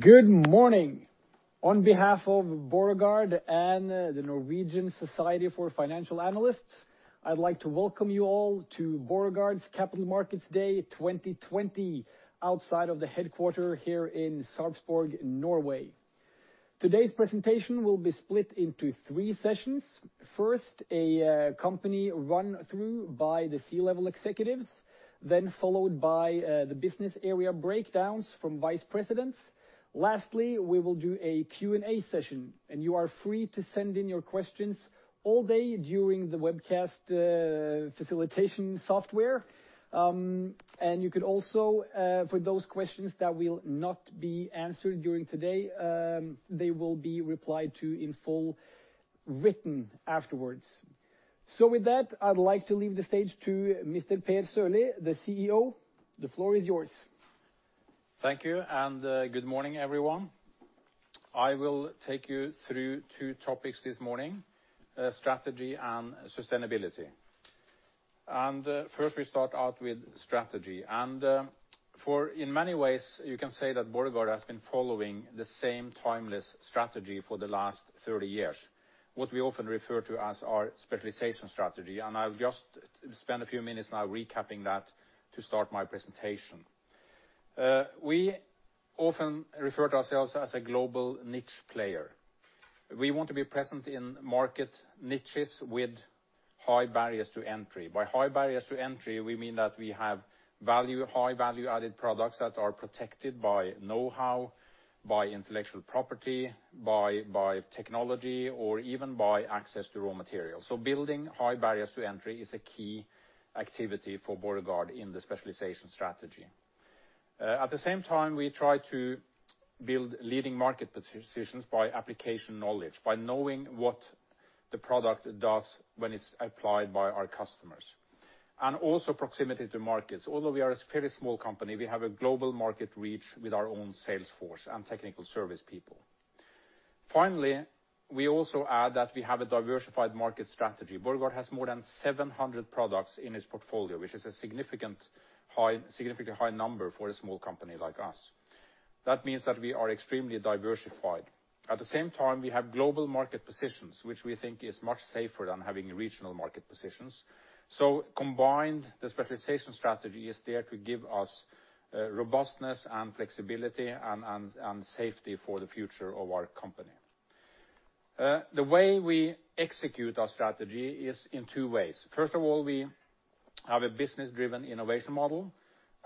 Good morning. On behalf of Borregaard and the Norwegian Society of Financial Analysts, I'd like to welcome you all to Borregaard's Capital Markets Day 2020, outside of the headquarter here in Sarpsborg, Norway. Today's presentation will be split into three sessions. First, a company run-through by the C-level Executives, then followed by the business area breakdowns from Vice Presidents. Lastly, we will do a Q&A session. You are free to send in your questions all day during the webcast facilitation software. You could also, for those questions that will not be answered during today, they will be replied to in full written afterwards. With that, I'd like to leave the stage to Mr. Per Sørlie, the CEO. The floor is yours. Thank you. Good morning, everyone. I will take you through two topics this morning, strategy and sustainability. First, we start out with strategy. In many ways, you can say that Borregaard has been following the same timeless strategy for the last 30 years, what we often refer to as our specialization strategy, and I'll just spend a few minutes now recapping that to start my presentation. We often refer to ourselves as a global niche player. We want to be present in market niches with high barriers to entry. By high barriers to entry, we mean that we have high value-added products that are protected by know-how, by intellectual property, by technology, or even by access to raw materials. Building high barriers to entry is a key activity for Borregaard in the specialization strategy. At the same time, we try to build leading market positions by application knowledge, by knowing what the product does when it's applied by our customers. Also proximity to markets. Although we are a fairly small company, we have a global market reach with our own sales force and technical service people. Finally, we also add that we have a diversified market strategy. Borregaard has more than 700 products in its portfolio, which is a significantly high number for a small company like us. That means that we are extremely diversified. At the same time, we have global market positions, which we think is much safer than having regional market positions. Combined, the specialization strategy is there to give us robustness and flexibility and safety for the future of our company. The way we execute our strategy is in two ways. First of all, we have a business-driven innovation model,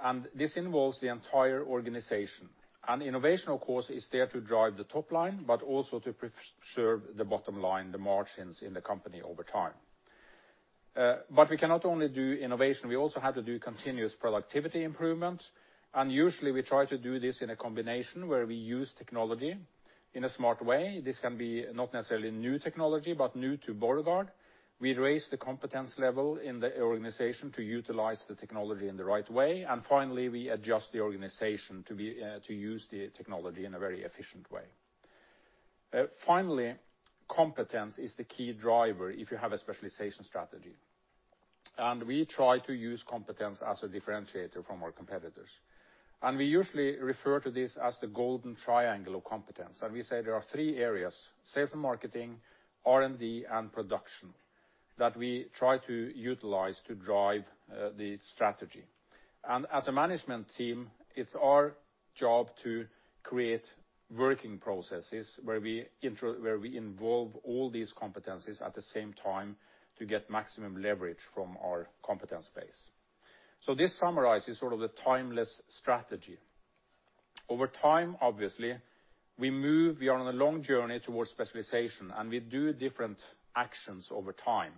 and this involves the entire organization. Innovation, of course, is there to drive the top line, but also to preserve the bottom line, the margins in the company over time. We cannot only do innovation, we also have to do continuous productivity improvement. Usually, we try to do this in a combination where we use technology in a smart way. This can be not necessarily new technology, but new to Borregaard. We raise the competence level in the organization to utilize the technology in the right way. Finally, we adjust the organization to use the technology in a very efficient way. Finally, competence is the key driver if you have a specialization strategy. We try to use competence as a differentiator from our competitors. We usually refer to this as the Golden Triangle of Competence. We say there are three areas, sales and marketing, R&D, and production, that we try to utilize to drive the strategy. As a management team, it's our job to create working processes where we involve all these competencies at the same time to get maximum leverage from our competence base. This summarizes sort of the timeless strategy. Over time, obviously, we move. We are on a long journey towards specialization, and we do different actions over time,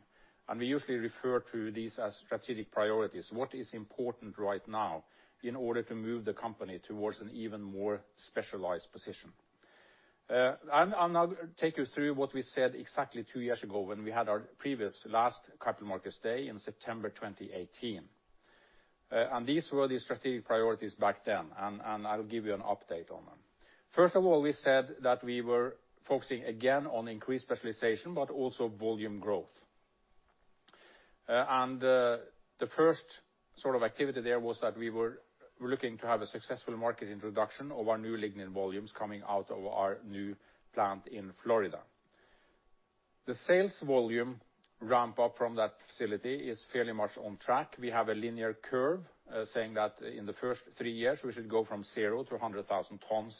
and we usually refer to these as strategic priorities. What is important right now in order to move the company towards an even more specialized position? I'll now take you through what we said exactly two years ago when we had our previous last Capital Markets Day in September 2018. These were the strategic priorities back then, and I'll give you an update on them. First of all, we said that we were focusing again on increased specialization, but also volume growth. The first sort of activity there was that we were looking to have a successful market introduction of our new lignin volumes coming out of our new plant in Florida. The sales volume ramp-up from that facility is fairly much on track. We have a linear curve saying that in the first three years, we should go from 0-100,000 tons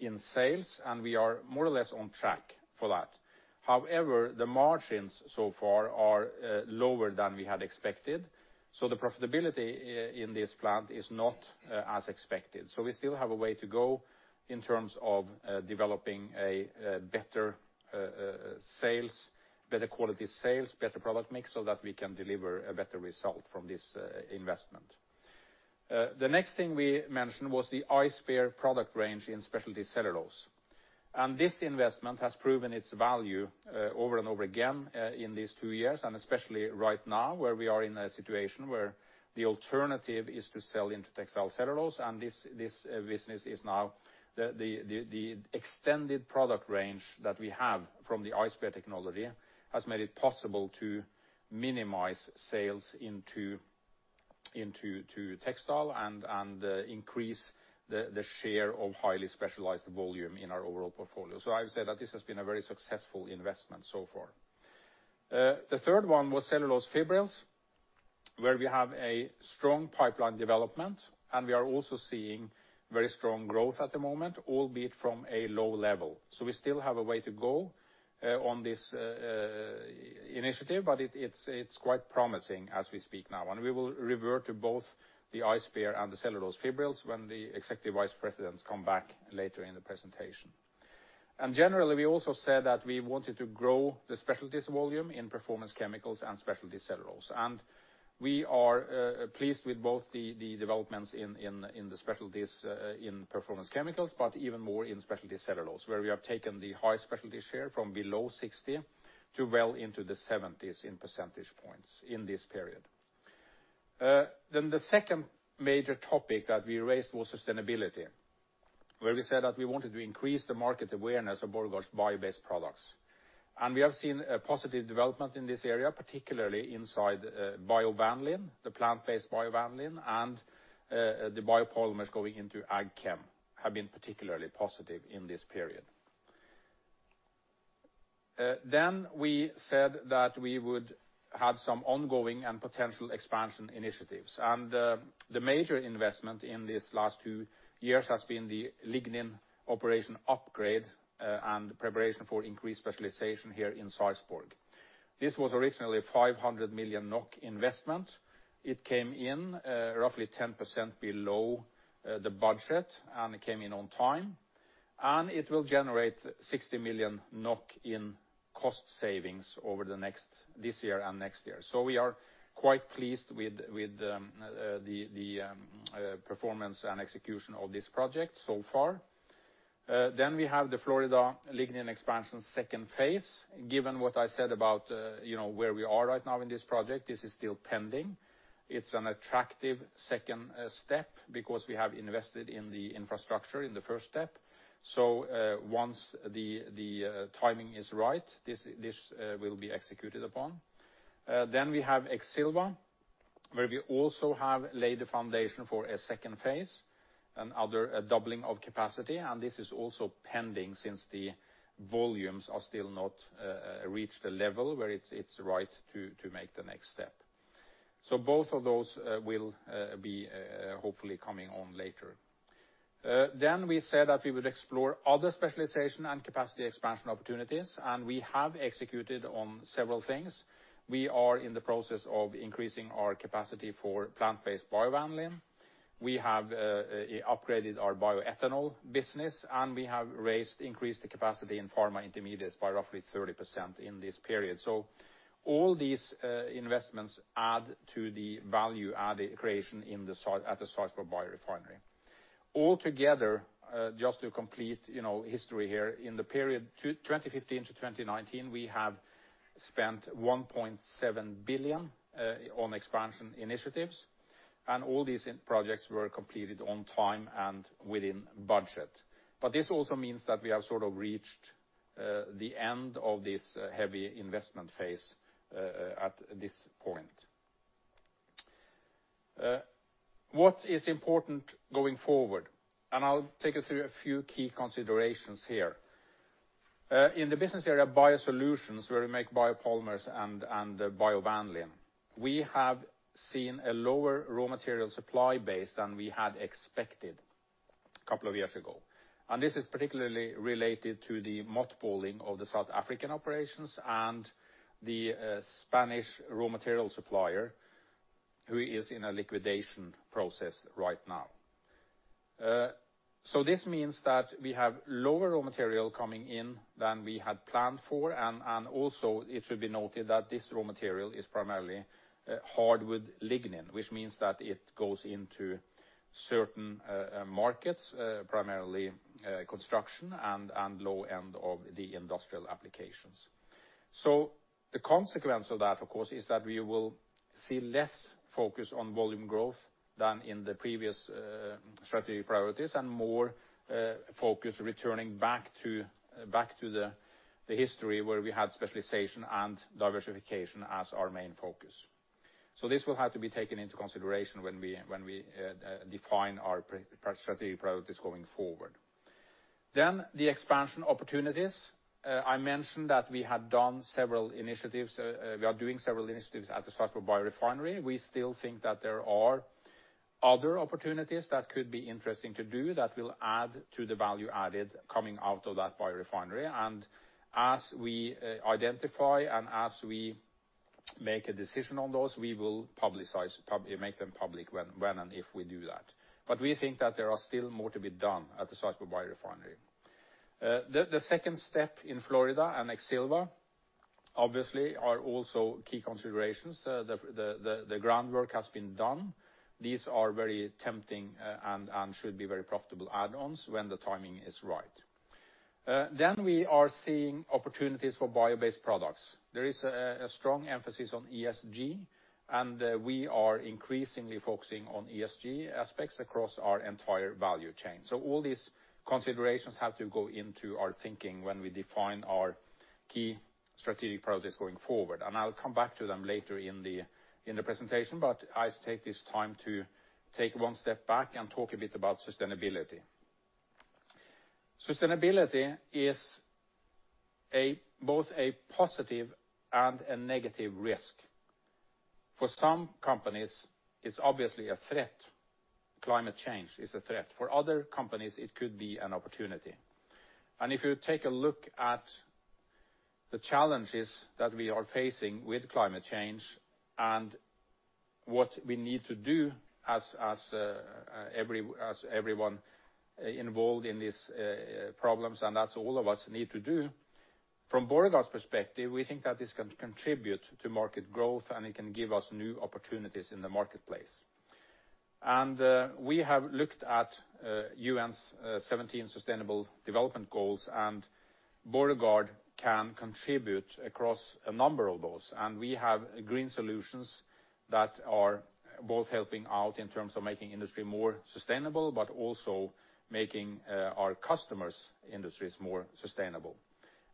in sales, and we are more or less on track for that. The margins so far are lower than we had expected, so the profitability in this plant is not as expected. We still have a way to go in terms of developing better quality sales, better product mix, so that we can deliver a better result from this investment. The next thing we mentioned was the Ice Bear product range in specialty cellulose. This investment has proven its value over and over again in these two years, and especially right now, where we are in a situation where the alternative is to sell into textile cellulose, and this business is now the extended product range that we have from the Ice Bear technology has made it possible to minimize sales into textile and increase the share of highly specialized volume in our overall portfolio. I would say that this has been a very successful investment so far. The third one was cellulose fibrils, where we have a strong pipeline development, and we are also seeing very strong growth at the moment, albeit from a low level. We still have a way to go on this initiative, but it's quite promising as we speak now. We will revert to both the Ice Bear and the cellulose fibrils when the executive vice presidents come back later in the presentation. Generally, we also said that we wanted to grow the specialties volume in performance chemicals and specialty cellulose. We are pleased with both the developments in the specialties in performance chemicals, but even more in specialty cellulose, where we have taken the high specialty share from below 60 to well into the 70s in percentage points in this period. The second major topic that we raised was sustainability, where we said that we wanted to increase the market awareness of Borregaard's bio-based products. We have seen a positive development in this area, particularly inside biovanillin, the plant-based biovanillin, and the biopolymers going into AgChem, have been particularly positive in this period. We said that we would have some ongoing and potential expansion initiatives. The major investment in these last two years has been the lignin operation upgrade, and preparation for increased specialization here in Sarpsborg. This was originally 500 million NOK investment. It came in roughly 10% below the budget, it came in on time. It will generate 60 million NOK in cost savings over this year and next year. We are quite pleased with the performance and execution of this project so far. We have the Florida lignin expansion second phase. Given what I said about where we are right now in this project, this is still pending. It's an attractive second step because we have invested in the infrastructure in the first step. Once the timing is right, this will be executed upon. We have Exilva, where we also have laid the foundation for a second phase, another doubling of capacity, and this is also pending since the volumes are still not reached a level where it's right to make the next step. Both of those will be hopefully coming on later. We said that we would explore other specialization and capacity expansion opportunities. We have executed on several things. We are in the process of increasing our capacity for plant-based biovanillin. We have upgraded our bioethanol business. We have increased the capacity in pharma intermediates by roughly 30% in this period. All these investments add to the value-added creation at the Sarpsborg biorefinery. All together, just to complete history here, in the period 2015-2019, we have spent 1.7 billion on expansion initiatives. All these projects were completed on time and within budget. This also means that we have sort of reached the end of this heavy investment phase at this point. What is important going forward, and I'll take you through a few key considerations here. In the business area, BioSolutions, where we make biopolymers and biovanillin, we have seen a lower raw material supply base than we had expected a couple of years ago. This is particularly related to the mothballing of the South African operations and the Spanish raw material supplier who is in a liquidation process right now. This means that we have lower raw material coming in than we had planned for, and also it should be noted that this raw material is primarily hardwood lignin, which means that it goes into certain markets, primarily construction and low end of the industrial applications. The consequence of that, of course, is that we will see less focus on volume growth than in the previous strategic priorities and more focus returning back to the history where we had specialization and diversification as our main focus. This will have to be taken into consideration when we define our strategic priorities going forward. The expansion opportunities. I mentioned that we have done several initiatives. We are doing several initiatives at the Sarpsborg biorefinery. We still think that there are other opportunities that could be interesting to do that will add to the value added coming out of that biorefinery. As we identify and as we make a decision on those, we will make them public when and if we do that. We think that there are still more to be done at the Sarpsborg biorefinery. The second step in Florida and Exilva obviously are also key considerations. The groundwork has been done. These are very tempting and should be very profitable add-ons when the timing is right. We are seeing opportunities for bio-based products. There is a strong emphasis on ESG, and we are increasingly focusing on ESG aspects across our entire value chain. All these considerations have to go into our thinking when we define our key strategic priorities going forward, and I'll come back to them later in the presentation. I take this time to take one step back and talk a bit about sustainability. Sustainability is both a positive and a negative risk. For some companies, it's obviously a threat. Climate change is a threat. For other companies, it could be an opportunity. If you take a look at the challenges that we are facing with climate change and what we need to do as everyone involved in these problems, and that's all of us need to do. From Borregaard's perspective, we think that this can contribute to market growth, and it can give us new opportunities in the marketplace. We have looked at UN's 17 Sustainable Development Goals, and Borregaard can contribute across a number of those. We have green solutions that are both helping out in terms of making industry more sustainable, but also making our customers' industries more sustainable.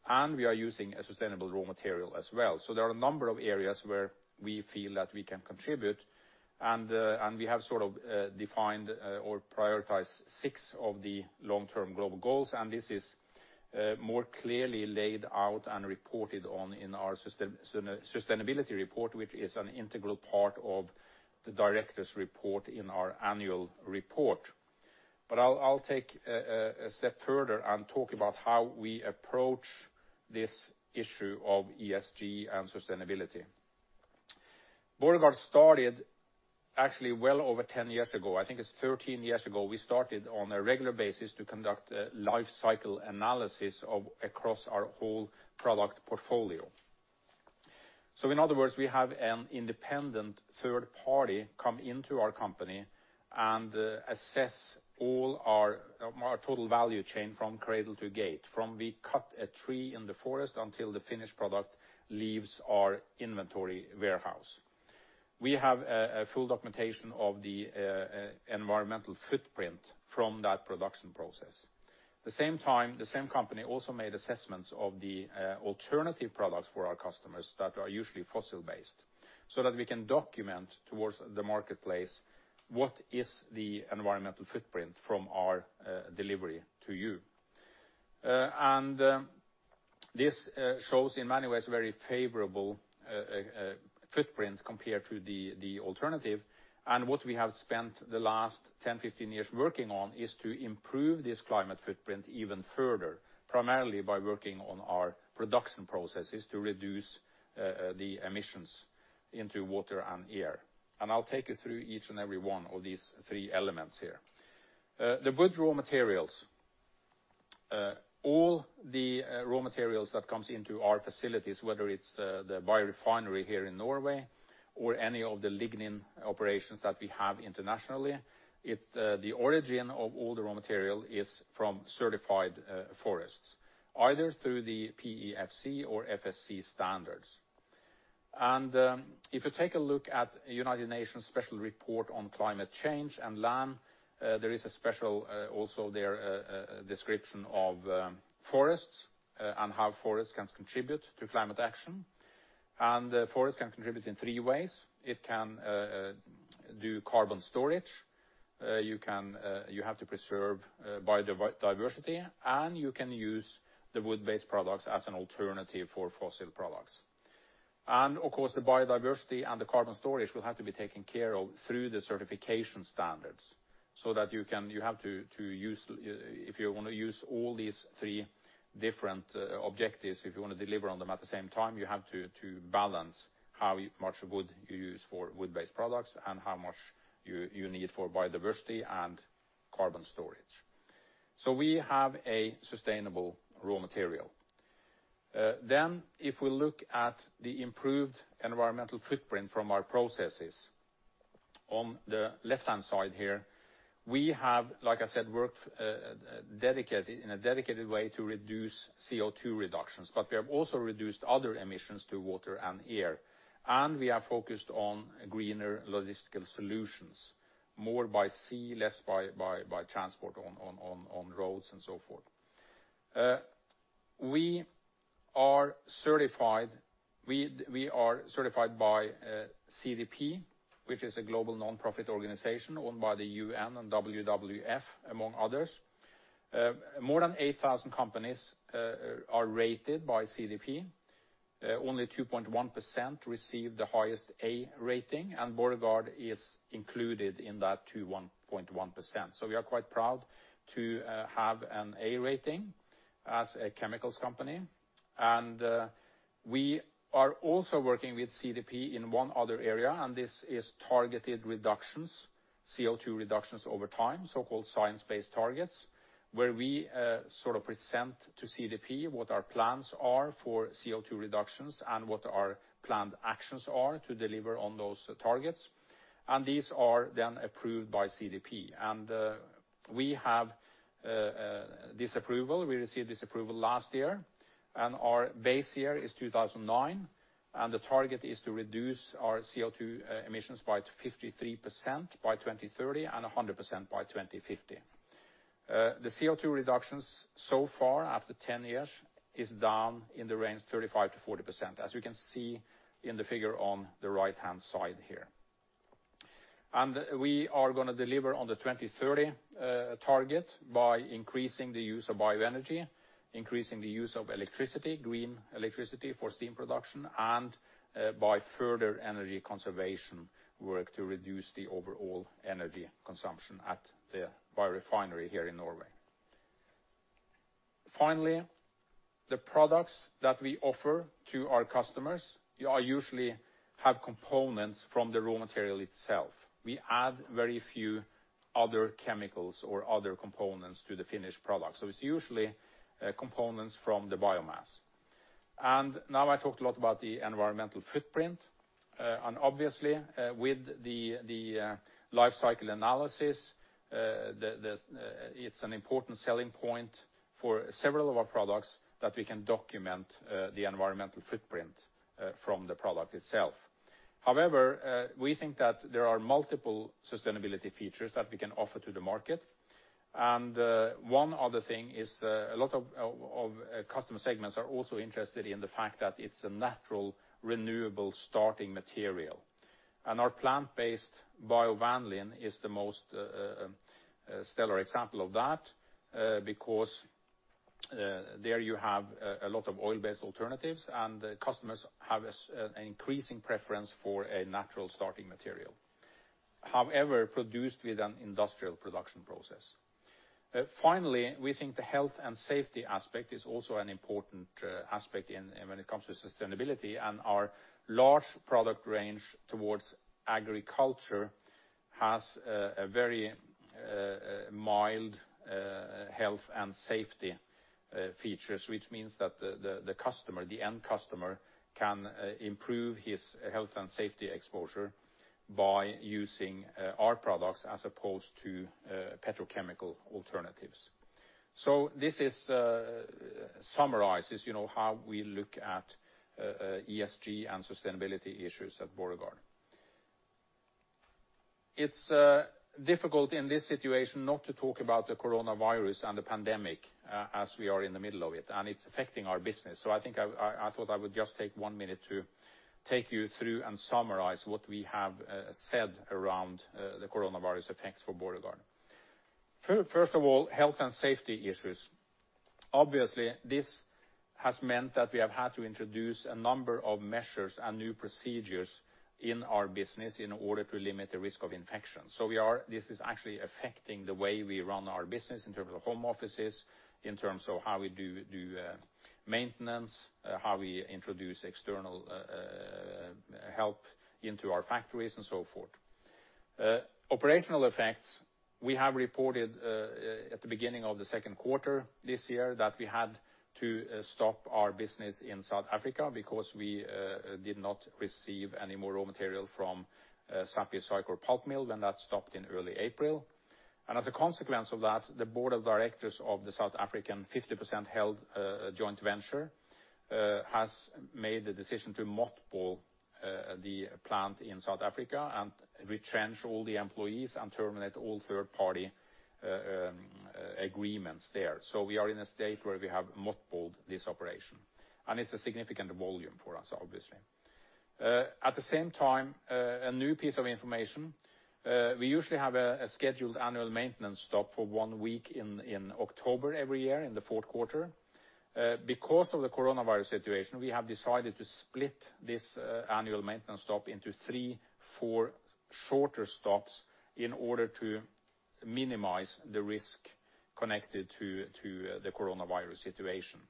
We are using a sustainable raw material as well. There are a number of areas where we feel that we can contribute, and we have sort of defined or prioritized six of the long-term global goals, and this is more clearly laid out and reported on in our sustainability report, which is an integral part of the director's report in our annual report. I'll take a step further and talk about how we approach this issue of ESG and sustainability. Borregaard started actually well over 10 years ago, I think it's 13 years ago, we started on a regular basis to conduct a life cycle analysis across our whole product portfolio. In other words, we have an independent third-party come into our company and assess all our total value chain from cradle to gate, from we cut a tree in the forest until the finished product leaves our inventory warehouse. We have a full documentation of the environmental footprint from that production process. At the same time, the same company also made assessments of the alternative products for our customers that are usually fossil-based, so that we can document towards the marketplace what is the environmental footprint from our delivery to you. This shows in many ways very favorable footprint compared to the alternative. What we have spent the last 10 years, 15 years working on is to improve this climate footprint even further, primarily by working on our production processes to reduce the emissions into water and air. I'll take you through each and every one of these three elements here. The wood raw materials. All the raw materials that comes into our facilities, whether it's the biorefinery here in Norway or any of the lignin operations that we have internationally, the origin of all the raw material is from certified forests, either through the PEFC or FSC standards. If you take a look at United Nations special report on climate change and land, there is a special also there description of forests, and how forests can contribute to climate action. Forests can contribute in three ways. It can do carbon storage, you have to preserve biodiversity, and you can use the wood-based products as an alternative for fossil products. Of course, the biodiversity and the carbon storage will have to be taken care of through the certification standards, so that you have to, if you want to use all these three different objectives, if you want to deliver on them at the same time, you have to balance how much wood you use for wood-based products, and how much you need for biodiversity and carbon storage. We have a sustainable raw material. If we look at the improved environmental footprint from our processes, on the left-hand side here, we have, like I said, worked in a dedicated way to reduce CO2 reductions, but we have also reduced other emissions to water and air. We are focused on greener logistical solutions, more by sea, less by transport on roads and so forth. We are certified by CDP, which is a global nonprofit organization owned by the UN and WWF, among others. More than 8,000 companies are rated by CDP. Only 2.1% receive the highest A rating. Borregaard is included in that 2.1%. We are quite proud to have an A rating as a chemicals company. We are also working with CDP in one other area, and this is targeted reductions, CO2 reductions over time, so-called Science-Based Targets, where we sort of present to CDP what our plans are for CO2 reductions and what our planned actions are to deliver on those targets. These are then approved by CDP. We have this approval. We received this approval last year, and our base year is 2009, and the target is to reduce our CO2 emissions by 53% by 2030 and 100% by 2050. The CO2 reductions so far after 10 years is down in the range 35%-40%, as you can see in the figure on the right-hand side here. We are going to deliver on the 2030 target by increasing the use of bioenergy, increasing the use of green electricity for steam production, and by further energy conservation work to reduce the overall energy consumption at the biorefinery here in Norway. Finally, the products that we offer to our customers usually have components from the raw material itself. We add very few other chemicals or other components to the finished product. It's usually components from the biomass. Now I talked a lot about the environmental footprint. Obviously, with the life cycle analysis, it's an important selling point for several of our products that we can document the environmental footprint from the product itself. However, we think that there are multiple sustainability features that we can offer to the market. One other thing is a lot of customer segments are also interested in the fact that it's a natural, renewable starting material. Our plant-based biovanillin is the most stellar example of that, because there you have a lot of oil-based alternatives, and the customers have an increasing preference for a natural starting material, however, produced with an industrial production process. Finally, we think the health and safety aspect is also an important aspect when it comes to sustainability. Our large product range towards agriculture has a very mild health and safety features, which means that the end customer can improve his health and safety exposure by using our products as opposed to petrochemical alternatives. This summarizes how we look at ESG and sustainability issues at Borregaard. It's difficult in this situation not to talk about the coronavirus and the pandemic as we are in the middle of it, and it's affecting our business. I thought I would just take one minute to take you through and summarize what we have said around the coronavirus effects for Borregaard. First of all, health and safety issues. Obviously, this has meant that we have had to introduce a number of measures and new procedures in our business in order to limit the risk of infection. This is actually affecting the way we run our business in terms of home offices, in terms of how we do maintenance, how we introduce external help into our factories and so forth. Operational effects. We have reported at the beginning of the second quarter this year that we had to stop our business in South Africa because we did not receive any more raw material from Sappi Saiccor pulp mill when that stopped in early April. As a consequence of that, the board of directors of the South African 50% held joint venture has made the decision to mothball the plant in South Africa and retrench all the employees and terminate all third-party agreements there. We are in a state where we have mothballed this operation, and it's a significant volume for us, obviously. At the same time, a new piece of information, we usually have a scheduled annual maintenance stop for one week in October every year in the fourth quarter. Because of the coronavirus situation, we have decided to split this annual maintenance stop into three, four shorter stops in order to minimize the risk connected to the coronavirus situation.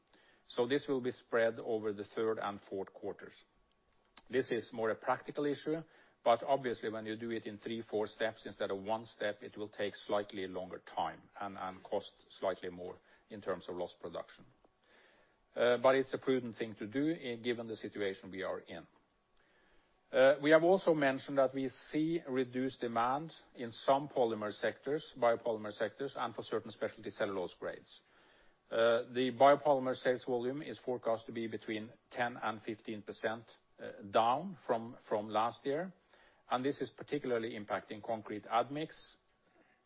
This will be spread over the third and fourth quarters. This is more a practical issue, obviously, when you do it in three, four steps instead of one step, it will take slightly longer time and cost slightly more in terms of lost production. It's a prudent thing to do given the situation we are in. We have also mentioned that we see reduced demand in some biopolymer sectors and for certain specialty cellulose grades. The biopolymer sales volume is forecast to be between 10% and 15% down from last year. This is particularly impacting concrete admix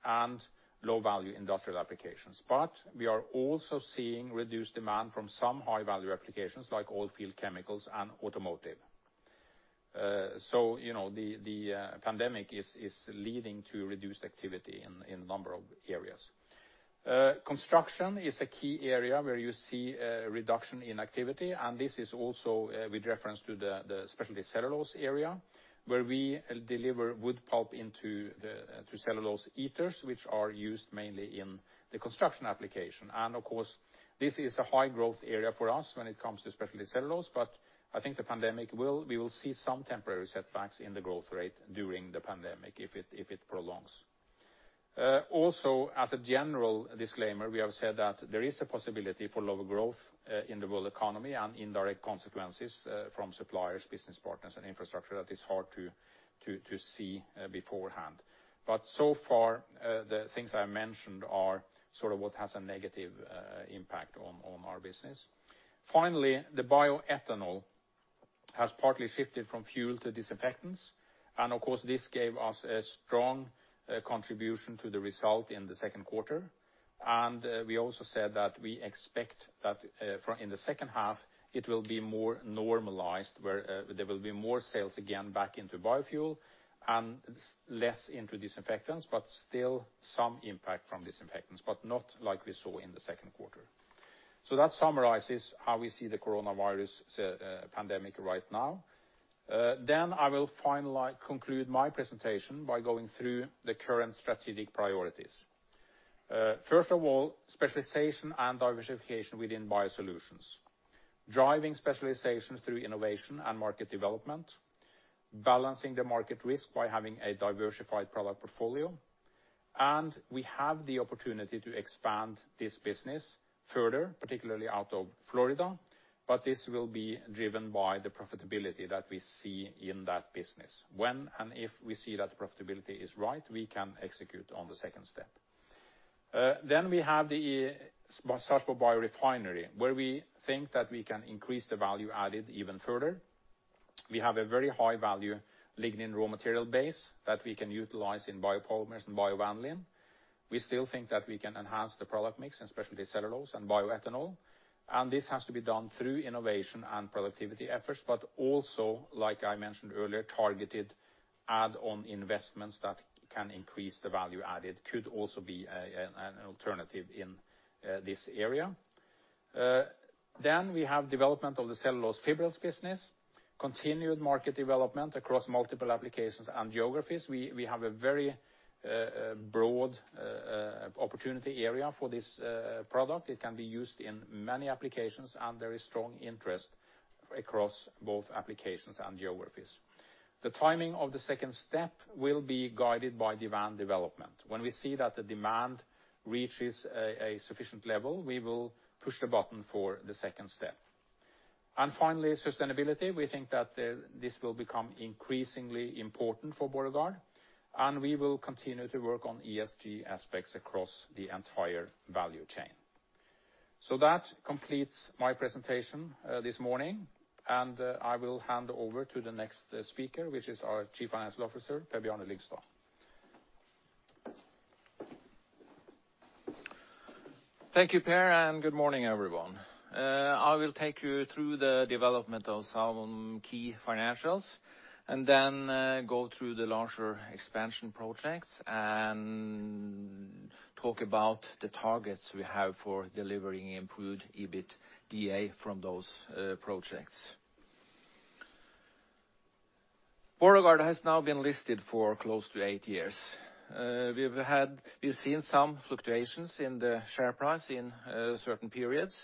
and low-value industrial applications. We are also seeing reduced demand from some high-value applications like oil field chemicals and automotive. The pandemic is leading to reduced activity in a number of areas. Construction is a key area where you see a reduction in activity. This is also with reference to the specialty cellulose area, where we deliver wood pulp into cellulose ethers, which are used mainly in the construction application. Of course, this is a high-growth area for us when it comes to specialty cellulose. I think we will see some temporary setbacks in the growth rate during the pandemic if it prolongs. As a general disclaimer, we have said that there is a possibility for lower growth in the world economy and indirect consequences from suppliers, business partners, and infrastructure that is hard to see beforehand. So far, the things I mentioned are sort of what has a negative impact on our business. Finally, the bioethanol has partly shifted from fuel to disinfectants. Of course, this gave us a strong contribution to the result in the second quarter. We also said that we expect that in the second half, it will be more normalized, where there will be more sales again back into biofuel and less into disinfectants, but still some impact from disinfectants, but not like we saw in the second quarter. That summarizes how we see the coronavirus pandemic right now. I will conclude my presentation by going through the current strategic priorities. Specialization and diversification within BioSolutions, driving specialization through innovation and market development, balancing the market risk by having a diversified product portfolio. We have the opportunity to expand this business further, particularly out of Florida, but this will be driven by the profitability that we see in that business. When and if we see that profitability is right, we can execute on the second step. We have the Sarpsborg biorefinery, where we think that we can increase the value added even further. We have a very high value lignin raw material base that we can utilize in biopolymers and biovanillin. We still think that we can enhance the product mix, especially cellulose and bioethanol. This has to be done through innovation and productivity efforts, but also, like I mentioned earlier, targeted add-on investments that can increase the value added could also be an alternative in this area. We have development of the cellulose fibrils business, continued market development across multiple applications and geographies. We have a very broad opportunity area for this product. It can be used in many applications, and there is strong interest across both applications and geographies. The timing of the second step will be guided by demand development. When we see that the demand reaches a sufficient level, we will push the button for the second step. Finally, sustainability. We think that this will become increasingly important for Borregaard, and we will continue to work on ESG aspects across the entire value chain. That completes my presentation this morning, and I will hand over to the next speaker, which is our Chief Financial Officer, Per Bjarne Lyngstad. Thank you, Per. Good morning, everyone. I will take you through the development of some key financials, then go through the larger expansion projects, talk about the targets we have for delivering improved EBITDA from those projects. Borregaard has now been listed for close to eight years. We've seen some fluctuations in the share price in certain periods.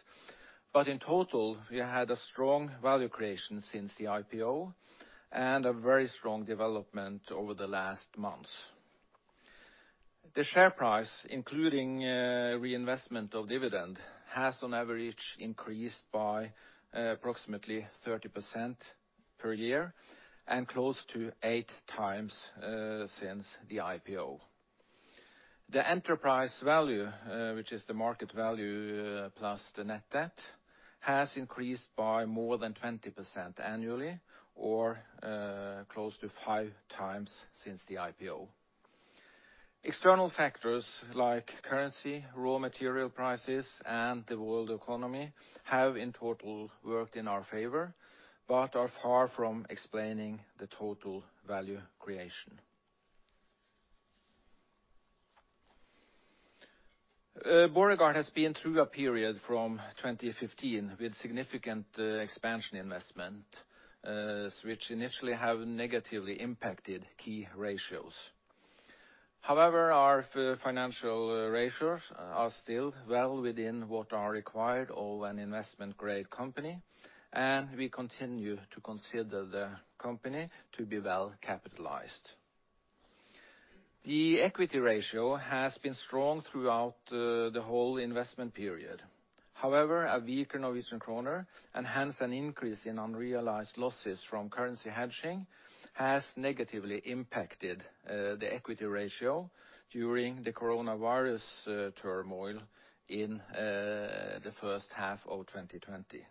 In total, we had a strong value creation since the IPO, a very strong development over the last months. The share price, including reinvestment of dividend, has on average increased by approximately 30% per year and close to 8x since the IPO. The enterprise value, which is the market value plus the net debt, has increased by more than 20% annually, or close to 5x since the IPO. External factors like currency, raw material prices, and the world economy have in total worked in our favor, but are far from explaining the total value creation. Borregaard has been through a period from 2015 with significant expansion investments, which initially have negatively impacted key ratios. However, our financial ratios are still well within what are required of an investment-grade company, and we continue to consider the company to be well capitalized. The equity ratio has been strong throughout the whole investment period. However, a weaker Norwegian kroner, and hence an increase in unrealized losses from currency hedging, has negatively impacted the equity ratio during the coronavirus turmoil in the first half of 2020.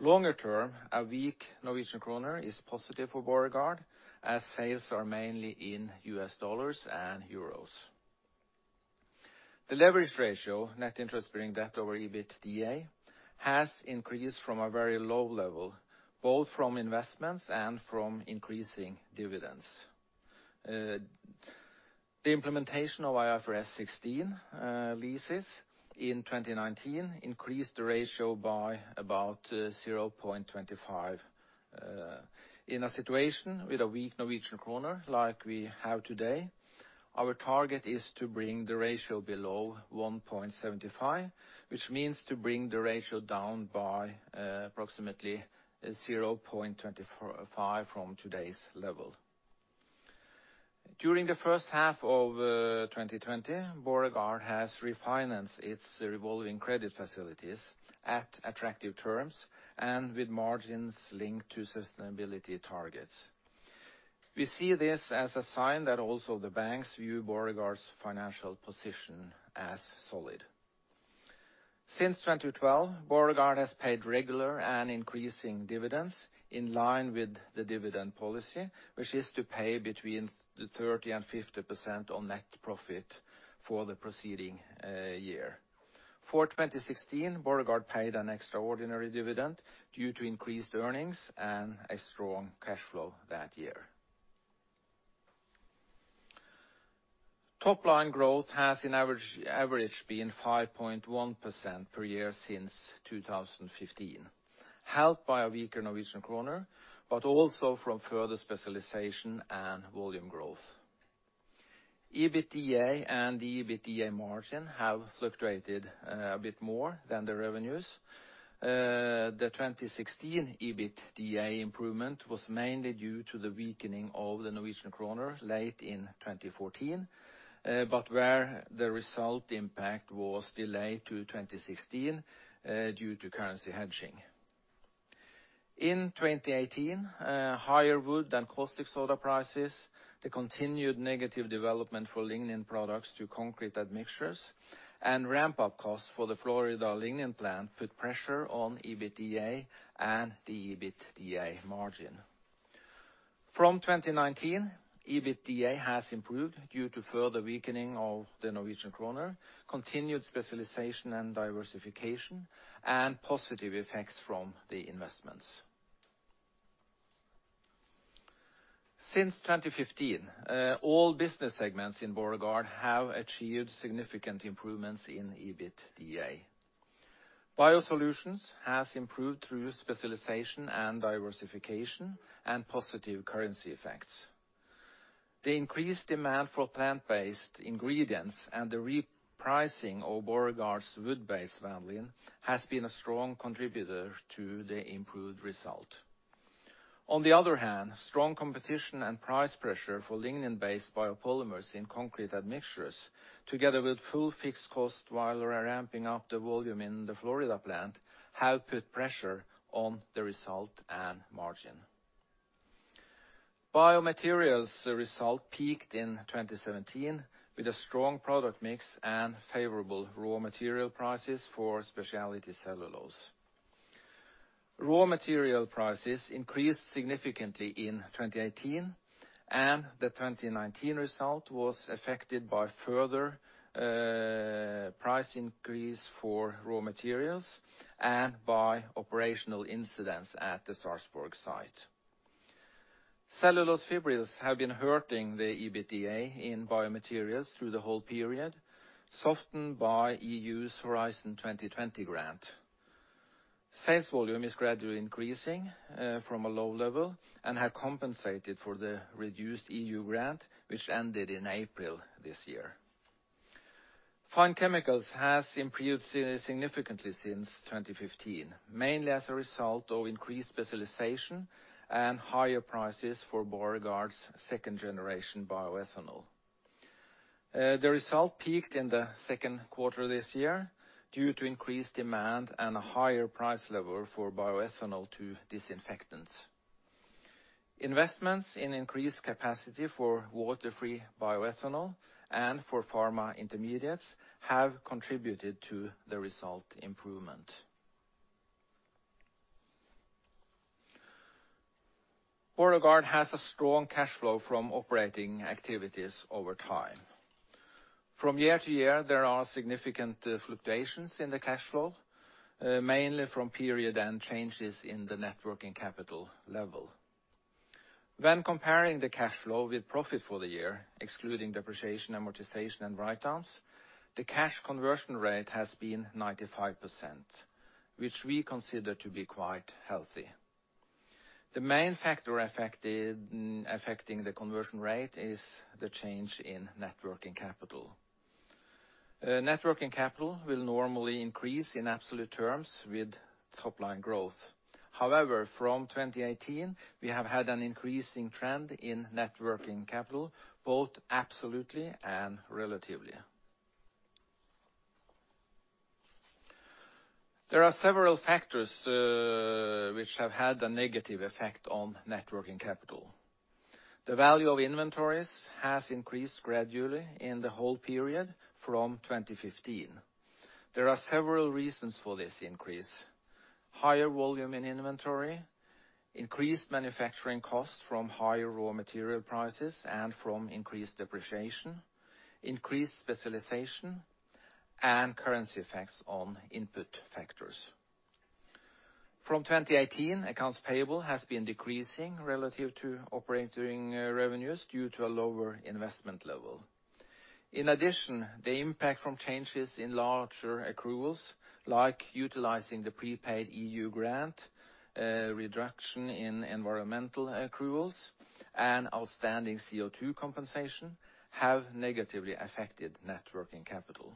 Longer term, a weak Norwegian kroner is positive for Borregaard, as sales are mainly in US dollars and euros. The leverage ratio, net interest-bearing debt over EBITDA, has increased from a very low level, both from investments and from increasing dividends. The implementation of IFRS 16 leases in 2019 increased the ratio by about 0.25%. In a situation with a weak Norwegian kroner like we have today, our target is to bring the ratio below 1.75%, which means to bring the ratio down by approximately 0.25% from today's level. During the first half of 2020, Borregaard has refinanced its revolving credit facilities at attractive terms and with margins linked to sustainability targets. We see this as a sign that also the banks view Borregaard's financial position as solid. Since 2012, Borregaard has paid regular and increasing dividends in line with the dividend policy, which is to pay between the 30% and 50% on net profit for the preceding year. For 2016, Borregaard paid an extraordinary dividend due to increased earnings and a strong cash flow that year. Top line growth has on average been 5.1% per year since 2015, helped by a weaker Norwegian kroner, but also from further specialization and volume growth. EBITDA and the EBITDA margin have fluctuated a bit more than the revenues. The 2016 EBITDA improvement was mainly due to the weakening of the Norwegian kroner late in 2014, but where the result impact was delayed to 2016 due to currency hedging. In 2018, higher wood and caustic soda prices, the continued negative development for lignin products to concrete admixtures, and ramp-up costs for the Florida lignin plant put pressure on EBITDA and the EBITDA margin. From 2019, EBITDA has improved due to further weakening of the Norwegian kroner, continued specialization and diversification, and positive effects from the investments. Since 2015, all business segments in Borregaard have achieved significant improvements in EBITDA. BioSolutions has improved through specialization and diversification, and positive currency effects. The increased demand for plant-based ingredients and the repricing of Borregaard's wood-based vanillin has been a strong contributor to the improved result. Strong competition and price pressure for lignin-based biopolymers in concrete admixtures, together with full fixed cost while ramping up the volume in the Florida plant, have put pressure on the result and margin. BioMaterials' results peaked in 2017 with a strong product mix and favorable raw material prices for specialty cellulose. Raw material prices increased significantly in 2018, and the 2019 result was affected by further price increase for raw materials and by operational incidents at the Sarpsborg site. Cellulose fibrils have been hurting the EBITDA in BioMaterials through the whole period, softened by EU's Horizon 2020 grant. Sales volume is gradually increasing from a low level and have compensated for the reduced EU grant, which ended in April this year. Fine Chemicals has improved significantly since 2015, mainly as a result of increased specialization and higher prices for Borregaard's second-generation bioethanol. The result peaked in the second quarter of this year due to increased demand and a higher price level for bioethanol to disinfectants. Investments in increased capacity for water-free bioethanol and for pharma intermediates have contributed to the result improvement. Borregaard has a strong cash flow from operating activities over time. From year to year, there are significant fluctuations in the cash flow, mainly from period end changes in the net working capital level. When comparing the cash flow with profit for the year, excluding depreciation, amortization, and write-downs, the cash conversion rate has been 95%, which we consider to be quite healthy. The main factor affecting the conversion rate is the change in net working capital. Net working capital will normally increase in absolute terms with top-line growth. However, from 2018, we have had an increasing trend in net working capital, both absolutely and relatively. There are several factors which have had a negative effect on net working capital. The value of inventories has increased gradually in the whole period from 2015. There are several reasons for this increase. Higher volume in inventory, increased manufacturing costs from higher raw material prices and from increased depreciation, increased specialization, and currency effects on input factors. From 2018, accounts payable has been decreasing relative to operating revenues due to a lower investment level. In addition, the impact from changes in larger accruals, like utilizing the prepaid EU grant, reduction in environmental accruals, and outstanding CO2 compensation have negatively affected net working capital.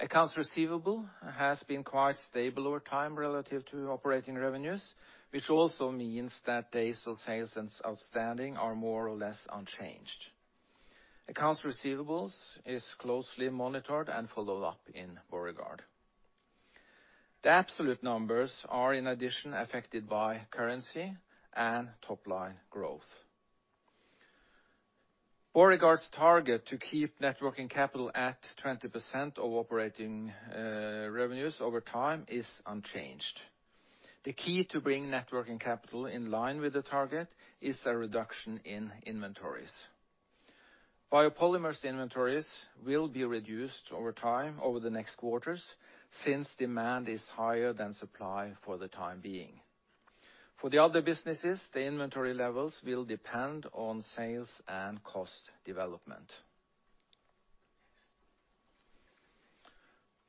Accounts receivable has been quite stable over time relative to operating revenues, which also means that days of sales outstanding are more or less unchanged. Accounts receivables is closely monitored and followed up in Borregaard. The absolute numbers are in addition affected by currency and top-line growth. Borregaard's target to keep net working capital at 20% of operating revenues over time is unchanged. The key to bring net working capital in line with the target is a reduction in inventories. Biopolymers inventories will be reduced over time over the next quarters, since demand is higher than supply for the time being. For the other businesses, the inventory levels will depend on sales and cost development.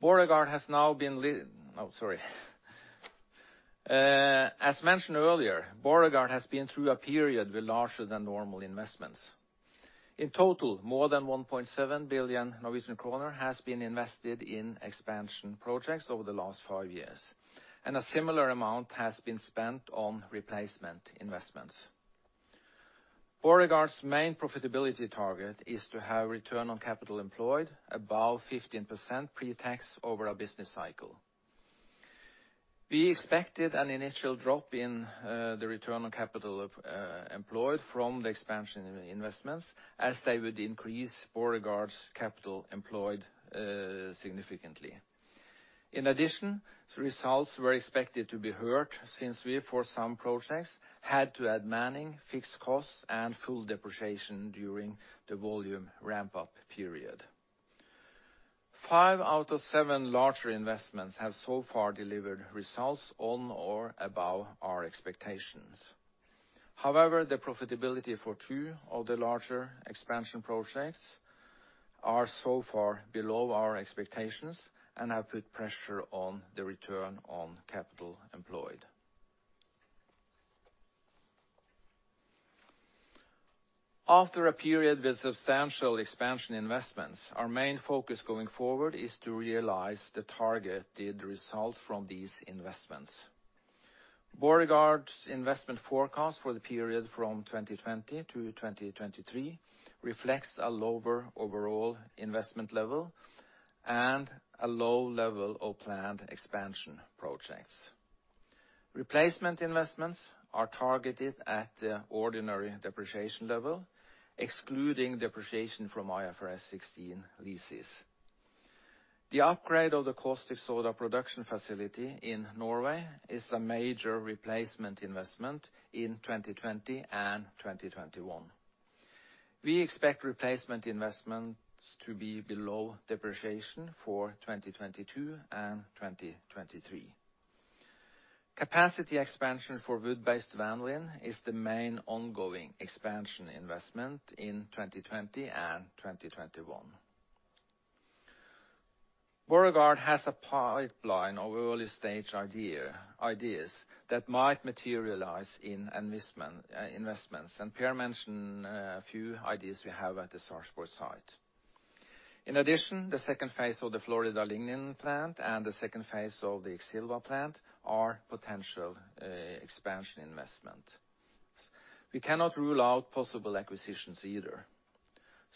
As mentioned earlier, Borregaard has been through a period with larger-than-normal investments. In total, more than 1.7 billion Norwegian kroner has been invested in expansion projects over the last five years, and a similar amount has been spent on replacement investments. Borregaard's main profitability target is to have return on capital employed above 15% pre-tax over our business cycle. We expected an initial drop in the return on capital employed from the expansion investments as they would increase Borregaard's capital employed significantly. In addition, the results were expected to be hurt since we, for some projects, had to add manning, fixed costs, and full depreciation during the volume ramp-up period. Five out of seven larger investments have so far delivered results on or above our expectations. However, the profitability for two of the larger expansion projects are so far below our expectations and have put pressure on the return on capital employed. After a period with substantial expansion investments, our main focus going forward is to realize the targeted results from these investments. Borregaard's investment forecast for the period from 2020-2023 reflects a lower overall investment level and a low level of planned expansion projects. Replacement investments are targeted at the ordinary depreciation level, excluding depreciation from IFRS 16 leases. The upgrade of the caustic soda production facility in Norway is a major replacement investment in 2020 and 2021. We expect replacement investments to be below depreciation for 2022 and 2023. Capacity expansion for wood-based vanillin is the main ongoing expansion investment in 2020 and 2021. Borregaard has a pipeline of early-stage ideas that might materialize in investments, and Per mentioned a few ideas we have at the Sarpsborg site. The second phase of the Florida lignin plant and the second phase of the Exilva plant are potential expansion investments. We cannot rule out possible acquisitions either.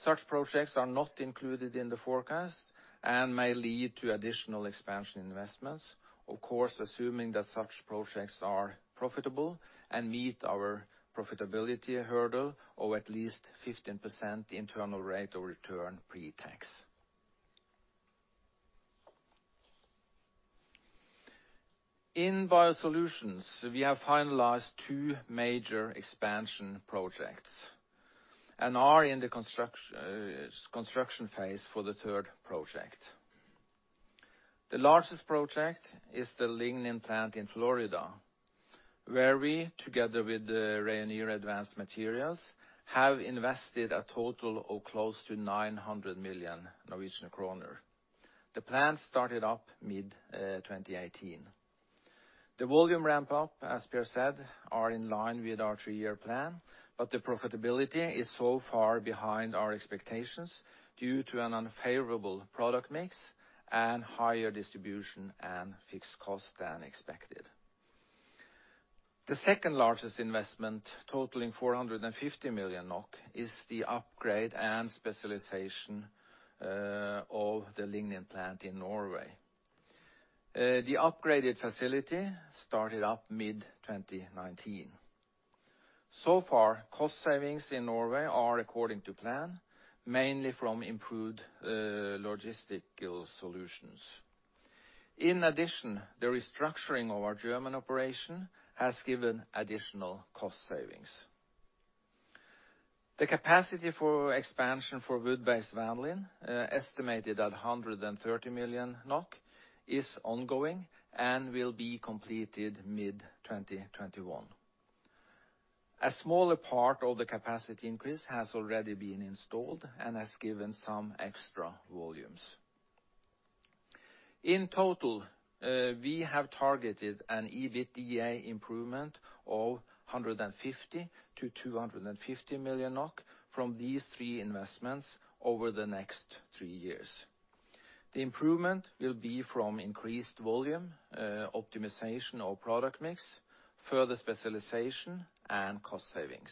Such projects are not included in the forecast and may lead to additional expansion investments, of course, assuming that such projects are profitable and meet our profitability hurdle of at least 15% internal rate of return pre-tax. In BioSolutions, we have finalized two major expansion projects and are in the construction phase for the third project. The largest project is the lignin plant in Florida, where we, together with the Rayonier Advanced Materials, have invested a total of close to 900 million Norwegian kroner. The plant started up mid-2018. The volume ramp-up, as Per said, are in line with our three-year plan, but the profitability is so far behind our expectations due to an unfavorable product mix and higher distribution and fixed cost than expected. The second largest investment, totaling 450 million NOK, is the upgrade and specialization of the lignin plant in Norway. The upgraded facility started up mid-2019. So far, cost savings in Norway are according to plan, mainly from improved logistical solutions. In addition, the restructuring of our German operation has given additional cost savings. The capacity for expansion for wood-based biovanillin, estimated at 130 million NOK, is ongoing and will be completed mid-2021. A smaller part of the capacity increase has already been installed and has given some extra volumes. In total, we have targeted an EBITDA improvement of 150 million-250 million NOK from these three investments over the next three years. The improvement will be from increased volume, optimization of product mix, further specialization, and cost savings.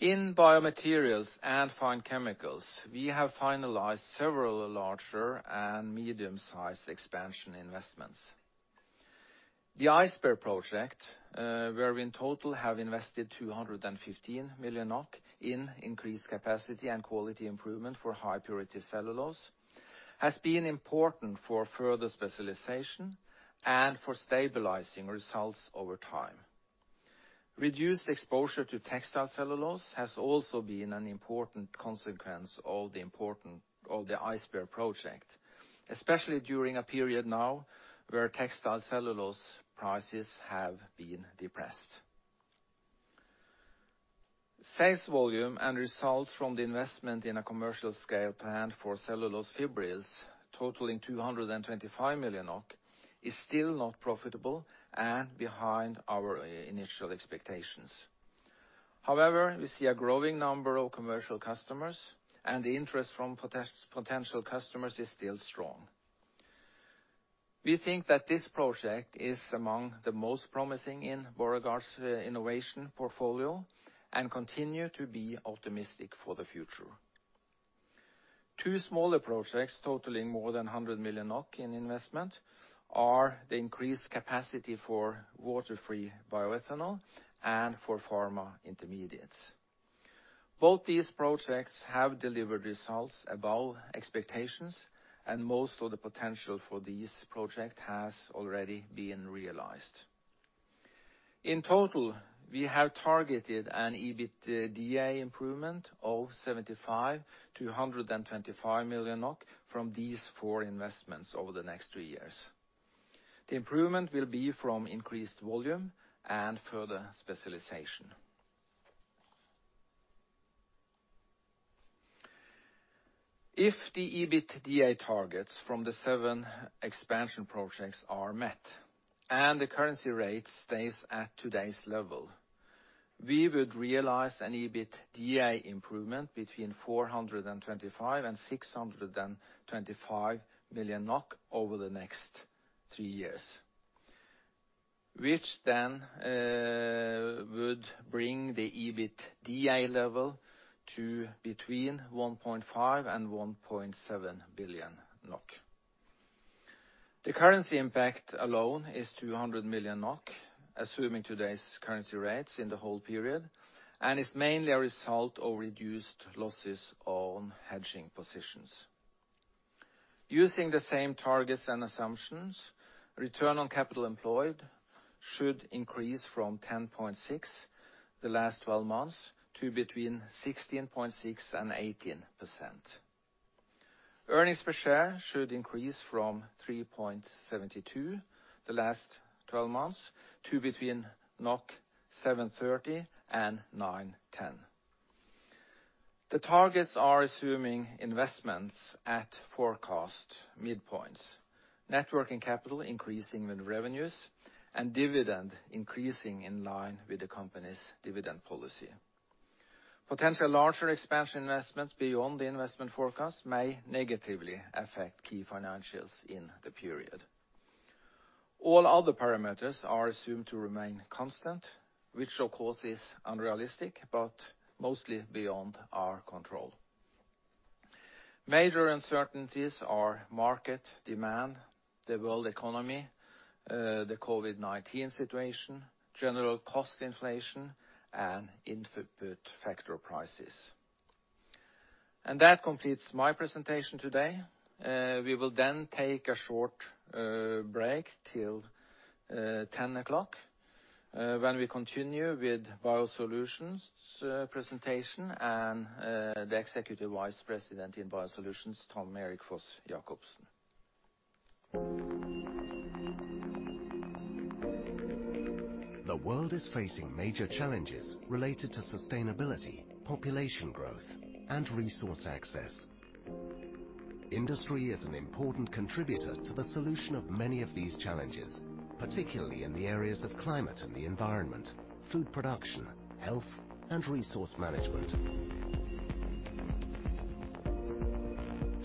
In BioMaterials and Fine Chemicals, we have finalized several larger and medium-sized expansion investments. The Ice Bear project, where we in total have invested 215 million NOK in increased capacity and quality improvement for high-purity cellulose, has been important for further specialization and for stabilizing results over time. Reduced exposure to textile cellulose has also been an important consequence of the Ice Bear project, especially during a period now where textile cellulose prices have been depressed. Sales volume and results from the investment in a commercial-scale plant for cellulose fibrils totaling 225 million is still not profitable and behind our initial expectations. However, we see a growing number of commercial customers, and the interest from potential customers is still strong. We think that this project is among the most promising in Borregaard's innovation portfolio and continue to be optimistic for the future. Two smaller projects totaling more than 100 million NOK in investment are the increased capacity for water-free bioethanol and for pharma intermediates. Both these projects have delivered results above expectations, and most of the potential for these project has already been realized. In total, we have targeted an EBITDA improvement of 75 million-125 million NOK from these four investments over the next three years. The improvement will be from increased volume and further specialization. If the EBITDA targets from the seven expansion projects are met and the currency rate stays at today's level, we would realize an EBITDA improvement between 425 million and 625 million NOK over the next three years, which then would bring the EBITDA level to between 1.5 billion and 1.7 billion NOK. The currency impact alone is 200 million NOK, assuming today's currency rates in the whole period, and is mainly a result of reduced losses on hedging positions. Using the same targets and assumptions, return on capital employed should increase from 10.6% the last 12 months to between 16.6% and 18%. Earnings per share should increase from 3.72 the last 12 months to between 7.30 and 9.10. The targets are assuming investments at forecast midpoints, net working capital increasing with revenues, and dividend increasing in line with the company's dividend policy. Potential larger expansion investments beyond the investment forecast may negatively affect key financials in the period. All other parameters are assumed to remain constant, which of course, is unrealistic, but mostly beyond our control. Major uncertainties are market demand, the world economy, the COVID-19 situation, general cost inflation, and input factor prices. That completes my presentation today. We will then take a short break till 10:00 A.M., when we continue with BioSolutions presentation and the Executive Vice President in BioSolutions, Tom Erik Foss-Jacobsen. The world is facing major challenges related to sustainability, population growth, and resource access. Industry is an important contributor to the solution of many of these challenges, particularly in the areas of climate and the environment, food production, health, and resource management.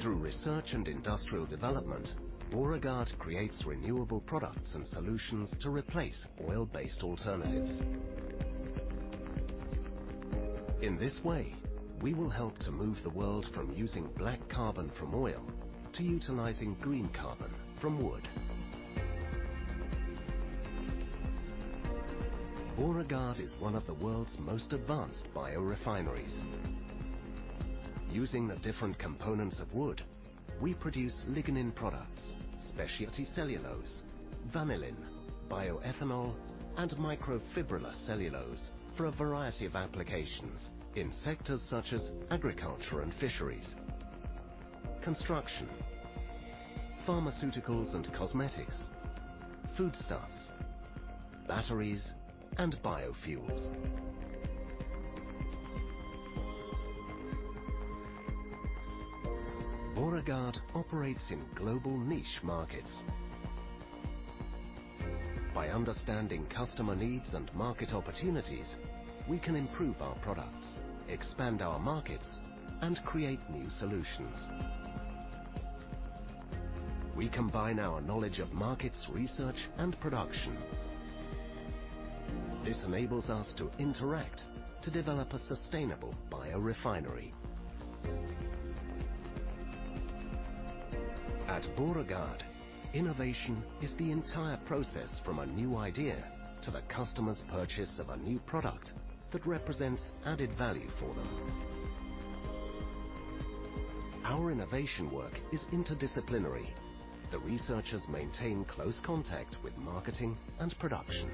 Through research and industrial development, Borregaard creates renewable products and solutions to replace oil-based alternatives. In this way, we will help to move the world from using black carbon from oil to utilizing green carbon from wood. Borregaard is one of the world's most advanced biorefineries. Using the different components of wood, we produce lignin products, specialty cellulose, biovanillin, bioethanol, and microfibrillated cellulose for a variety of applications in sectors such as agriculture and fisheries, construction, pharmaceuticals and cosmetics, foodstuffs, batteries, and biofuels. Borregaard operates in global niche markets. By understanding customer needs and market opportunities, we can improve our products, expand our markets, and create new solutions. We combine our knowledge of markets, research, and production. This enables us to interact to develop a sustainable biorefinery. At Borregaard, innovation is the entire process from a new idea to the customer's purchase of a new product that represents added value for them. Our innovation work is interdisciplinary. The researchers maintain close contact with marketing and production.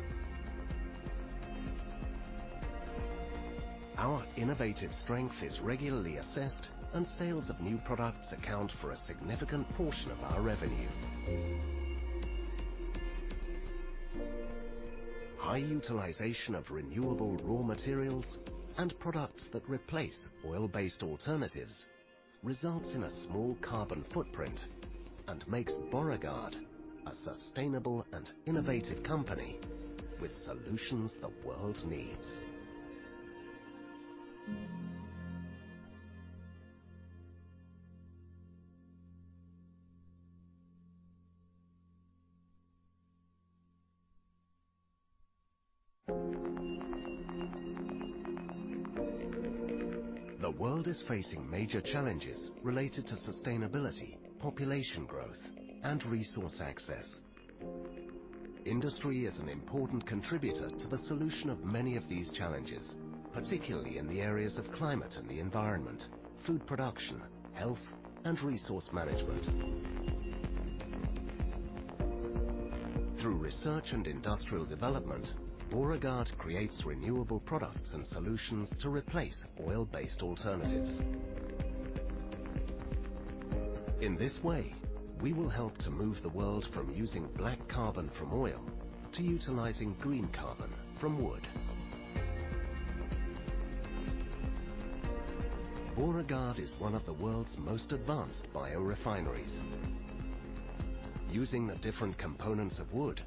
Our innovative strength is regularly assessed, and sales of new products account for a significant portion of our revenue. High utilization of renewable raw materials and products that replace oil-based alternatives results in a small carbon footprint and makes Borregaard a sustainable and innovative company with solutions the world needs. The world is facing major challenges related to sustainability, population growth, and resource access. Industry is an important contributor to the solution of many of these challenges, particularly in the areas of climate and the environment, food production, health, and resource management. Through research and industrial development, Borregaard creates renewable products and solutions to replace oil-based alternatives. In this way, we will help to move the world from using black carbon from oil to utilizing green carbon from wood. Borregaard is one of the world's most advanced biorefineries. Using the different components of wood,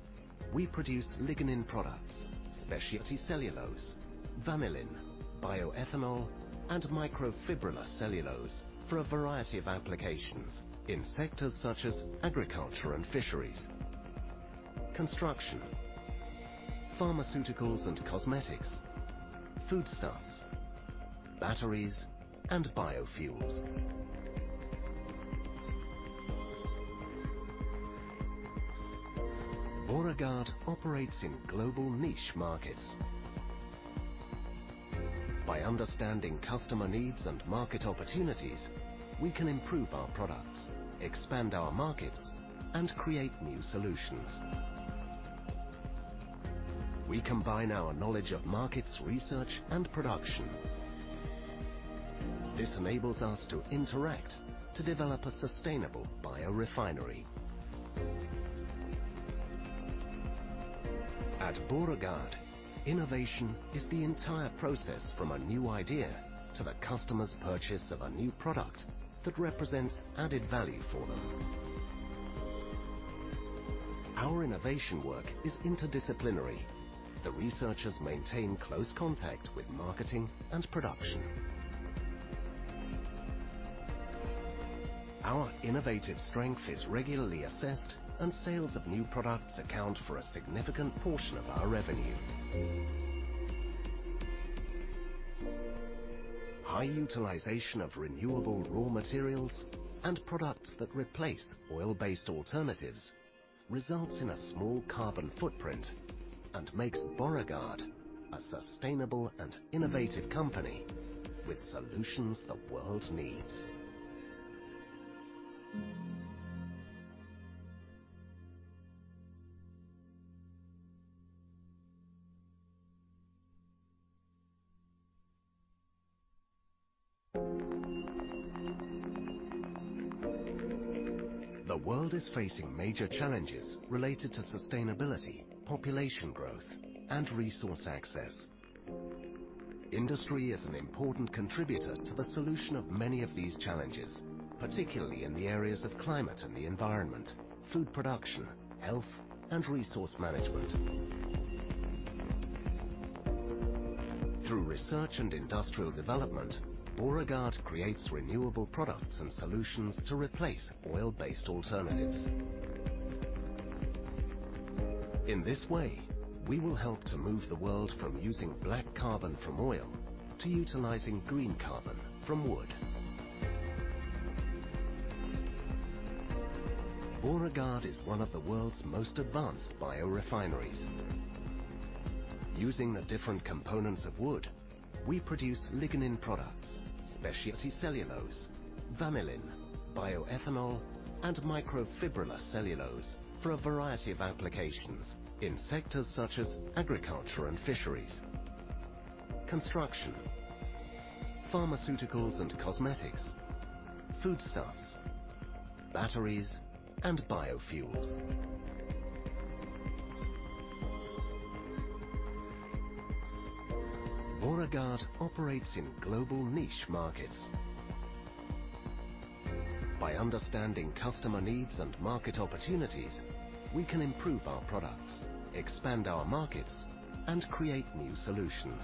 we produce lignin products, specialty cellulose, vanillin, bioethanol, and microfibrillar cellulose for a variety of applications in sectors such as agriculture and fisheries, construction, pharmaceuticals and cosmetics, foodstuffs, batteries, and biofuels. Borregaard operates in global niche markets. By understanding customer needs and market opportunities, we can improve our products, expand our markets, and create new solutions. We combine our knowledge of markets, research, and production. This enables us to interact to develop a sustainable biorefinery. At Borregaard, innovation is the entire process from a new idea to the customer's purchase of a new product that represents added value for them. Our innovation work is interdisciplinary. The researchers maintain close contact with marketing and production. Our innovative strength is regularly assessed, and sales of new products account for a significant portion of our revenue. High utilization of renewable raw materials and products that replace oil-based alternatives results in a small carbon footprint and makes Borregaard a sustainable and innovative company with solutions the world needs. The world is facing major challenges related to sustainability, population growth, and resource access. Industry is an important contributor to the solution of many of these challenges, particularly in the areas of climate and the environment, food production, health, and resource management. Through research and industrial development, Borregaard creates renewable products and solutions to replace oil-based alternatives. In this way, we will help to move the world from using black carbon from oil to utilizing green carbon from wood. Borregaard is one of the world's most advanced biorefineries. Using the different components of wood, we produce lignin products, specialty cellulose, vanillin, bioethanol, and microfibrillar cellulose for a variety of applications in sectors such as agriculture and fisheries, construction, pharmaceuticals and cosmetics, foodstuffs, batteries, and biofuels. Borregaard operates in global niche markets. By understanding customer needs and market opportunities, we can improve our products, expand our markets, and create new solutions.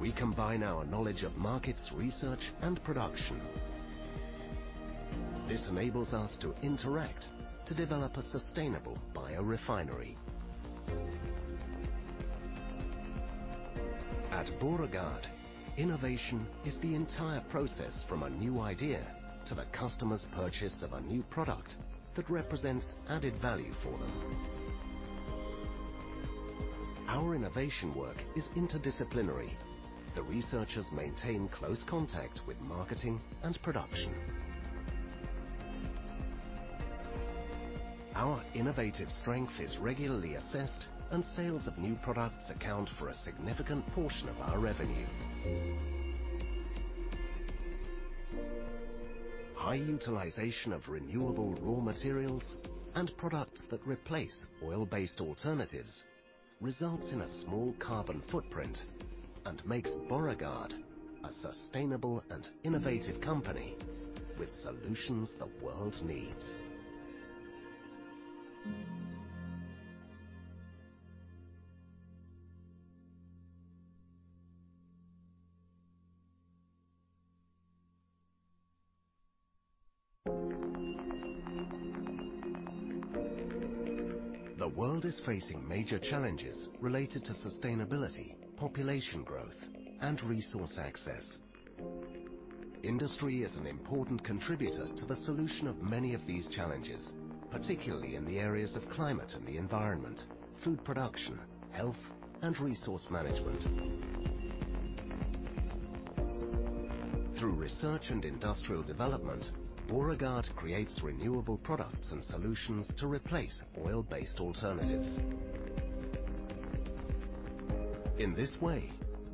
We combine our knowledge of markets, research, and production. This enables us to interact to develop a sustainable biorefinery. At Borregaard, innovation is the entire process from a new idea to the customer's purchase of a new product that represents added value for them. Our innovation work is interdisciplinary. The researchers maintain close contact with marketing and production. Our innovative strength is regularly assessed, and sales of new products account for a significant portion of our revenue. High utilization of renewable raw materials and products that replace oil-based alternatives results in a small carbon footprint and makes Borregaard a sustainable and innovative company with solutions the world needs. The world is facing major challenges related to sustainability, population growth, and resource access. Industry is an important contributor to the solution of many of these challenges, particularly in the areas of climate and the environment, food production, health, and resource management. Through research and industrial development, Borregaard creates renewable products and solutions to replace oil-based alternatives. In this way,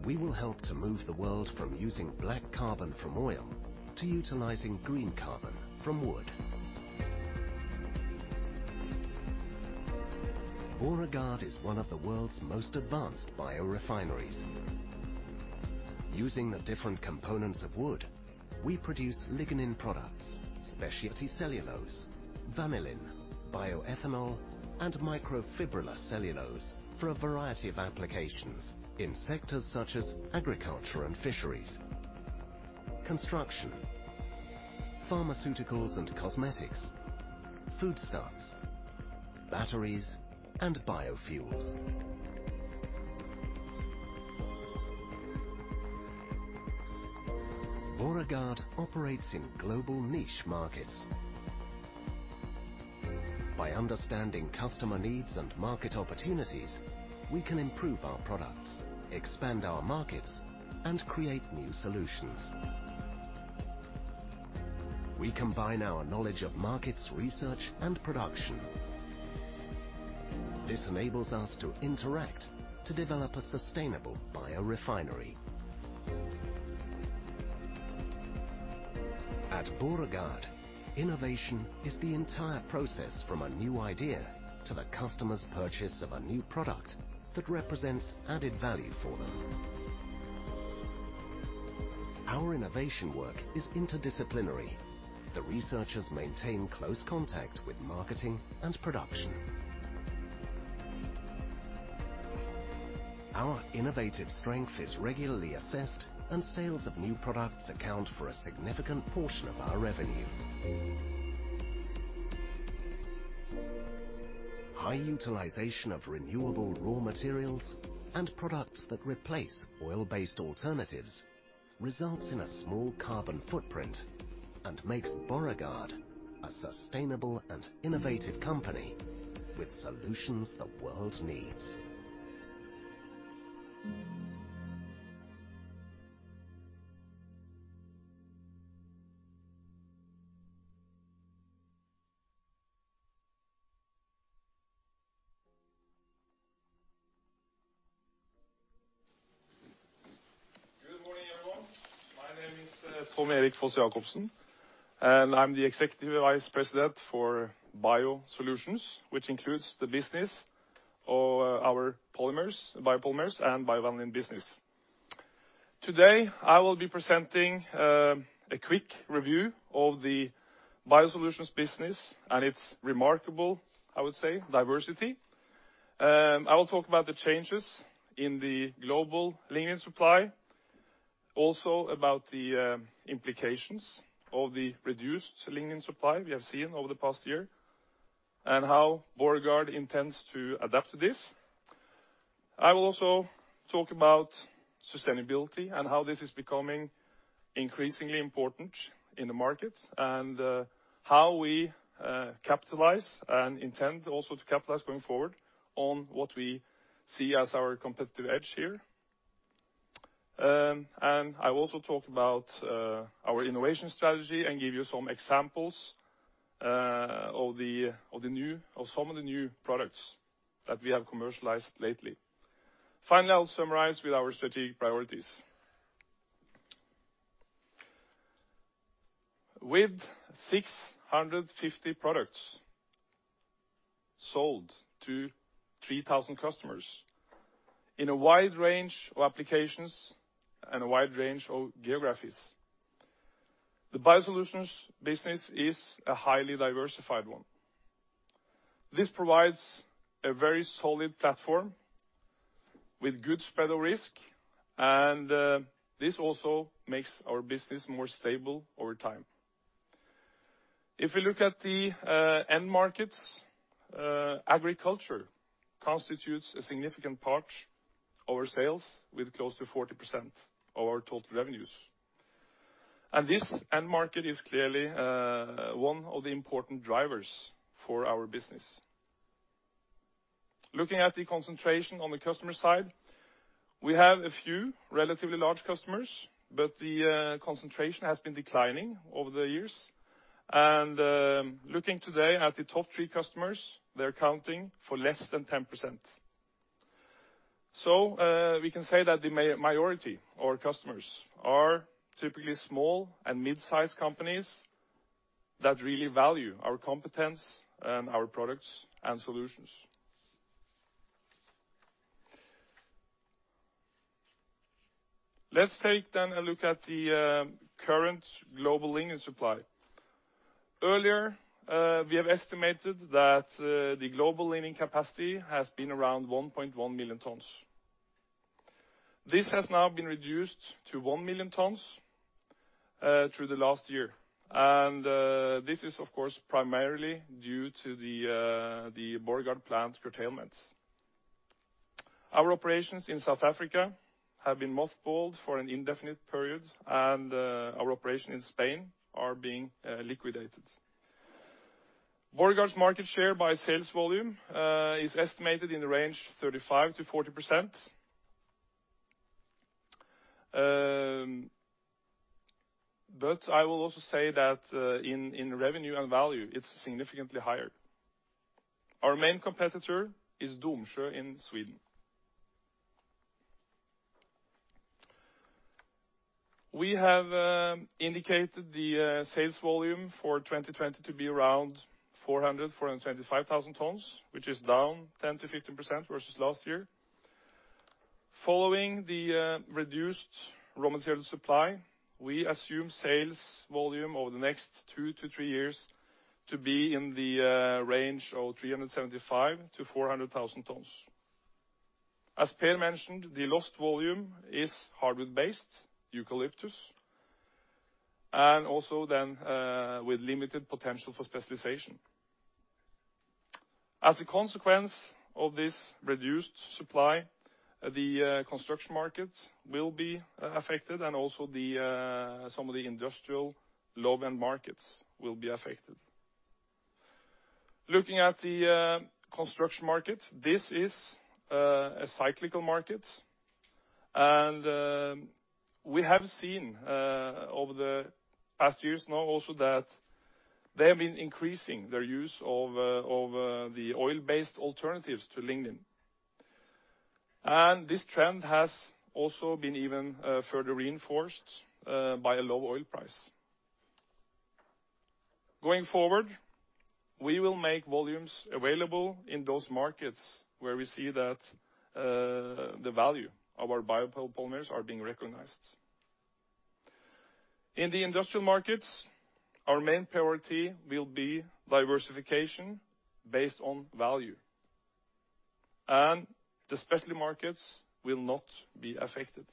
we will help to move the world from using black carbon from oil to utilizing green carbon from wood. Borregaard is one of the world's most advanced biorefineries. Using the different components of wood, we produce lignin products, specialty cellulose, biovanillin, bioethanol, and cellulose fibrils for a variety of applications in sectors such as agriculture and fisheries, construction, pharmaceuticals and cosmetics, foodstuffs, batteries, and biofuels. Borregaard operates in global niche markets. By understanding customer needs and market opportunities, we can improve our products, expand our markets, and create new solutions. We combine our knowledge of markets, research, and production. This enables us to interact to develop a sustainable biorefinery. At Borregaard, innovation is the entire process from a new idea to the customer's purchase of a new product that represents added value for them. Our innovation work is interdisciplinary. The researchers maintain close contact with marketing and production. Our innovative strength is regularly assessed, and sales of new products account for a significant portion of our revenue. High utilization of renewable raw materials and products that replace oil-based alternatives results in a small carbon footprint and makes Borregaard a sustainable and innovative company with solutions the world needs. Tom Erik Foss-Jacobsen, and I'm the Executive Vice President for BioSolutions, which includes the business of our polymers, biopolymers, and biovanillin business. Today, I will be presenting a quick review of the BioSolutions business and its remarkable, I would say, diversity. I will talk about the changes in the global lignin supply, also about the implications of the reduced lignin supply we have seen over the past year and how Borregaard intends to adapt to this. I will also talk about sustainability and how this is becoming increasingly important in the market, and how we capitalize and intend also to capitalize going forward on what we see as our competitive edge here. I will also talk about our innovation strategy and give you some examples of some of the new products that we have commercialized lately. Finally, I'll summarize with our strategic priorities. With 650 products sold to 3,000 customers in a wide range of applications and a wide range of geographies, the BioSolutions business is a highly diversified one. This provides a very solid platform with good spread of risk, and this also makes our business more stable over time. If we look at the end markets, agriculture constitutes a significant part of our sales with close to 40% of our total revenues. This end market is clearly one of the important drivers for our business. Looking at the concentration on the customer side, we have a few relatively large customers, but the concentration has been declining over the years. Looking today at the top three customers, they're accounting for less than 10%. We can say that the majority of our customers are typically small and mid-size companies that really value our competence and our products and solutions. Let's take a look at the current global lignin supply. Earlier, we have estimated that the global lignin capacity has been around 1.1 million tons. This has now been reduced to 1 million tons through the last year. This is, of course, primarily due to the Borregaard plant curtailments. Our operations in South Africa have been mothballed for an indefinite period, and our operation in Spain are being liquidated. Borregaard's market share by sales volume is estimated in the range 35%-40%. I will also say that in revenue and value, it's significantly higher. Our main competitor is Domsjö in Sweden. We have indicated the sales volume for 2020 to be around 400,000-425,000 tons, which is down 10%-15% versus last year. Following the reduced raw material supply, we assume sales volume over the next two-three years to be in the range of 375,000-400,000 tons. As Per mentioned, the lost volume is hardwood-based eucalyptus, also then with limited potential for specialization. As a consequence of this reduced supply, the construction markets will be affected, also some of the industrial low-end markets will be affected. Looking at the construction market, this is a cyclical market, we have seen over the past years now also that they have been increasing their use of the oil-based alternatives to lignin. This trend has also been even further reinforced by a low oil price. Going forward, we will make volumes available in those markets where we see that the value of our biopolymers are being recognized. In the industrial markets, our main priority will be diversification based on value. The specialty markets will not be affected.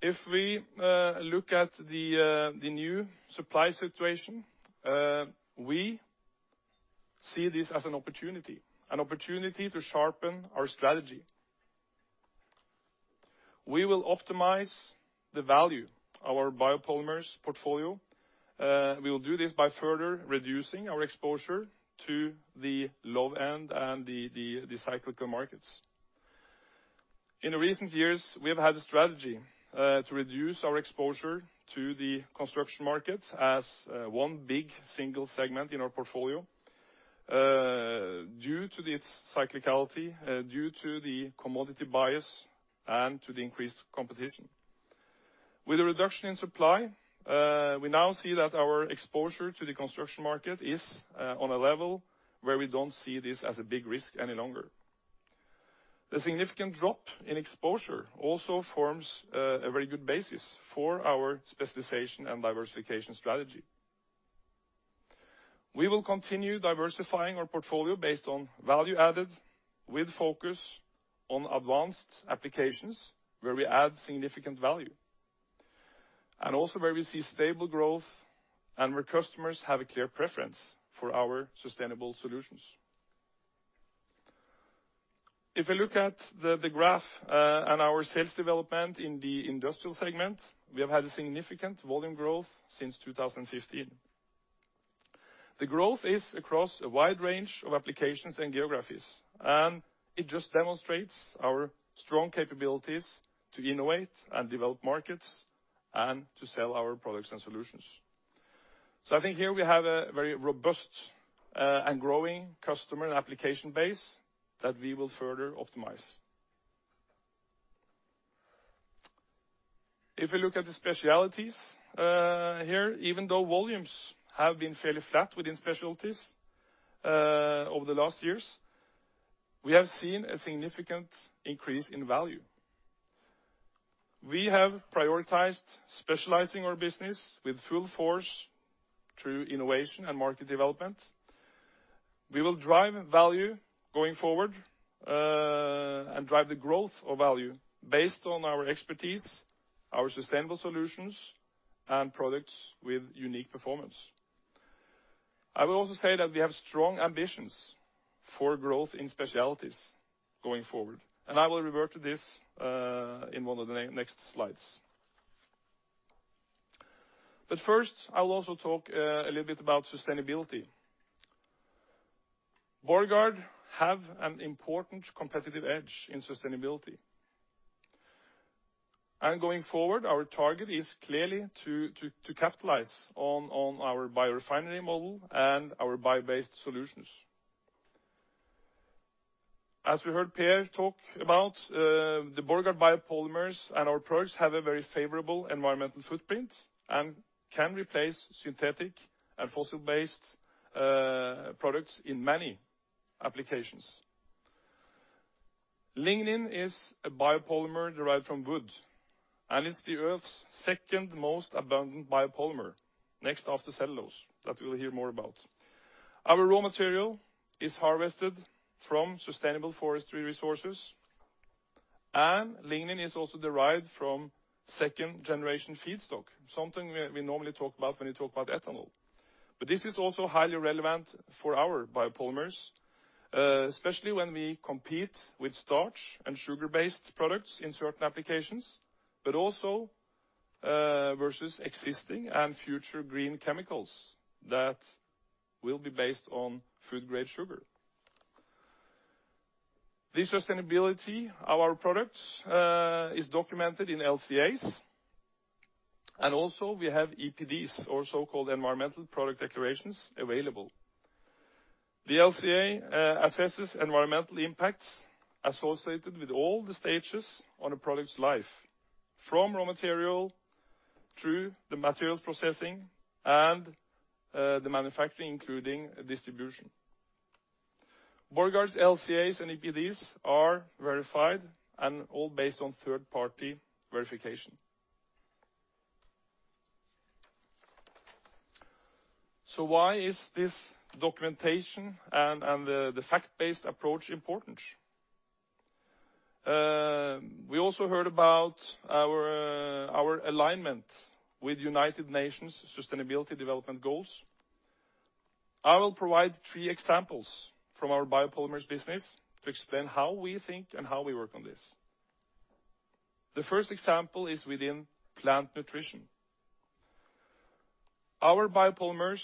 If we look at the new supply situation, we see this as an opportunity to sharpen our strategy. We will optimize the value of our biopolymers portfolio. We will do this by further reducing our exposure to the low end and the cyclical markets. In the recent years, we have had a strategy to reduce our exposure to the construction market as one big single segment in our portfolio due to its cyclicality, due to the commodity bias, and to the increased competition. With the reduction in supply, we now see that our exposure to the construction market is on a level where we don't see this as a big risk any longer. The significant drop in exposure also forms a very good basis for our specialization and diversification strategy. We will continue diversifying our portfolio based on value added with focus on advanced applications where we add significant value, and also where we see stable growth and where customers have a clear preference for our sustainable solutions. If we look at the graph and our sales development in the industrial segment, we have had a significant volume growth since 2015. It just demonstrates our strong capabilities to innovate and develop markets, and to sell our products and solutions. I think here we have a very robust and growing customer application base that we will further optimize. If we look at the specialties here, even though volumes have been fairly flat within specialties over the last years. We have seen a significant increase in value. We have prioritized specializing our business with full force through innovation and market development. We will drive value going forward, and drive the growth of value based on our expertise, our sustainable solutions, and products with unique performance. I will also say that we have strong ambitions for growth in specialties going forward, and I will revert to this in one of the next slides. First, I will also talk a little bit about sustainability. Borregaard have an important competitive edge in sustainability. Going forward, our target is clearly to capitalize on our biorefinery model and our bio-based solutions. As we heard Per talk about, the Borregaard biopolymers and our products have a very favorable environmental footprint and can replace synthetic and fossil-based products in many applications. Lignin is a biopolymer derived from wood, and it's the earth's second-most abundant biopolymer, next after cellulose, that we'll hear more about. Our raw material is harvested from sustainable forestry resources, lignin is also derived from second-generation feedstock. Something we normally talk about when we talk about ethanol. This is also highly relevant for our biopolymers, especially when we compete with starch and sugar-based products in certain applications, but also, versus existing and future green chemicals that will be based on food-grade sugar. The sustainability of our products is documented in LCAs. Also we have EPDs or so-called Environmental Product Declarations available. The LCA assesses environmental impacts associated with all the stages on a product's life, from raw material through the materials processing and the manufacturing, including distribution. Borregaard's LCAs and EPDs are verified and all based on third-party verification. Why is this documentation and the fact-based approach important? We also heard about our alignment with United Nations Sustainability Development Goals. I will provide three examples from our biopolymers business to explain how we think and how we work on this. The first example is within plant nutrition. Our biopolymers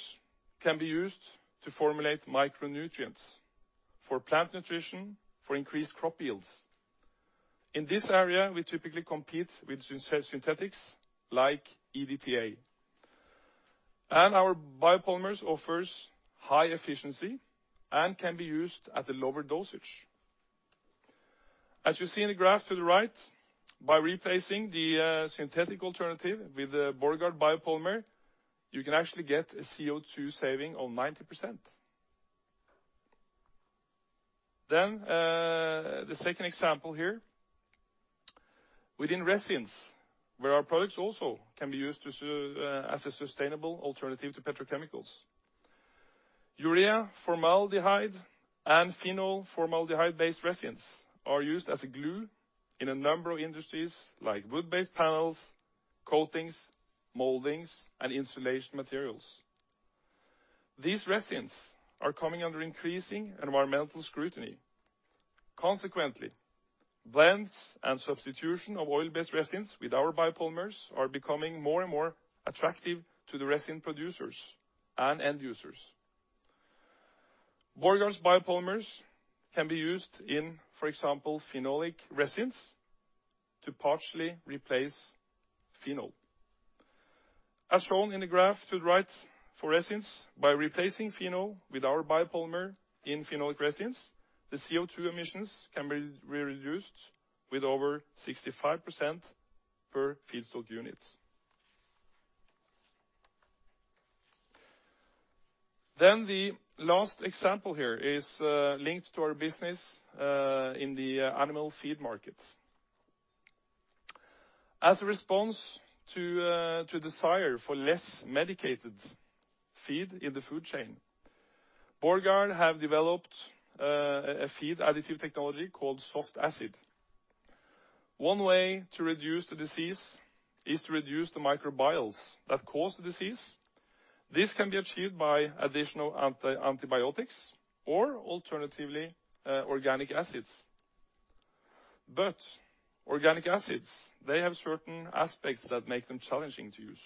can be used to formulate micronutrients for plant nutrition for increased crop yields. In this area, we typically compete with synthetics like EDTA. Our biopolymers offers high efficiency and can be used at a lower dosage. As you see in the graph to the right, by replacing the synthetic alternative with the Borregaard biopolymer, you can actually get a CO2 saving of 90%. The second example here, within resins, where our products also can be used as a sustainable alternative to petrochemicals. Urea-formaldehyde and phenol-formaldehyde-based resins are used as a glue in a number of industries like wood-based panels, coatings, moldings, and insulation materials. These resins are coming under increasing environmental scrutiny. Consequently, blends and substitution of oil-based resins with our biopolymers are becoming more and more attractive to the resin producers and end users. Borregaard's biopolymers can be used in, for example, phenolic resins to partially replace phenol. As shown in the graph to the right for resins, by replacing phenol with our biopolymer in phenolic resins, the CO2 emissions can be reduced with over 65% per feedstock units. The last example here is linked to our business in the animal feed markets. As a response to a desire for less medicated feed in the food chain, Borregaard have developed a feed additive technology called SoftAcid. One way to reduce the disease is to reduce the microbials that cause the disease. This can be achieved by additional antibiotics or alternatively, organic acids. Organic acids, they have certain aspects that make them challenging to use.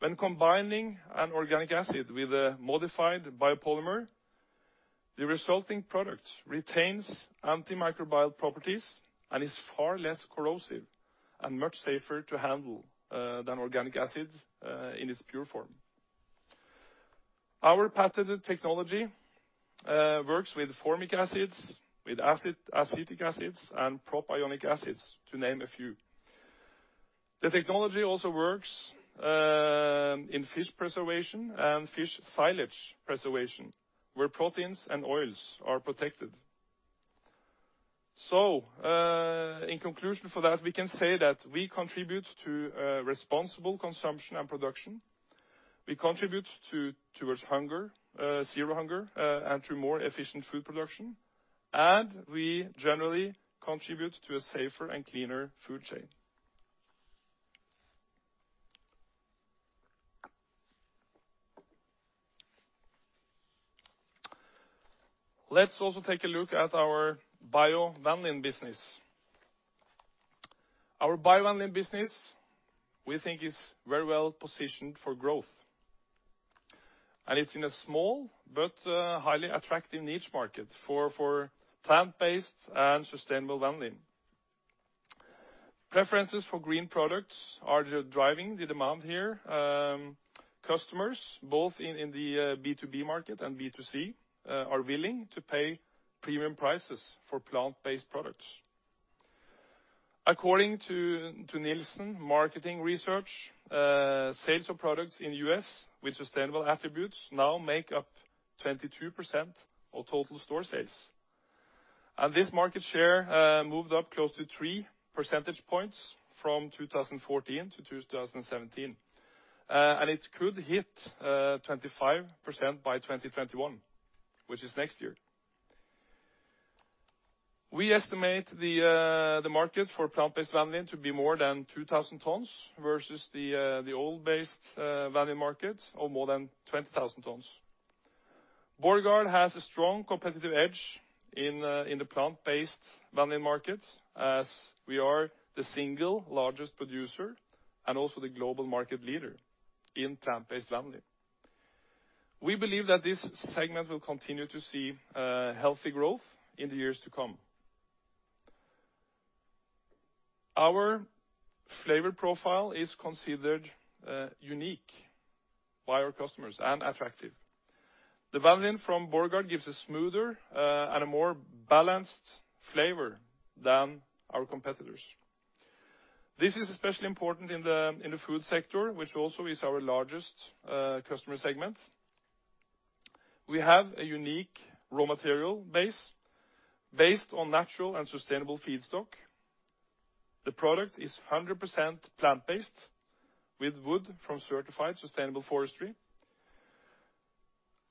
When combining an organic acid with a modified biopolymer, the resulting product retains antimicrobial properties and is far less corrosive and much safer to handle than organic acids in its pure form. Our patented technology works with formic acids, with acetic acids, and propionic acids, to name a few. The technology also works in fish preservation and fish silage preservation, where proteins and oils are protected. In conclusion for that, we can say that we contribute to responsible consumption and production. We contribute towards zero hunger, and through more efficient food production. We generally contribute to a safer and cleaner food chain. Let's also take a look at our biovanillin business. Our biovanillin business, we think is very well positioned for growth, and it's in a small but highly attractive niche market for plant-based and sustainable vanillin. Preferences for green products are driving the demand here. Customers, both in the B2B market and B2C, are willing to pay premium prices for plant-based products. According to Nielsen marketing research, sales of products in the U.S. with sustainable attributes now make up 22% of total store sales. This market share moved up close to 3 percentage points from 2014-2017. It could hit 25% by 2021, which is next year. We estimate the market for plant-based vanillin to be more than 2,000 tons versus the oil-based vanillin market of more than 20,000 tons. Borregaard has a strong competitive edge in the plant-based vanillin market, as we are the single largest producer and also the global market leader in plant-based vanillin. We believe that this segment will continue to see healthy growth in the years to come. Our flavor profile is considered unique by our customers, and attractive. The vanillin from Borregaard gives a smoother and a more balanced flavor than our competitors. This is especially important in the food sector, which also is our largest customer segment. We have a unique raw material base, based on natural and sustainable feedstock. The product is 100% plant-based, with wood from certified sustainable forestry.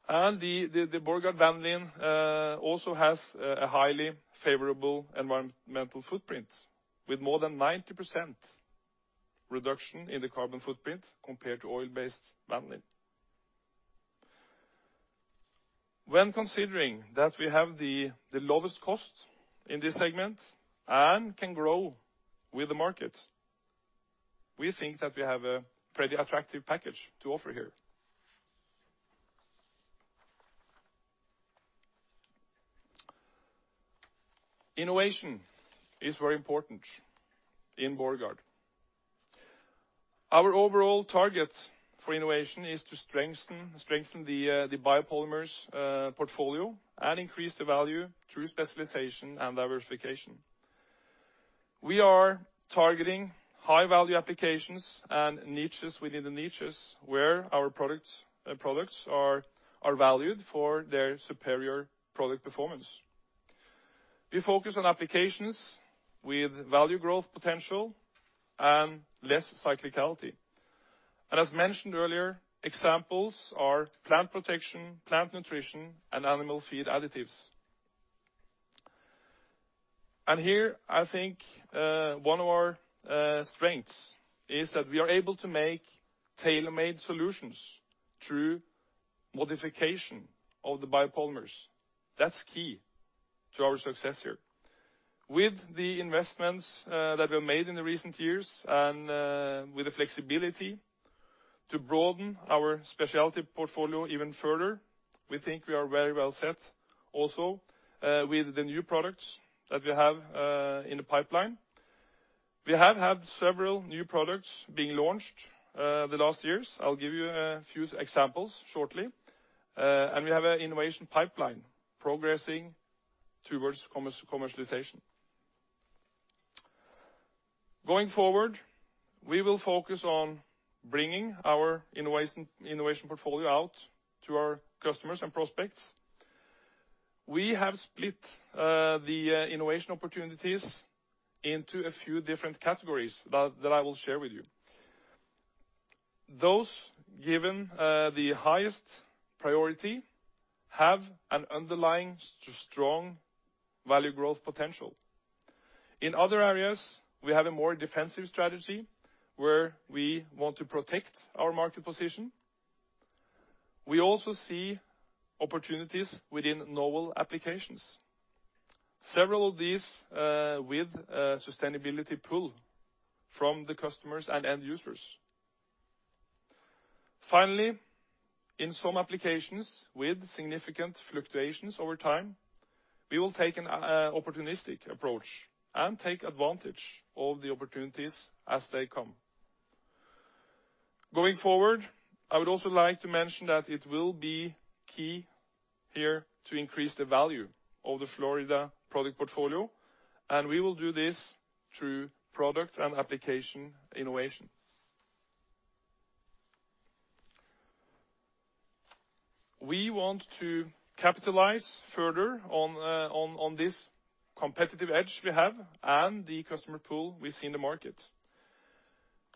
The Borregaard vanillin also has a highly favorable environmental footprint, with more than 90% reduction in the carbon footprint compared to oil-based vanillin. When considering that we have the lowest cost in this segment and can grow with the market, we think that we have a pretty attractive package to offer here. Innovation is very important in Borregaard. Our overall target for innovation is to strengthen the biopolymers portfolio and increase the value through specialization and diversification. We are targeting high-value applications and niches within the niches where our products are valued for their superior product performance. We focus on applications with value growth potential and less cyclicality. As mentioned earlier, examples are plant protection, plant nutrition, and animal feed additives. Here, I think one of our strengths is that we are able to make tailor-made solutions through modification of the biopolymers. That's key to our success here. With the investments that were made in the recent years and with the flexibility to broaden our specialty portfolio even further, we think we are very well set also with the new products that we have in the pipeline. We have had several new products being launched the last years. I'll give you a few examples shortly. We have an innovation pipeline progressing towards commercialization. Going forward, we will focus on bringing our innovation portfolio out to our customers and prospects. We have split the innovation opportunities into a few different categories that I will share with you. Those given the highest priority have an underlying strong value growth potential. In other areas, we have a more defensive strategy where we want to protect our market position. We also see opportunities within novel applications, several of these with sustainability pull from the customers and end users. Finally, in some applications with significant fluctuations over time, we will take an opportunistic approach and take advantage of the opportunities as they come. Going forward, I would also like to mention that it will be key here to increase the value of the Florida product portfolio, and we will do this through product and application innovation. We want to capitalize further on this competitive edge we have and the customer pool we see in the market.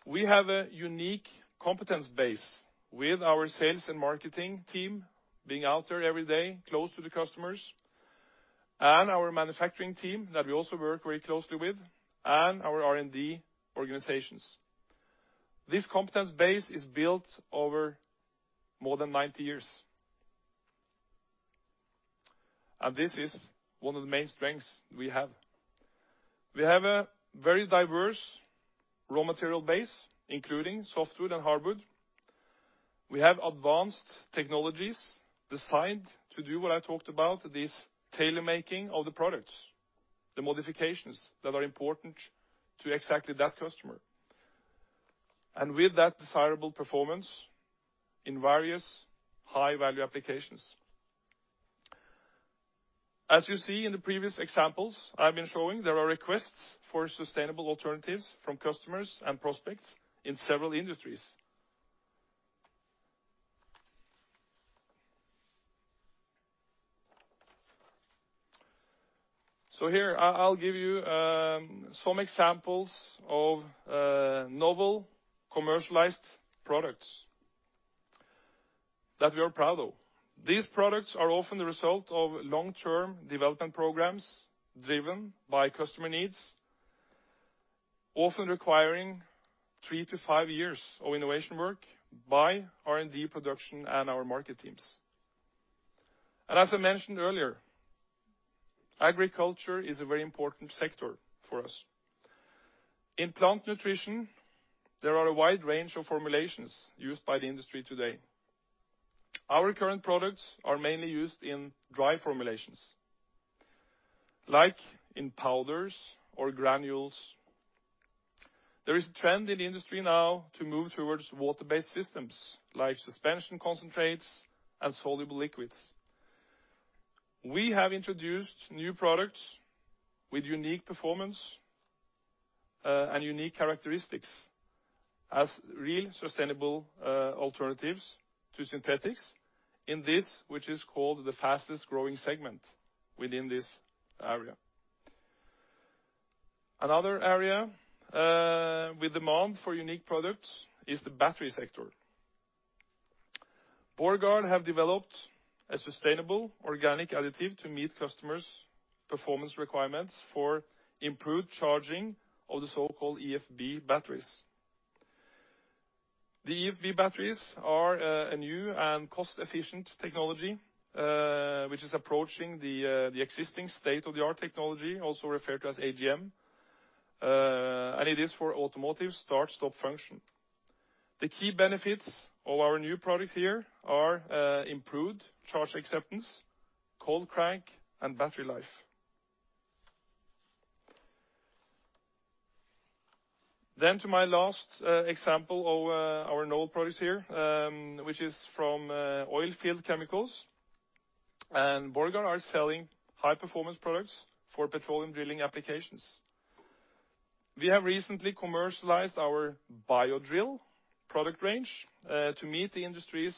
We have a unique competence base with our sales and marketing team being out there every day close to the customers, and our manufacturing team that we also work very closely with, and our R&D organizations. This competence base is built over more than 90 years. This is one of the main strengths we have. We have a very diverse raw material base, including softwood and hardwood. We have advanced technologies designed to do what I talked about, this tailor-making of the products, the modifications that are important to exactly that customer. With that desirable performance in various high-value applications. As you see in the previous examples I've been showing, there are requests for sustainable alternatives from customers and prospects in several industries. Here, I'll give you some examples of novel commercialized products that we are proud of. These products are often the result of long-term development programs driven by customer needs, often requiring three-five years of innovation work by R&D production and our market teams. As I mentioned earlier, agriculture is a very important sector for us. In plant nutrition, there are a wide range of formulations used by the industry today. Our current products are mainly used in dry formulations, like in powders or granules. There is a trend in the industry now to move towards water-based systems like suspension concentrates and soluble liquids. We have introduced new products with unique performance, and unique characteristics as real sustainable alternatives to synthetics in this, which is called the fastest-growing segment within this area. Another area with demand for unique products is the battery sector. Borregaard have developed a sustainable organic additive to meet customers' performance requirements for improved charging of the so-called EFB batteries. The EFB batteries are a new and cost-efficient technology, which is approaching the existing state-of-the-art technology, also referred to as AGM, and it is for automotive start/stop function. The key benefits of our new product here are improved charge acceptance, cold crank, and battery life. To my last example of our novel products here, which is from oilfield chemicals, Borregaard is selling high-performance products for petroleum drilling applications. We have recently commercialized our BioDrill product range to meet the industry's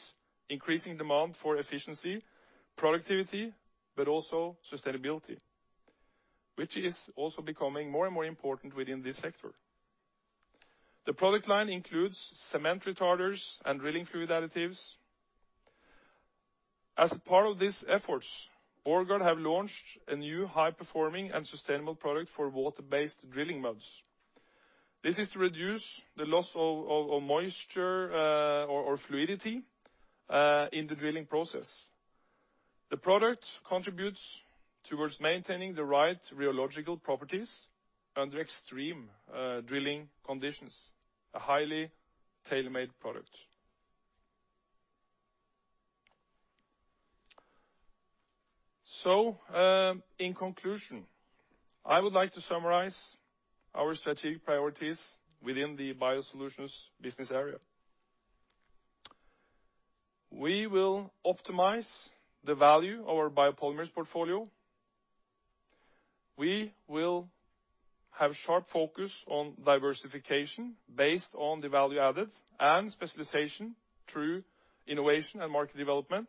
increasing demand for efficiency, productivity, but also sustainability, which is also becoming more and more important within this sector. The product line includes cement retarders and drilling fluid additives. As part of these efforts, Borregaard has launched a new high-performing and sustainable product for water-based drilling muds. This is to reduce the loss of moisture or fluidity in the drilling process. The product contributes towards maintaining the right rheological properties under extreme drilling conditions. A highly tailor-made product. In conclusion, I would like to summarize our strategic priorities within the BioSolutions business area. We will optimize the value of our biopolymers portfolio. We will have sharp focus on diversification based on the value added and specialization through innovation and market development.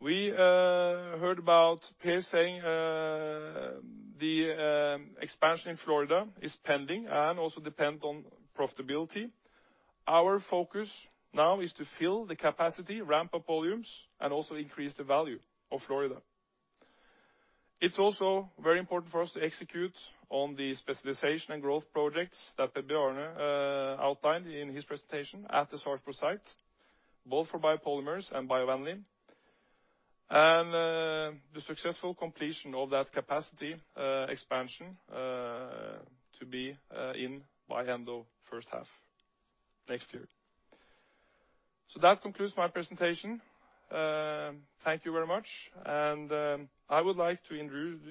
We heard about Per saying the expansion in Florida is pending and also depend on profitability. Our focus now is to fill the capacity, ramp up volumes, and also increase the value of Florida. It's also very important for us to execute on the specialization and growth projects that Per Bjarne outlined in his presentation at the Sarpsborg site, both for biopolymers and biovanillin. The successful completion of that capacity expansion to be in by end of first half next year. That concludes my presentation. Thank you very much. I would like to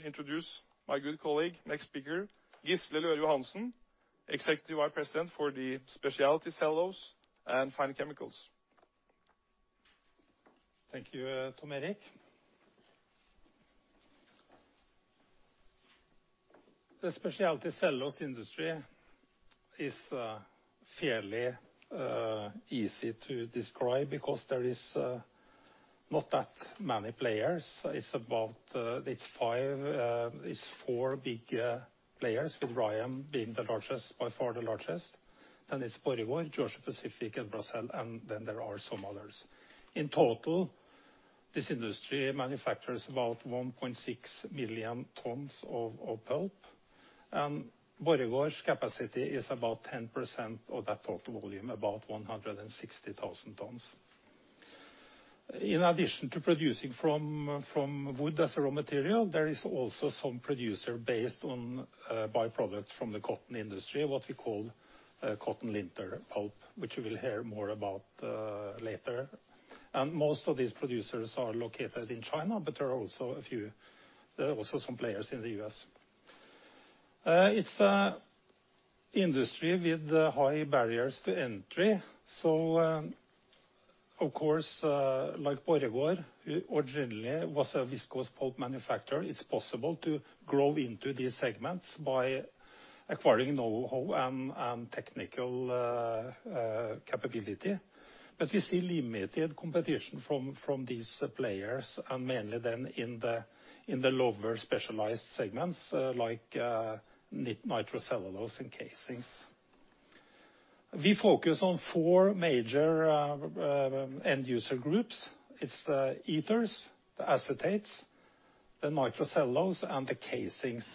introduce my good colleague, next speaker, Gisle Løhre Johansen, Executive Vice President for the specialty cellulose and Fine Chemicals. Thank you, Tom Erik. The specialty cellulose industry is fairly easy to describe because there is not that many players. It's four big players, with Rayonier being by far the largest. It's Borregaard, Georgia-Pacific, and Bracell, and then there are some others. In total, this industry manufactures about 1.6 million tons of pulp. Borregaard's capacity is about 10% of that total volume, about 160,000 tons. In addition to producing from wood as a raw material, there is also some producer based on byproducts from the cotton industry, what we call cotton lint or pulp, which we'll hear more about later. Most of these producers are located in China, but there are also some players in the U.S. It's a industry with high barriers to entry. Of course, like Borregaard, who originally was a viscose pulp manufacturer, it's possible to grow into these segments by acquiring knowhow and technical capability. We see limited competition from these players and mainly them in the lower specialized segments, like nitrocellulose and casings. We focus on four major end user groups. It's the ethers, the acetates, the nitrocellulose, and the casings.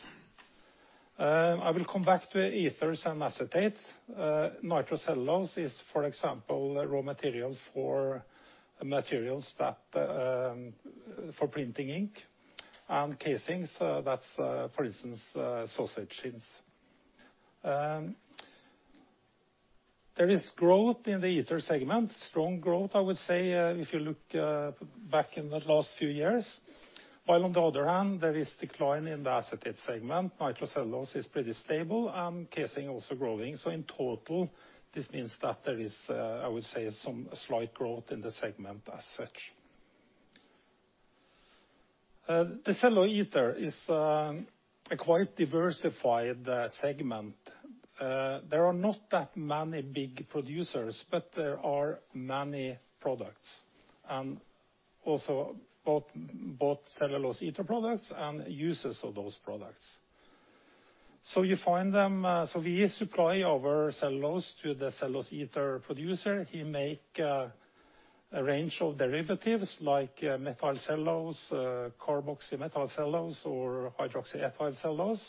I will come back to ethers and acetate. Nitrocellulose is, for example, raw material for printing ink. Casings, that's for instance, sausage skins. There is growth in the ether segment. Strong growth, I would say, if you look back in the last few years. While on the other hand, there is decline in the acetate segment. Nitrocellulose is pretty stable, and casing also growing. In total, this means that there is, I would say, some slight growth in the segment as such. The cellulose ether is a quite diversified segment. There are not that many big producers, but there are many products, and also both cellulose ether products and users of those products. We supply our cellulose to the cellulose ether producer, he make a range of derivatives like methyl cellulose, carboxymethyl cellulose, or hydroxyethyl cellulose.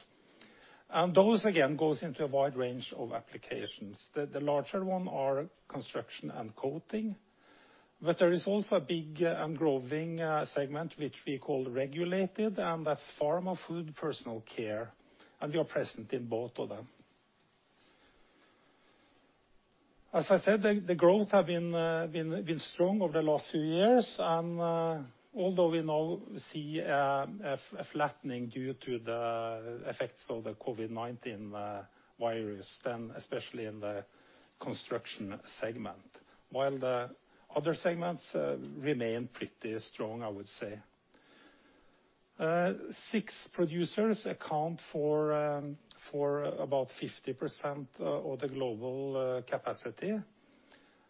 Those, again, goes into a wide range of applications. The larger one are construction and coating, but there is also a big and growing segment, which we call regulated, and that's pharma, food, personal care, and we are present in both of them. As I said, the growth have been strong over the last few years, although we now see a flattening due to the effects of the COVID-19 virus, then especially in the construction segment, while the other segments remain pretty strong, I would say. Six producers account for about 50% of the global capacity.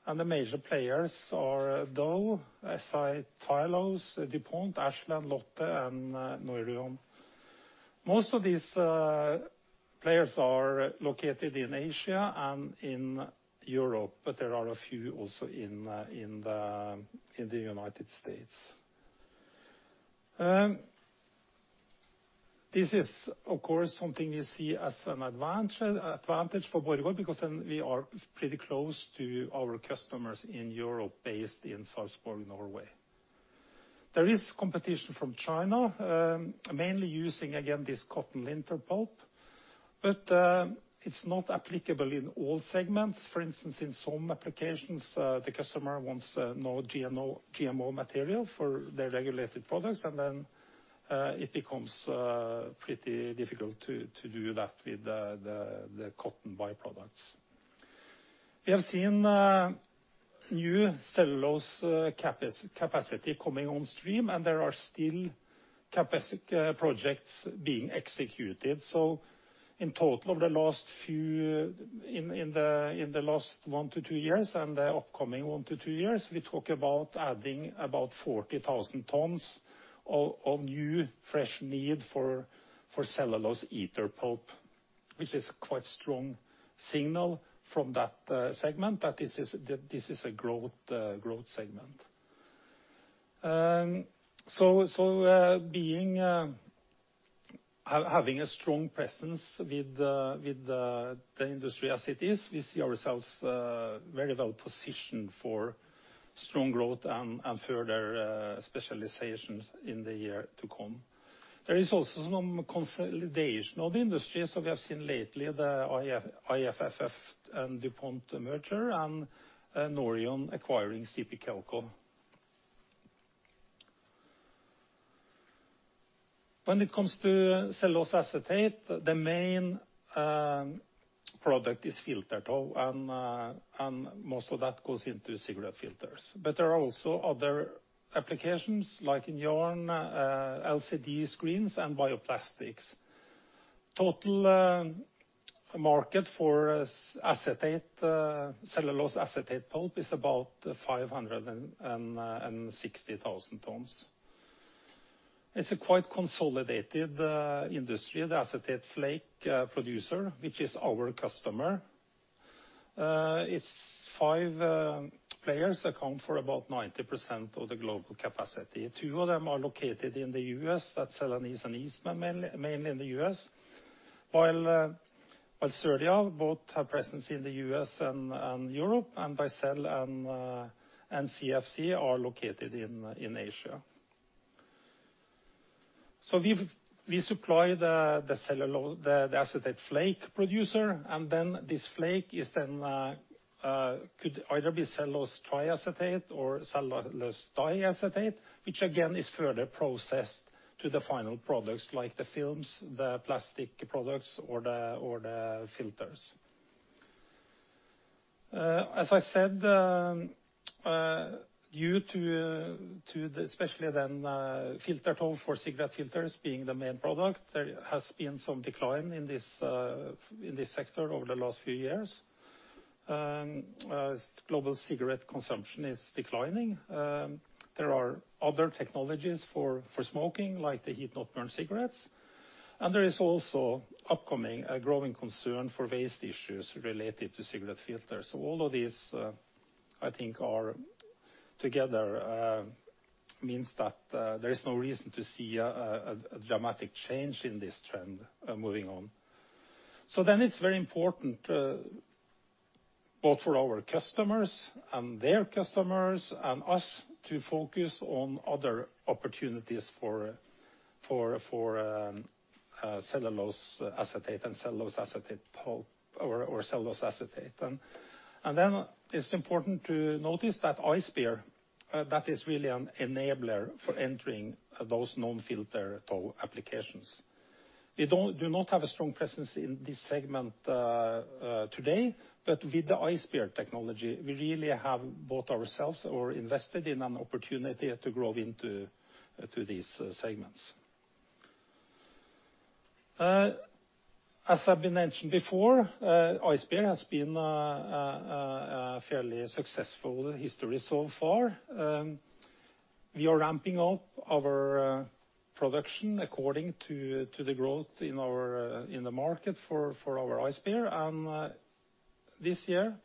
The major players are Dow, SE Tylose, DuPont, Ashland, Lotte Fine Chemical, and Nouryon. Most of these players are located in Asia and in Europe. There are a few also in the United States. This is, of course, something we see as an advantage for Borregaard because then we are pretty close to our customers in Europe based in Sarpsborg, Norway. There is competition from China, mainly using, again, this cotton lint or pulp. It's not applicable in all segments. For instance, in some applications, the customer wants non-GMO material for their regulated products. Then it becomes pretty difficult to do that with the cotton byproducts. We have seen new cellulose capacity coming on stream. There are still capacity projects being executed. In total, in the last one-two years and the upcoming one-two years, we talk about adding about 40,000 tons of new, fresh need for cellulose ether pulp, which is quite strong signal from that segment that this is a growth segment. Having a strong presence with the industry as it is, we see ourselves very well-positioned for strong growth and further specializations in the year to come. There is also some consolidation of the industry. We have seen lately the IFF and DuPont merger, and Nouryon acquiring CP Kelco. When it comes to cellulose acetate, the main product is filter tow, and most of that goes into cigarette filters. There are also other applications like in yarn, LCD screens, and bioplastics. Total market for cellulose acetate pulp is about 560,000 tons. It's a quite consolidated industry. The acetate flake producer, which is our customer, it's five players account for about 90% of the global capacity. Two of them are located in the U.S., that's Celanese and Eastman, mainly in the U.S. While Acirylia both have presence in the U.S. and Europe, and B cell and CFC are located in Asia. We supply the acetate flake producer, and then this flake could either be cellulose triacetate or cellulose diacetate, which again is further processed to the final products like the films, the plastic products, or the filters. As I said, due to the especially then filter tow for cigarette filters being the main product, there has been some decline in this sector over the last few years. As global cigarette consumption is declining, there are other technologies for smoking, like the heat, not burn cigarettes. There is also upcoming, a growing concern for waste issues related to cigarette filters. All of these, I think together means that there is no reason to see a dramatic change in this trend moving on. It's very important, both for our customers and their customers and us to focus on other opportunities for cellulose acetate and cellulose acetate pulp or cellulose acetate. It's important to notice that Ice Bear, that is really an enabler for entering those non-filter tow applications. We do not have a strong presence in this segment today, but with the Ice Bear technology, we really have bought ourselves or invested in an opportunity to grow into these segments. As has been mentioned before, Ice Bear has been a fairly successful history so far. We are ramping up our production according to the growth in the market for our Ice Bear. This year,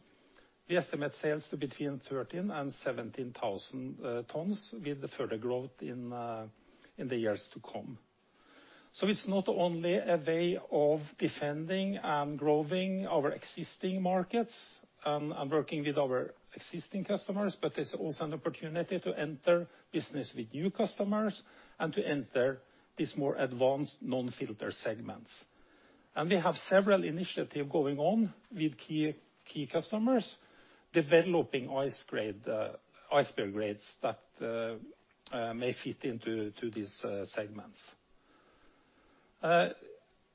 we estimate sales to between 13,000 tons and 17,000 tons with further growth in the years to come. It's not only a way of defending and growing our existing markets and working with our existing customers, but it's also an opportunity to enter business with new customers and to enter these more advanced non-filter segments. We have several initiatives going on with key customers, developing Ice Bear grades that may fit into these segments.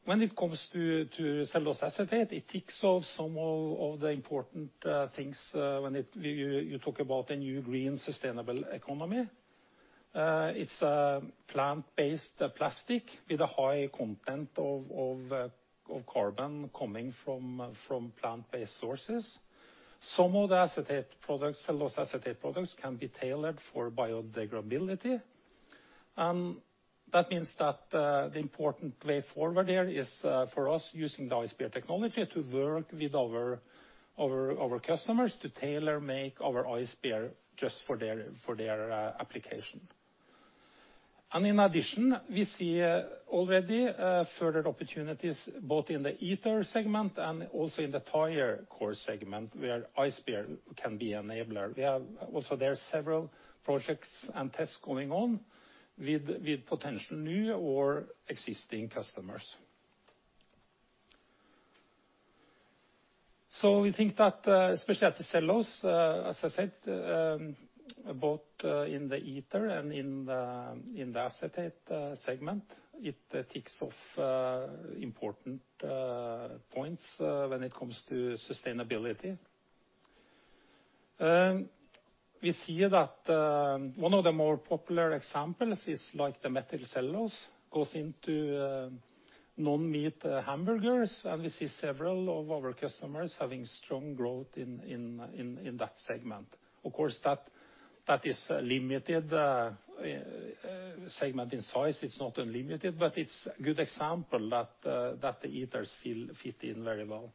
When it comes to cellulose acetate, it ticks off some of the important things when you talk about a new green, sustainable economy. It's a plant-based plastic with a high content of carbon coming from plant-based sources. Some of the acetate products, cellulose acetate products can be tailored for biodegradability. That means that the important way forward here is for us using the Ice Bear technology to work with our customers to tailor-make our Ice Bear just for their application. In addition, we see already further opportunities both in the ether segment and also in the tire cord segment where Ice Bear can be enabler. There are several projects and tests going on with potential new or existing customers. We think that especially at the cellulose, as I said, both in the ether and in the acetate segment, it ticks off important points when it comes to sustainability. We see that one of the more popular examples is like the methyl cellulose goes into non-meat hamburgers, and we see several of our customers having strong growth in that segment. Of course, that is a limited segment in size. It's not unlimited. It's a good example that the ethers fit in very well.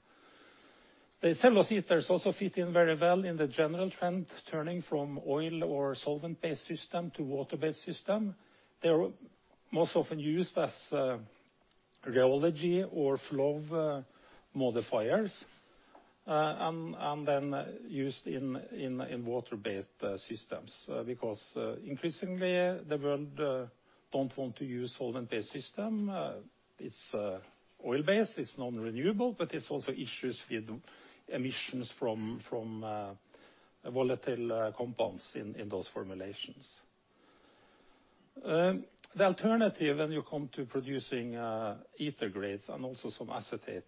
The cellulose ethers also fit in very well in the general trend, turning from oil or solvent-based system to water-based system. They're most often used as rheology or flow modifiers, and then used in water-based systems. Increasingly, the world doesn't want to use solvent-based system. It's oil-based, it's non-renewable, but it's also issues with emissions from volatile compounds in those formulations. The alternative when you come to producing ether grades and also some acetate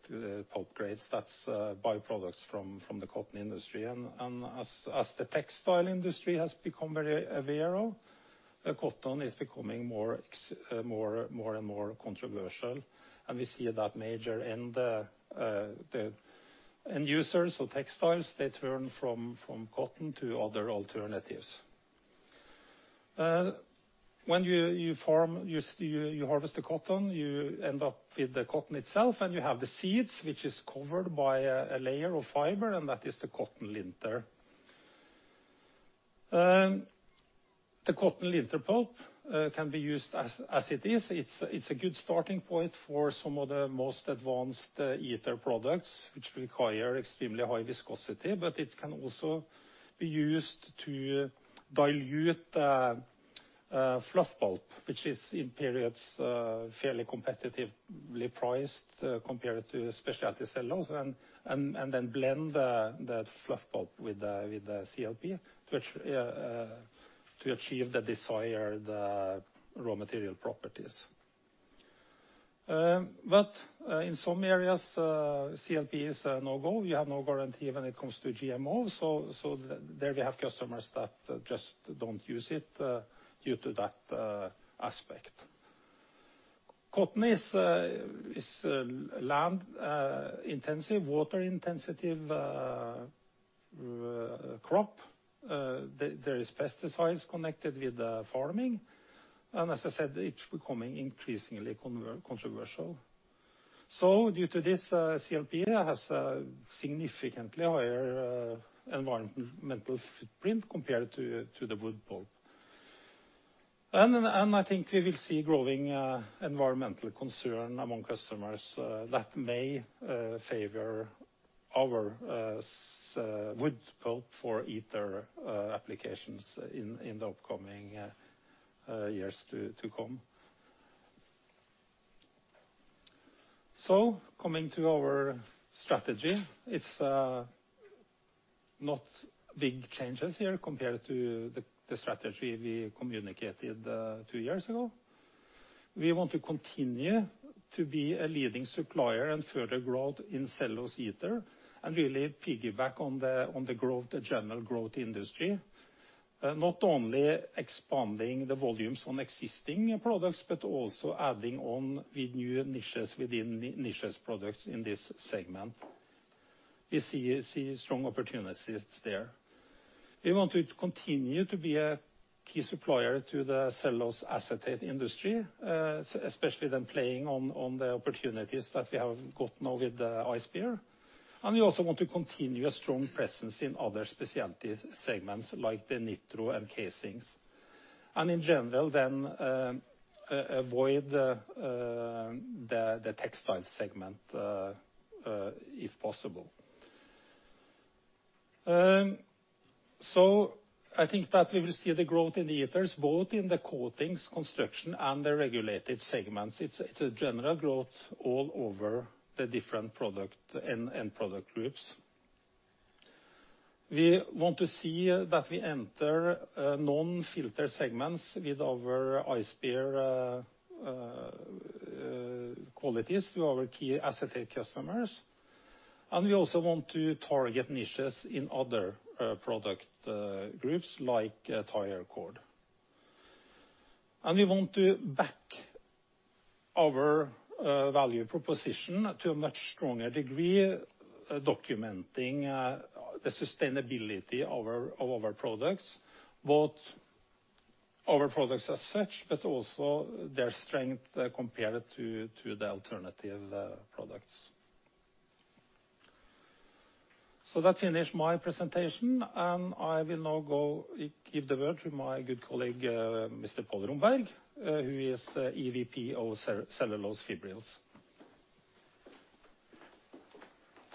pulp grades, that's byproducts from the cotton industry. As the textile industry has become very aware of, cotton is becoming more and more controversial. We see that major end users of textiles, they turn from cotton to other alternatives. When you harvest the cotton, you end up with the cotton itself, and you have the seeds, which is covered by a layer of fiber, and that is the cotton lint there. The cotton lint pulp can be used as it is. It's a good starting point for some of the most advanced ether products, which require extremely high viscosity, but it can also be used to dilute fluff pulp, which is in periods fairly competitively priced compared to specialty cellulose, and then blend the fluff pulp with the CLP to achieve the desired raw material properties. In some areas, CLP is a no-go. You have no guarantee when it comes to GMOs, so there we have customers that just don't use it due to that aspect. Cotton is a land-intensive, water-intensive crop. There is pesticides connected with the farming, and as I said, it's becoming increasingly controversial. Due to this, CLP has a significantly higher environmental footprint compared to the wood pulp. I think we will see growing environmental concern among customers that may favor our wood pulp for ether applications in the upcoming years to come. Coming to our strategy, it's not big changes here compared to the strategy we communicated two years ago. We want to continue to be a leading supplier and further growth in cellulose ether and really piggyback on the general growth industry. Not only expanding the volumes on existing products, but also adding on with new niches within niches products in this segment. We see strong opportunities there. We want to continue to be a key supplier to the cellulose acetate industry, especially then playing on the opportunities that we have got now with the Ice Bear. We also want to continue a strong presence in other specialty segments like the nitro and casings. In general then, avoid the textile segment, if possible. I think that we will see the growth in ethers, both in the coatings, construction, and the regulated segments. It's a general growth all over the different end product groups. We want to see that we enter non-filter segments with our Ice Bear qualities to our key acetate customers. We also want to target niches in other product groups like tire cord. We want to back our value proposition to a much stronger degree, documenting the sustainability of our products, both our products as such, but also their strength compared to the alternative products. That finish my presentation, and I will now go give the word to my good colleague, Mr. Pål Romberg, who is Executive Vice President, Cellulose fibrils.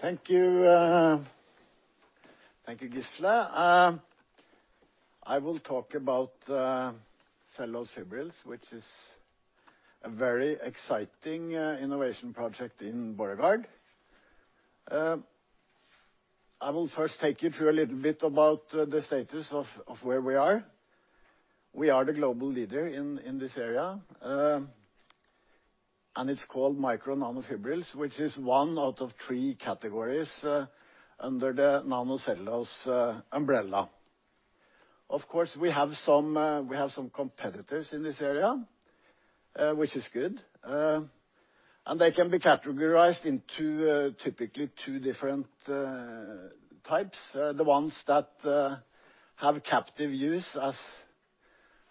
Thank you, Gisle. I will talk about Cellulose fibrils, which is a very exciting innovation project in Borregaard. I will first take you through a little bit about the status of where we are. We are the global leader in this area. It's called Cellulose Micro-/Nanofibrils, which is one out of three categories under the nanocellulose umbrella. Of course, we have some competitors in this area, which is good. They can be categorized into typically two different types. The ones that have captive use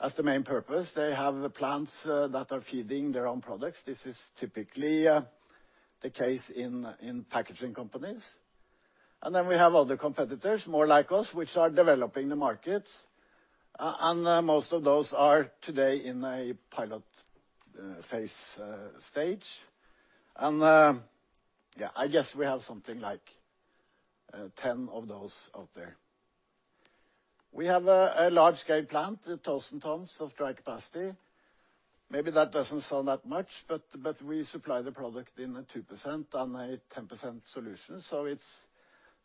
as the main purpose. They have the plants that are feeding their own products. This is typically the case in packaging companies. We have other competitors, more like us, which are developing the markets. Most of those are today in a pilot phase stage. Yes, I guess we have something like 10 of those out there. We have a large-scale plant, 1,000 tons of dry capacity. Maybe that doesn't sound that much, but we supply the product in a 2% and a 10% solution. It's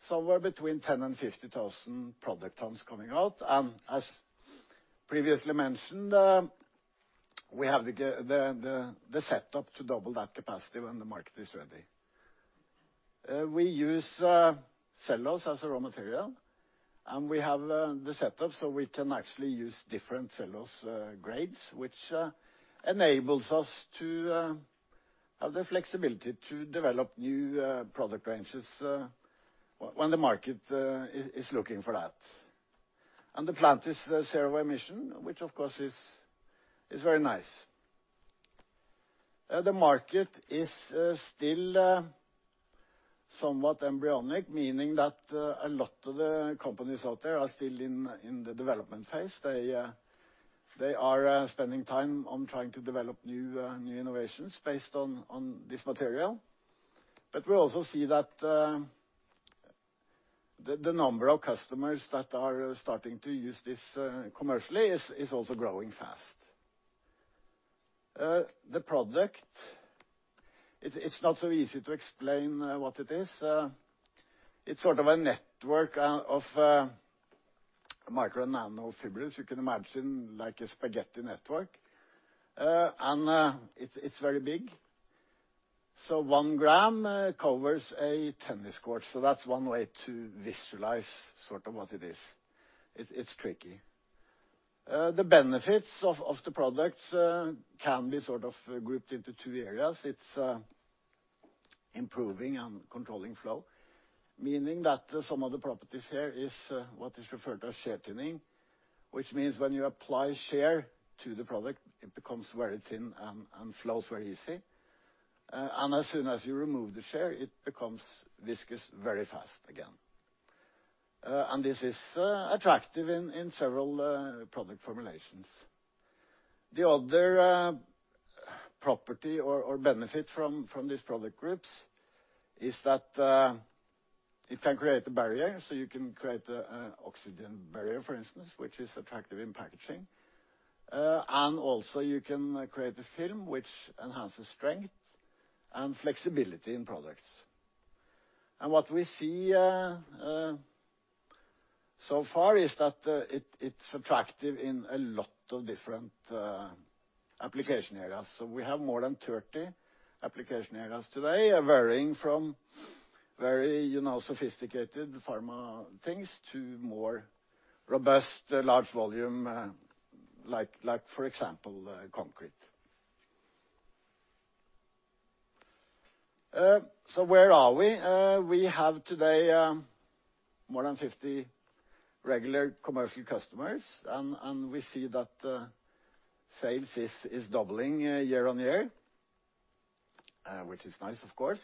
somewhere between 10,000 and 50,000 product tons coming out. As previously mentioned, we have the setup to double that capacity when the market is ready. We use cellulose as a raw material, and we have the setup so we can actually use different cellulose grades, which enables us to have the flexibility to develop new product ranges when the market is looking for that. The plant is zero emission, which of course, is very nice. The market is still somewhat embryonic, meaning that a lot of the companies out there are still in the development phase. They are spending time on trying to develop new innovations based on this material. We also see that the number of customers that are starting to use this commercially is also growing fast. The product, it's not so easy to explain what it is. It's sort of a network of micro-/nanofibrils. You can imagine like a spaghetti network. It's very big. 1 g covers a tennis court. That's one way to visualize sort of what it is. It's tricky. The benefits of the products can be sort of grouped into two areas. It's improving and controlling flow, meaning that some of the properties here is what is referred to as shear thinning, which means when you apply shear to the product, it becomes very thin and flows very easy. As soon as you remove the shear, it becomes viscous very fast again. This is attractive in several product formulations. The other property or benefit from these product groups is that it can create a barrier. You can create an oxygen barrier, for instance, which is attractive in packaging. Also you can create a film which enhances strength and flexibility in products. What we see so far is that it's attractive in a lot of different application areas. We have more than 30 application areas today, varying from very sophisticated pharma to more robust large volume, like for example, concrete. Where are we? We have today more than 50 regular commercial customers, and we see that sales is doubling year on year, which is nice of course.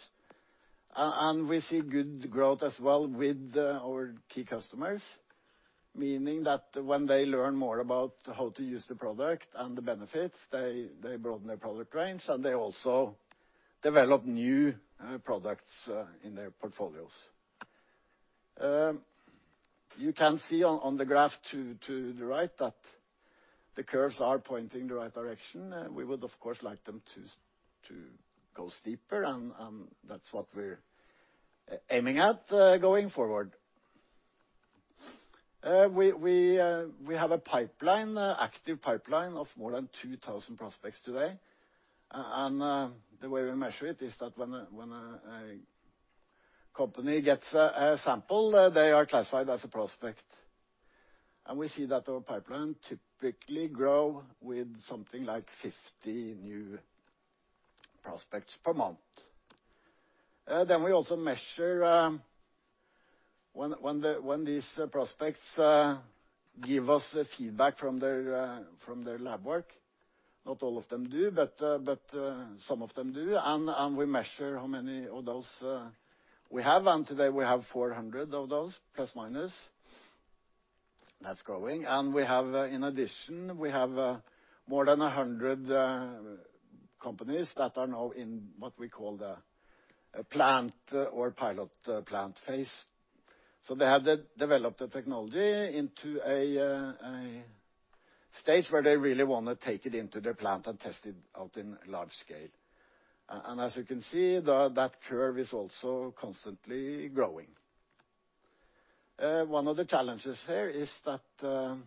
We see good growth as well with our key customers, meaning that when they learn more about how to use the product and the benefits, they broaden their product range, and they also develop new products in their portfolios. You can see on the graph to the right that the curves are pointing the right direction. We would of course like them to go steeper, and that's what we're aiming at going forward. We have a pipeline, active pipeline of more than 2,000 prospects today. The way we measure it is that when a company gets a sample, they are classified as a prospect. We see that our pipeline typically grow with something like 50 new prospects per month. We also measure when these prospects give us feedback from their lab work. Not all of them do, but some of them do. We measure how many of those we have. Today we have 400 of those, plus/minus. That's growing. We have in addition, we have more than 100 companies that are now in what we call the plant or pilot plant phase. They have developed the technology into a stage where they really want to take it into their plant and test it out in large scale. As you can see, that curve is also constantly growing. One of the challenges here is that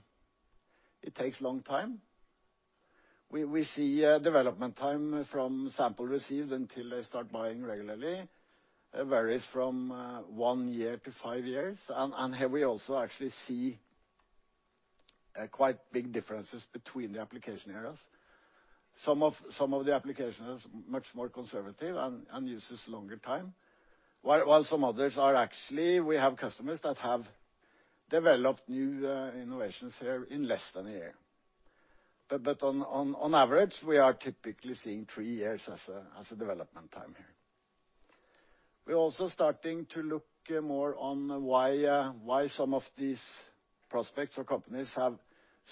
it takes a long time. We see development time from sample received until they start buying regularly. It varies from one year to five years. Here we also actually see quite big differences between the application areas. Some of the application areas are much more conservative and uses longer time, while some others are actually, we have customers that have developed new innovations here in less than a year. On average, we are typically seeing three years as a development time here. We are also starting to look more on why some of these prospects or companies have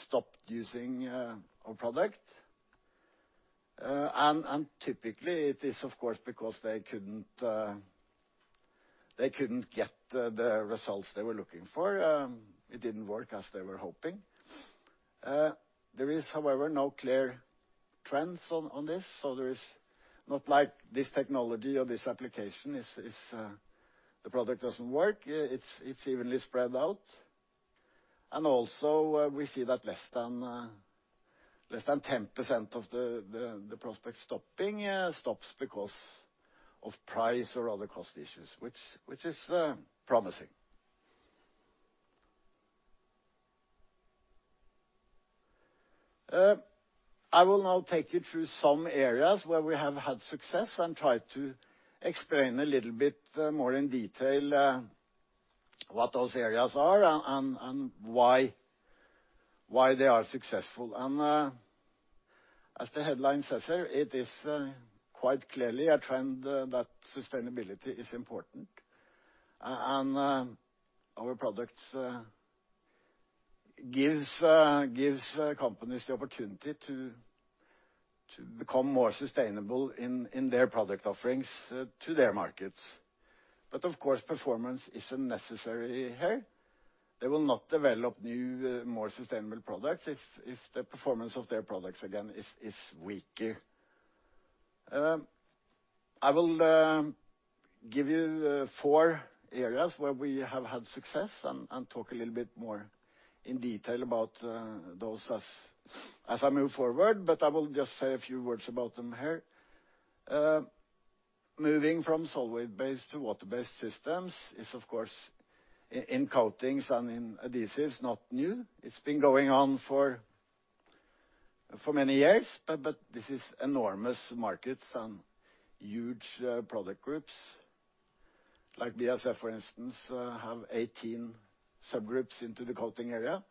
stopped using our product. Typically it is, of course, because they couldn't get the results they were looking for. It didn't work as they were hoping. There is, however, no clear trends on this, so there is not like this technology or this application is the product doesn't work. It's evenly spread out. Also, we see that less than 10% of the prospect stops because of price or other cost issues, which is promising. I will now take you through some areas where we have had success and try to explain a little bit more in detail what those areas are and why they are successful. As the headline says here, it is quite clearly a trend that sustainability is important, and our products gives companies the opportunity to become more sustainable in their product offerings to their markets. Of course, performance isn't necessary here. They will not develop new, more sustainable products if the performance of their products, again, is weaker. I will give you four areas where we have had success and talk a little bit more in detail about those as I move forward. I will just say a few words about them here. Moving from solvent-based to water-based systems is of course, in coatings and in adhesives, not new. It's been going on for many years but this is enormous markets and huge product groups. Like BASF, for instance, have 18 subgroups into the coating area.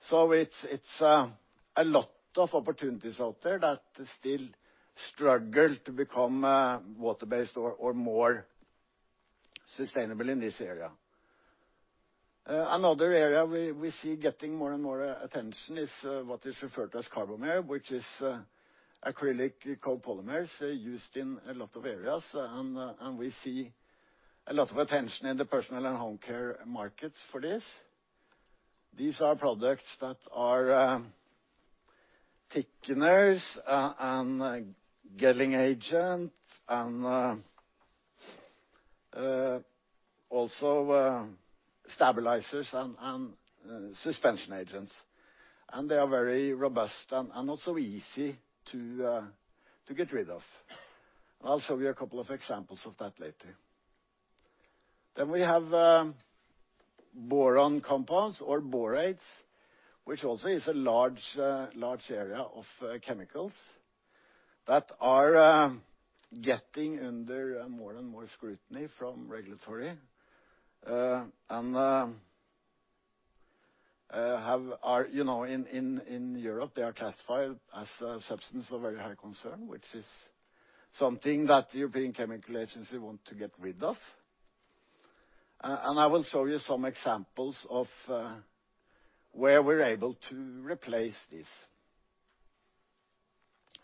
It's a lot of opportunities out there that still struggle to become water-based or more sustainable in this area. Another area we see getting more and more attention is what is referred to as carbomer, which is acrylic copolymers used in a lot of areas, and we see a lot of attention in the personal and home care markets for this. These are products that are thickeners and gelling agent and also stabilizers and suspension agents, and they are very robust and not so easy to get rid of. I'll show you a couple of examples of that later. We have boron compounds or borates, which also is a large area of chemicals that are getting under more and more scrutiny from regulatory. In Europe, they are classified as a Substance of Very High Concern, which is something that the European Chemicals Agency want to get rid of. I will show you some examples of where we're able to replace this.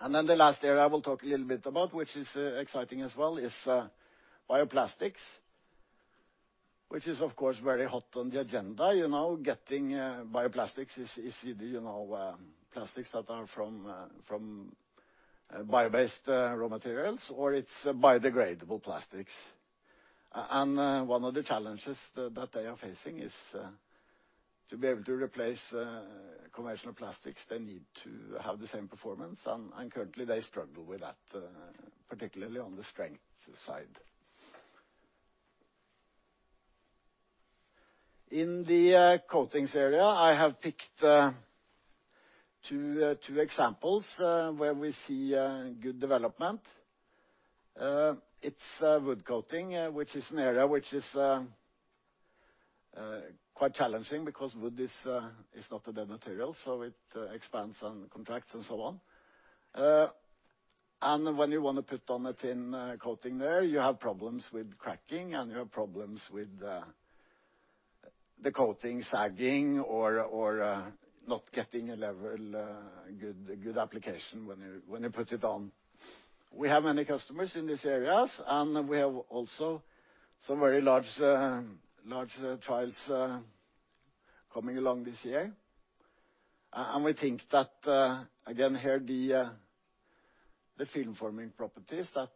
The last area I will talk a little bit about, which is exciting as well, is bioplastics, which is of course very hot on the agenda. Getting bioplastics is easy, plastics that are from bio-based raw materials, or it's biodegradable plastics. One of the challenges that they are facing is to be able to replace conventional plastics, they need to have the same performance. Currently, they struggle with that, particularly on the strength side. In the coatings area, I have picked two examples, where we see good development. It's wood coating, which is an area which is quite challenging because wood is not a dead material, so it expands and contracts and so on. When you want to put on a thin coating there, you have problems with cracking, and you have problems with the coating sagging or not getting a level good application when you put it on. We have many customers in these areas, and we have also some very large trials coming along this year. We think that, again, here the film-forming properties that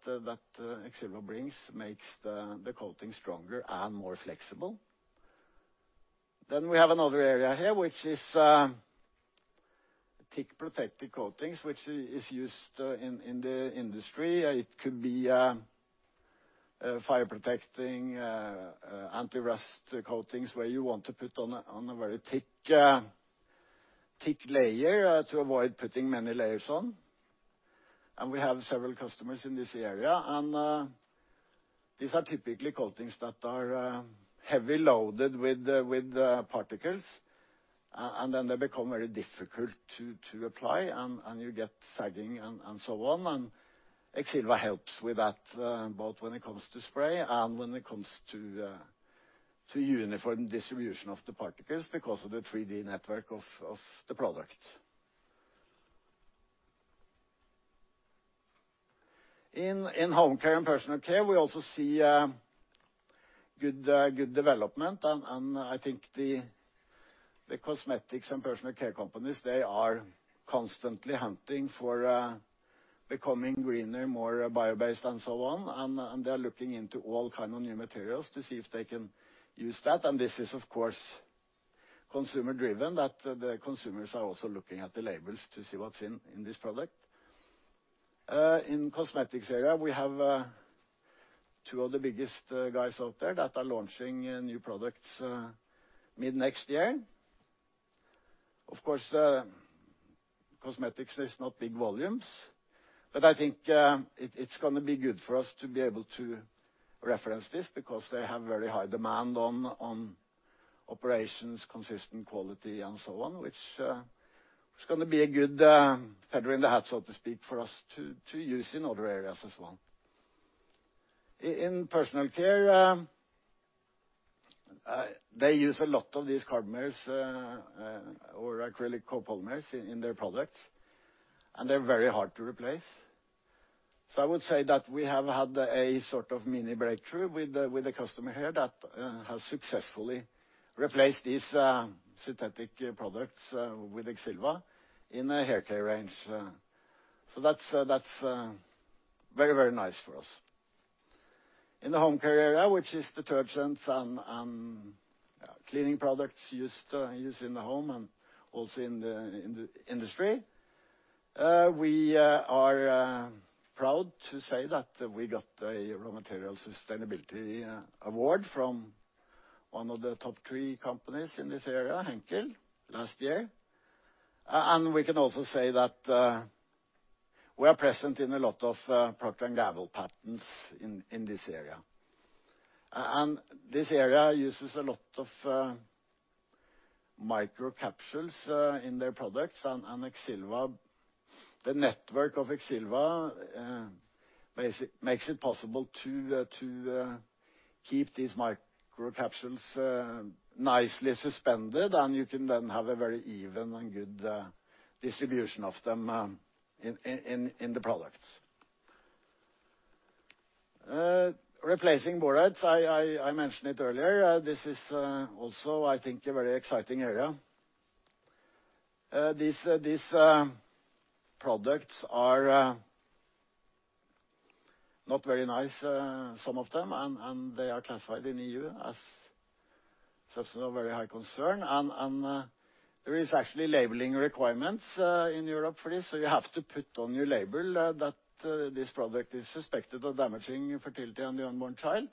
Exilva brings makes the coating stronger and more flexible. We have another area here, which is thick protective coatings, which is used in the industry. It could be fire-protecting anti-rust coatings where you want to put on a very thick layer to avoid putting many layers on. We have several customers in this area. These are typically coatings that are heavily loaded with particles, and then they become very difficult to apply, and you get sagging and so on. Exilva helps with that, both when it comes to spray and when it comes to uniform distribution of the particles, because of the 3D network of the product. In home care and personal care, we also see good development. I think the cosmetics and personal care companies, they are constantly hunting for becoming greener, more bio-based and so on. They're looking into all kind of new materials to see if they can use that. This is, of course, consumer-driven, that the consumers are also looking at the labels to see what's in this product. In cosmetics area, we have two of the biggest guys out there that are launching new products mid-next year. Of course, cosmetics is not big volumes, but I think it's going to be good for us to be able to reference this, because they have very high demand on operations, consistent quality, and so on, which is going to be a good feather in the hat, so to speak, for us to use in other areas as well. In personal care, they use a lot of these carbomers or acrylic copolymers in their products, and they're very hard to replace. I would say that we have had a sort of mini breakthrough with a customer here that has successfully replaced these synthetic products with Exilva in a hair care range. That's very nice for us. In the home care area, which is detergents and cleaning products used in the home and also in the industry, we are proud to say that we got a Raw Material Sustainability award from one of the top three companies in this area, Henkel, last year. We can also say that we are present in a lot of Procter & Gamble patents in this area. This area uses a lot of microcapsules in their products, and the network of Exilva makes it possible to keep these microcapsules nicely suspended, and you can then have a very even and good distribution of them in the products. Replacing borates, I mentioned it earlier. This is also, I think, a very exciting area. These products are not very nice, some of them, and they are classified in EU as Substance of Very High Concern. There is actually labeling requirements in Europe for this. You have to put on your label that this product is suspected of damaging fertility and the unborn child,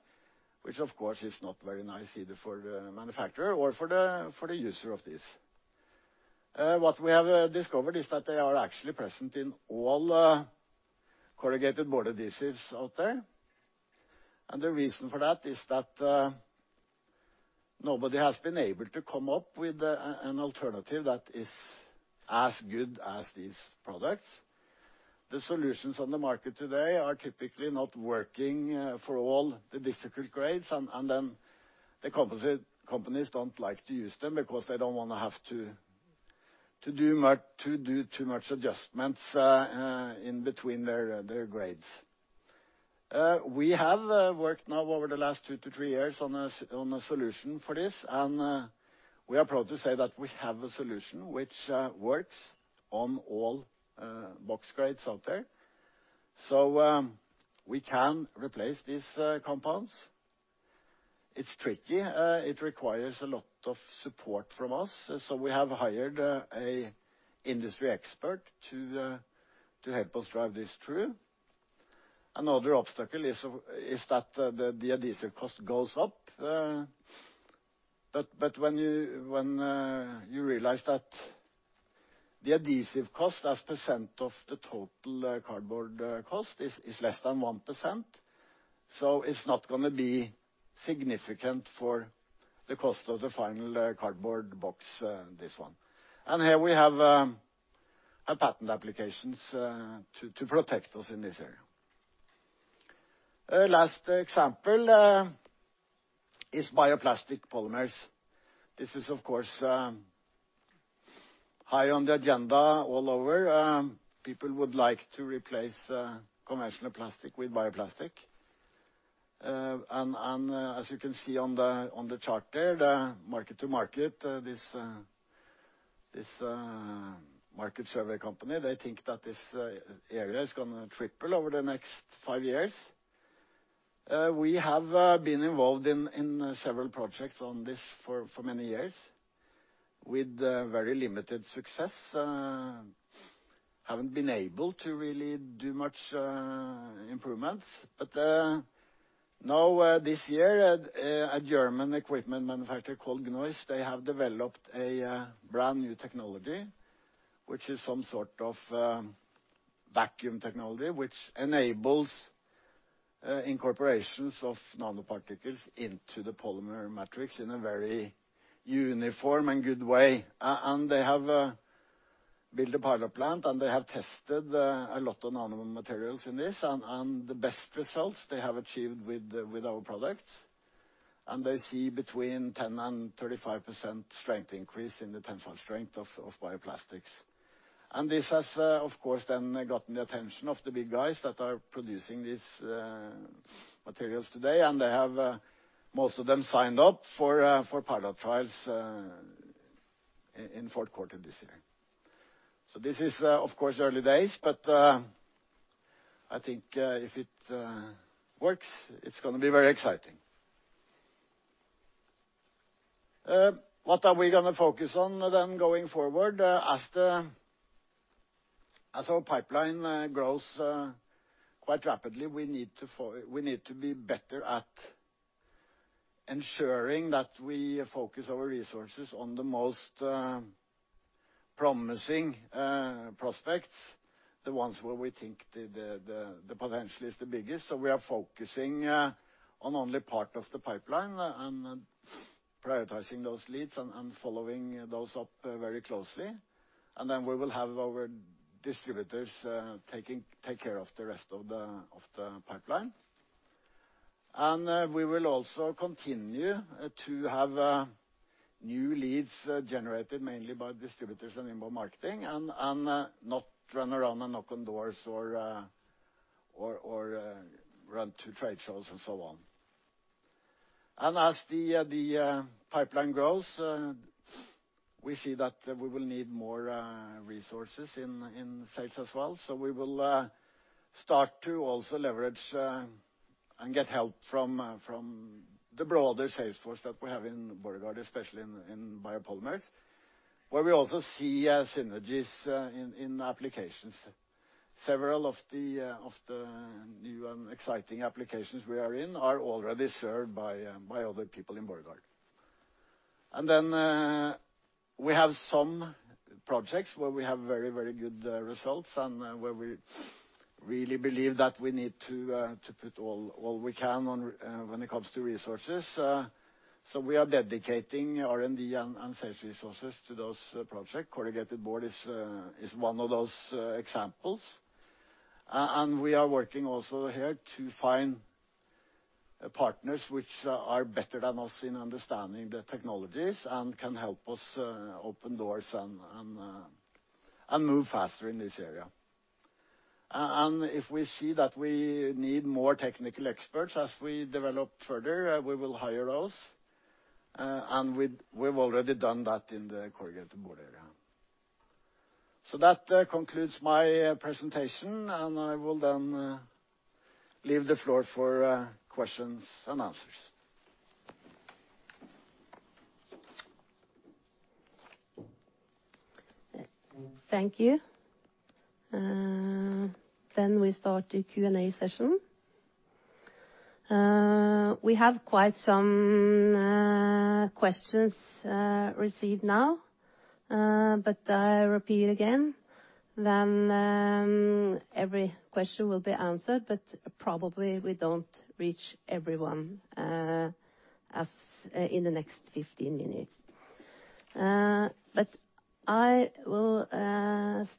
which of course is not very nice either for the manufacturer or for the user of this. What we have discovered is that they are actually present in all corrugated board adhesives out there. The reason for that is that nobody has been able to come up with an alternative that is as good as these products. The solutions on the market today are typically not working for all the difficult grades, and then the companies don't like to use them because they don't want to have to do too much adjustments in between their grades. We have worked now over the last two to three years on a solution for this. We are proud to say that we have a solution which works on all box grades out there, so we can replace these compounds. It's tricky. It requires a lot of support from us. We have hired an industry expert to help us drive this through. Another obstacle is that the adhesive cost goes up. When you realize that the adhesive cost as percent of the total cardboard cost is less than 1%, it's not going to be significant for the cost of the final cardboard box, this one. Here we have patent applications to protect us in this area. Last example is bioplastic polymers. This is, of course, high on the agenda all over. People would like to replace conventional plastic with bioplastic. As you can see on the chart there, the MarketsandMarkets, this market survey company, they think that this area is going to triple over the next five years. We have been involved in several projects on this for many years with very limited success. Haven't been able to really do much improvements. Now, this year, a German equipment manufacturer called Gneuss, they have developed a brand new technology, which is some sort of vacuum technology, which enables incorporations of nanoparticles into the polymer matrix in a very uniform and good way. They have built a pilot plant, and they have tested a lot of nanomaterials in this, and the best results they have achieved with our products. They see between 10% and 35% strength increase in the tensile strength of bioplastics. This has, of course, then gotten the attention of the big guys that are producing these materials today, and they have most of them signed up for pilot trials in fourth quarter this year. This is, of course, early days, but I think if it works, it's going to be very exciting. What are we going to focus on then going forward? As our pipeline grows quite rapidly, we need to be better at ensuring that we focus our resources on the most promising prospects, the ones where we think the potential is the biggest. We are focusing on only part of the pipeline and prioritizing those leads and following those up very closely. Then we will have our distributors take care of the rest of the pipeline. We will also continue to have new leads generated mainly by distributors and inbound marketing and not run around and knock on doors or run to trade shows and so on. As the pipeline grows, we see that we will need more resources in sales as well. We will start to also leverage and get help from the broader sales force that we have in Borregaard, especially in biopolymers, where we also see synergies in applications. Several of the new and exciting applications we are in are already served by other people in Borregaard. We have some projects where we have very good results and where we really believe that we need to put all we can when it comes to resources. We are dedicating R&D and sales resources to those projects. Corrugated board is one of those examples. We are working also here to find partners which are better than us in understanding the technologies and can help us open doors and move faster in this area. If we see that we need more technical experts as we develop further, we will hire those. We've already done that in the corrugated board area. That concludes my presentation, and I will then leave the floor for questions and answers. Thank you. We start the Q&A session. We have quite some questions received now. I repeat again, every question will be answered, but probably we don't reach everyone in the next 15 minutes. I will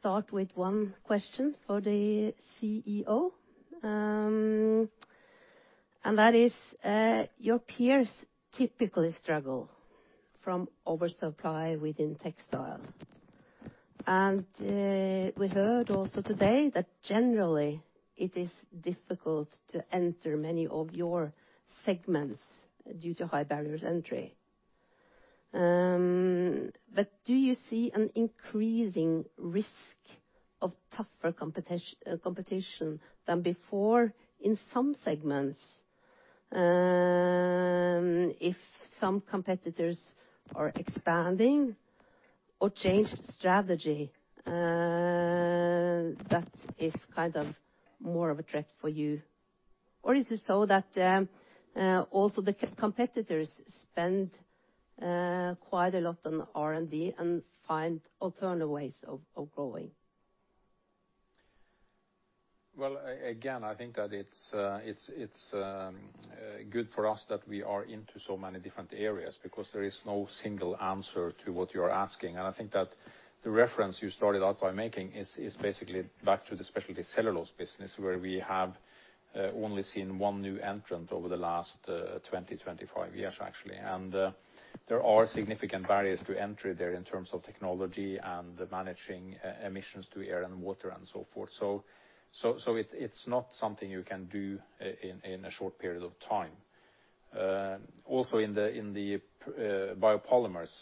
start with one question for the CEO. That is, your peers typically struggle from oversupply within textile. We heard also today that generally it is difficult to enter many of your segments due to high barriers entry. Do you see an increasing risk of tougher competition than before in some segments? If some competitors are expanding or change strategy, that is kind of more of a threat for you. Is it so that also the competitors spend quite a lot on R&D and find alternative ways of growing? Well, again, I think that it's good for us that we are into so many different areas because there is no single answer to what you are asking. I think that the reference you started out by making is basically back to the specialty cellulose business, where we have only seen one new entrant over the last 20 years, 25 years, actually. There are significant barriers to entry there in terms of technology and managing emissions to air and water and so forth. It's not something you can do in a short period of time. Also in the biopolymers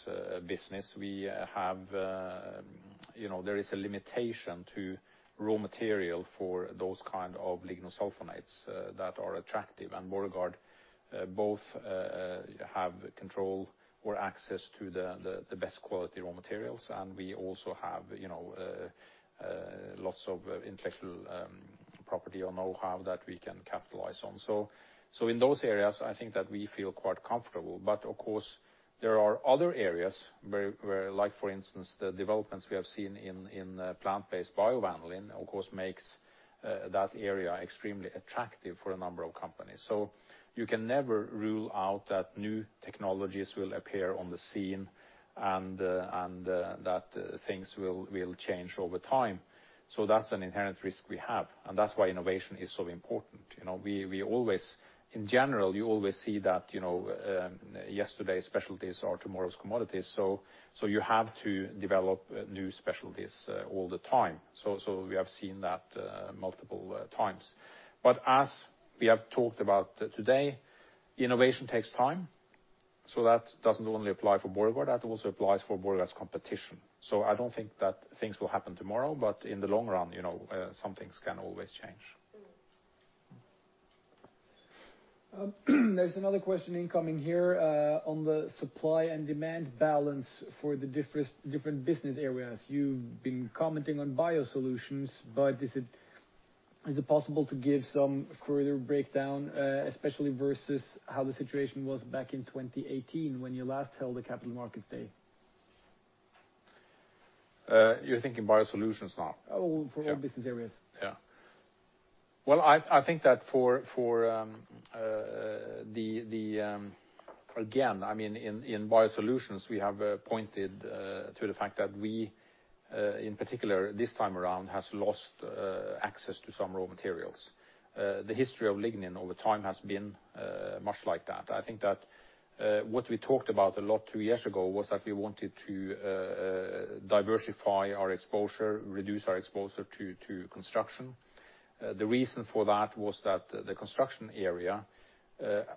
business, there is a limitation to raw material for those kind of lignosulfonates that are attractive, and Borregaard both have control or access to the best quality raw materials. We also have lots of intellectual property or know-how that we can capitalize on. In those areas, I think that we feel quite comfortable. Of course, there are other areas where, like for instance, the developments we have seen in plant-based biovanillin, of course, makes that area extremely attractive for a number of companies. You can never rule out that new technologies will appear on the scene and that things will change over time. That's an inherent risk we have, and that's why innovation is so important. In general, you always see that yesterday's specialties are tomorrow's commodities, so you have to develop new specialties all the time. We have seen that multiple times. As we have talked about today, innovation takes time, so that doesn't only apply for Borregaard, that also applies for Borregaard's competition. I don't think that things will happen tomorrow, but in the long run, some things can always change. There's another question incoming here on the supply and demand balance for the different business areas. You've been commenting on BioSolutions, but is it possible to give some further breakdown, especially versus how the situation was back in 2018 when you last held a Capital Market Day? You're thinking BioSolutions now? For all business areas. Well, I think that for, again, in BioSolutions, we have pointed to the fact that we, in particular this time around, have lost access to some raw materials. The history of lignin over time has been much like that. I think that what we talked about a lot two years ago was that we wanted to diversify our exposure, reduce our exposure to construction. The reason for that was that the construction area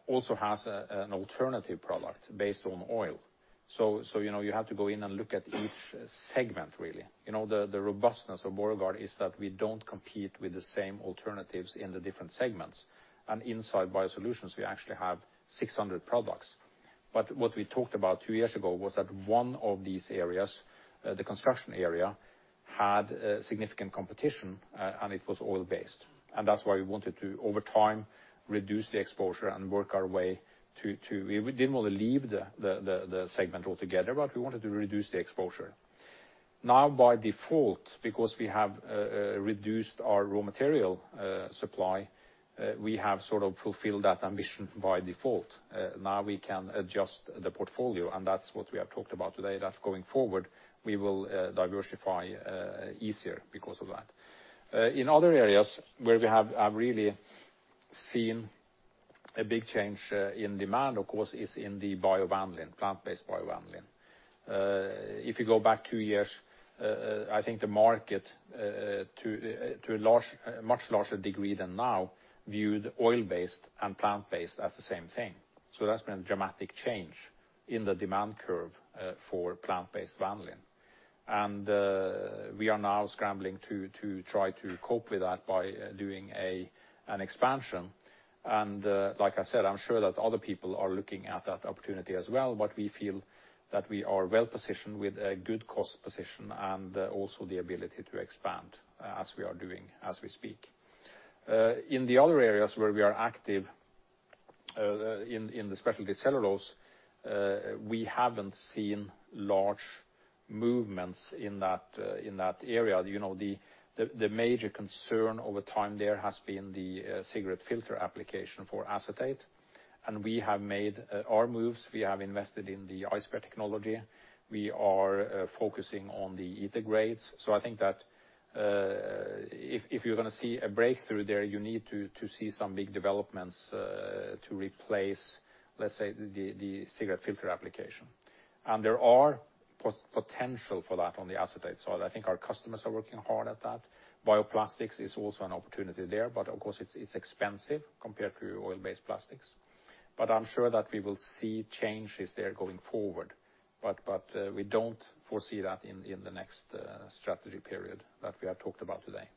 also has an alternative product based on oil. You have to go in and look at each segment, really. The robustness of Borregaard is that we don't compete with the same alternatives in the different segments. Inside BioSolutions, we actually have 600 products. What we talked about two years ago was that one of these areas, the construction area, had significant competition, and it was oil-based. That's why we wanted to, over time, reduce the exposure. We didn't want to leave the segment altogether, but we wanted to reduce the exposure. By default, because we have reduced our raw material supply, we have sort of fulfilled that ambition by default. We can adjust the portfolio. That's what we have talked about today. Going forward, we will diversify easier because of that. In other areas where we have really seen a big change in demand, of course, is in the biovanillin, plant-based biovanillin. If you go back two years, I think the market, to a much larger degree than now, viewed oil-based and plant-based as the same thing. That's been a dramatic change in the demand curve for plant-based vanillin. We are now scrambling to try to cope with that by doing an expansion. Like I said, I'm sure that other people are looking at that opportunity as well. We feel that we are well-positioned with a good cost position and also the ability to expand as we are doing, as we speak. In the other areas where we are active in the specialty cellulose, we haven't seen large movements in that area. The major concern over time there has been the cigarette filter application for acetate, and we have made our moves. We have invested in the Ice Bear technology. We are focusing on the ether grades. I think that if you're going to see a breakthrough there, you need to see some big developments to replace, let's say, the cigarette filter application. There are potential for that on the acetate side. I think our customers are working hard at that. Bioplastics is also an opportunity there, of course, it's expensive compared to oil-based plastics. I'm sure that we will see changes there going forward. We don't foresee that in the next strategy period that we have talked about today.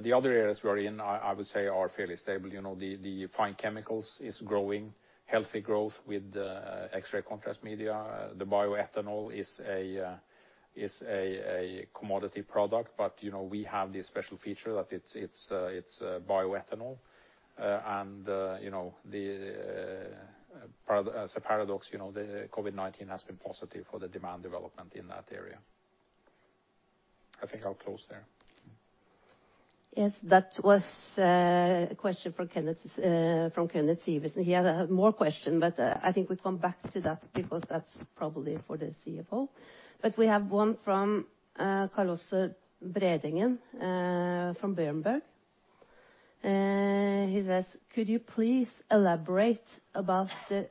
The other areas we are in, I would say, are fairly stable. The Fine Chemicals is growing, healthy growth with X-ray contrast media. The bioethanol is a commodity product, but we have this special feature that it's bioethanol. As a paradox, COVID-19 has been positive for the demand development in that area. I think I'll close there. Yes. That was a question from Kenneth Sivertsen. He had more questions, but I think we'll come back to that because that's probably for the CFO. We have one from Carl-Oscar Bredengen from Berenberg. He says, "Could you please elaborate about the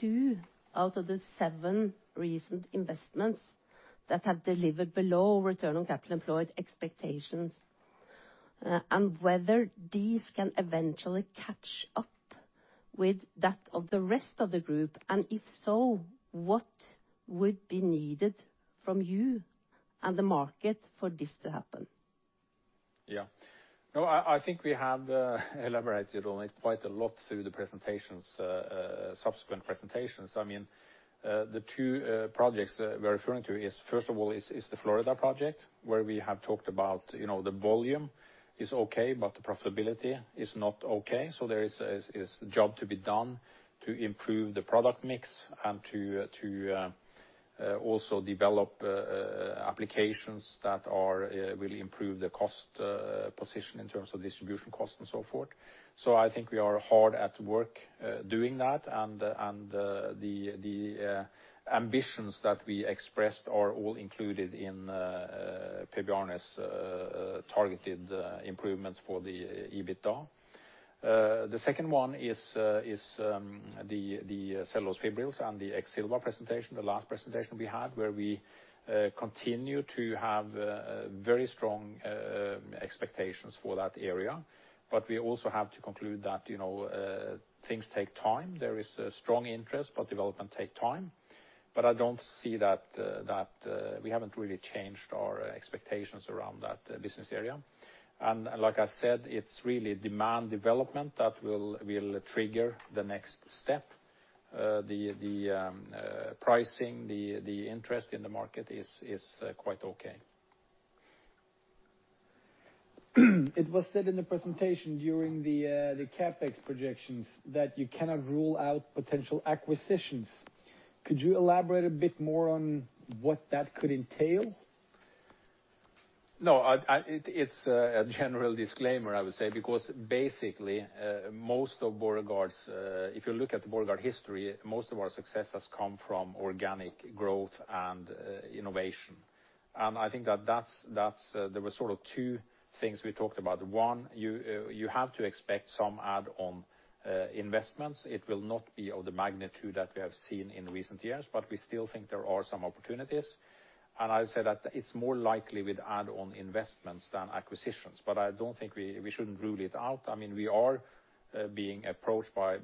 two out of the seven recent investments that have delivered below return on capital employed expectations, and whether these can eventually catch up with that of the rest of the group? And if so, what would be needed from you and the market for this to happen? No, I think we have elaborated on it quite a lot through the subsequent presentations. The two projects we're referring to is, first of all, is the Florida project where we have talked about the volume is okay, but the profitability is not okay. There is a job to be done to improve the product mix and to also develop applications that will improve the cost position in terms of distribution cost and so forth. I think we are hard at work doing that, and the ambitions that we expressed are all included in Per Bjarne's targeted improvements for the EBITDA. The second one is the cellulose fibrils and the Exilva presentation, the last presentation we had, where we continue to have very strong expectations for that area. We also have to conclude that things take time. There is a strong interest, but development take time. I don't see that we haven't really changed our expectations around that business area. Like I said, it's really demand development that will trigger the next step. The pricing, the interest in the market is quite okay. It was said in the presentation during the CapEx projections that you cannot rule out potential acquisitions. Could you elaborate a bit more on what that could entail? It's a general disclaimer, I would say, because basically, if you look at the Borregaard history, most of our success has come from organic growth and innovation. I think that there were sort of two things we talked about. You have to expect some add-on investments. It will not be of the magnitude that we have seen in recent years, but we still think there are some opportunities. I said that it's more likely with add-on investments than acquisitions. I don't think we shouldn't rule it out. We are being approached by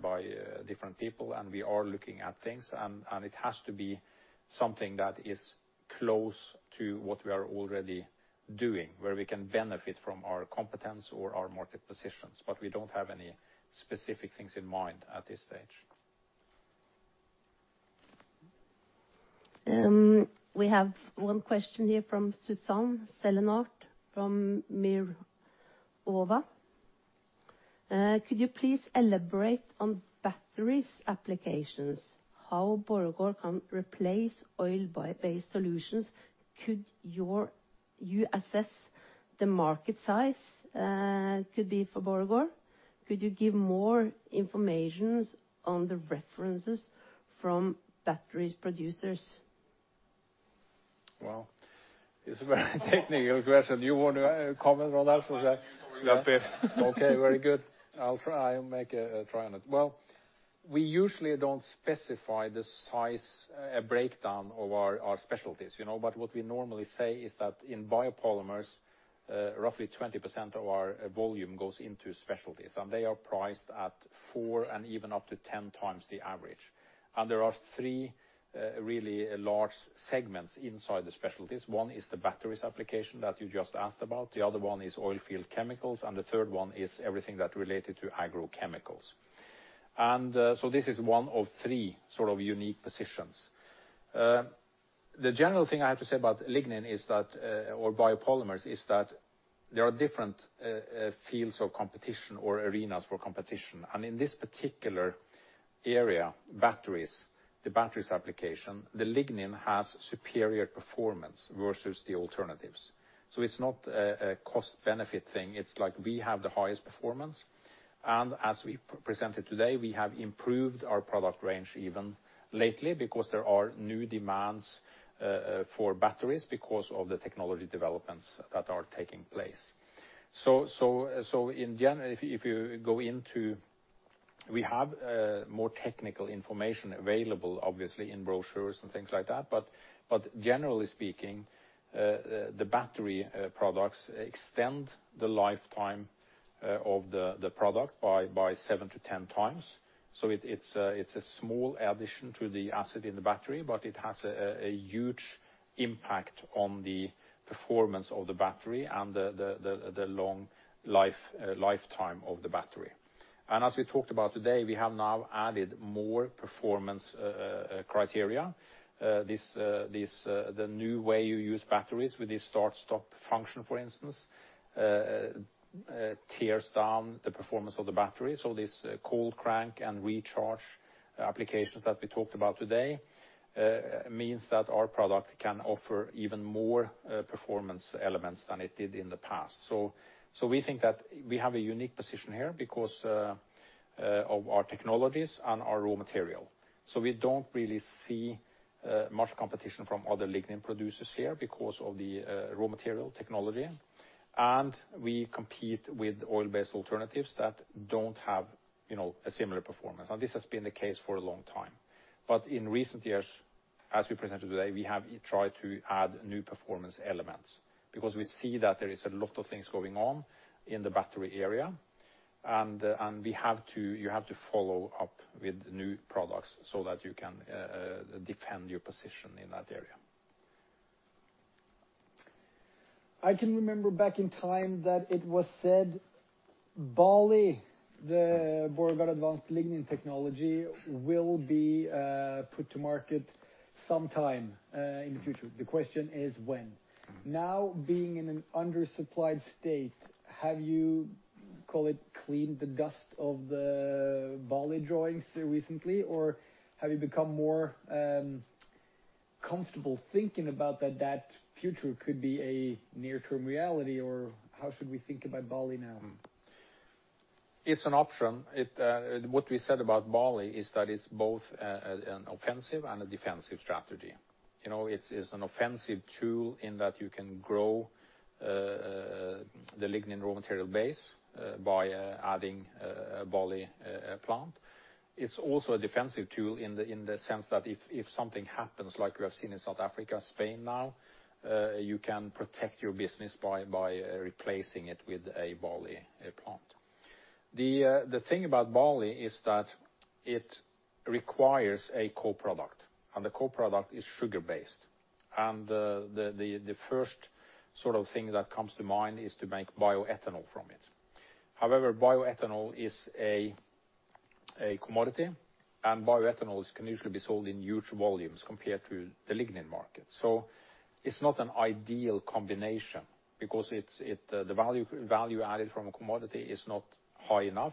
different people, and we are looking at things, and it has to be something that is close to what we are already doing, where we can benefit from our competence or our market positions. We don't have any specific things in mind at this stage. We have one question here from [Susanne Sæther] from [Mirava]. Could you please elaborate on batteries applications, how Borregaard can replace oil-based solutions? Could you assess the market size could be for Borregaard? Could you give more informations on the references from batteries producers? Wow. It's a very technical question. You want to comment on that, [Sverre]? [inaudible] Okay, very good. I'll make a try on it. We usually don't specify the size breakdown of our specialties. What we normally say is that in biopolymers, roughly 20% of our volume goes into specialties, and they are priced at four and even up to 10x the average. There are three really large segments inside the specialties. One is the batteries application that you just asked about. The other one is oil field chemicals, and the third one is everything that related to agrochemicals. This is one of three sort of unique positions. The general thing I have to say about lignin or biopolymers is that there are different fields of competition or arenas for competition. In this particular area, the batteries application, the lignin has superior performance versus the alternatives. It's not a cost/benefit thing. It's like we have the highest performance. As we presented today, we have improved our product range even lately because there are new demands for batteries because of the technology developments that are taking place. In general, we have more technical information available, obviously, in brochures and things like that. Generally speaking, the battery products extend the lifetime of the product by 7x-10x. It's a small addition to the acid in the battery, but it has a huge impact on the performance of the battery and the long lifetime of the battery. As we talked about today, we have now added more performance criteria. The new way you use batteries with the start/stop function, for instance, tears down the performance of the battery. This cold cranking and recharge applications that we talked about today means that our product can offer even more performance elements than it did in the past. We think that we have a unique position here because of our technologies and our raw material. We don't really see much competition from other lignin producers here because of the raw material technology, and we compete with oil-based alternatives that don't have a similar performance. This has been the case for a long time. In recent years, as we presented today, we have tried to add new performance elements because we see that there is a lot of things going on in the battery area. You have to follow up with new products so that you can defend your position in that area. I can remember back in time that it was said BALi, the Borregaard Advanced Lignin technology, will be put to market sometime in the future. The question is when? Now being in an undersupplied state, have you, call it cleaned the dust of the BALi drawings recently, or have you become more comfortable thinking about that future could be a near-term reality, or how should we think about BALi now? It's an option. What we said about BALi is that it's both an offensive and a defensive strategy. It's an offensive tool in that you can grow the lignin raw material base by adding a BALi plant. It's also a defensive tool in the sense that if something happens like we have seen in South Africa, Spain now, you can protect your business by replacing it with a BALi plant. The thing about BALi is that it requires a co-product, and the co-product is sugar-based. The first thing that comes to mind is to make bioethanol from it. However, bioethanol is a commodity, and bioethanol can usually be sold in huge volumes compared to the lignin market. It's not an ideal combination because the value added from a commodity is not high enough,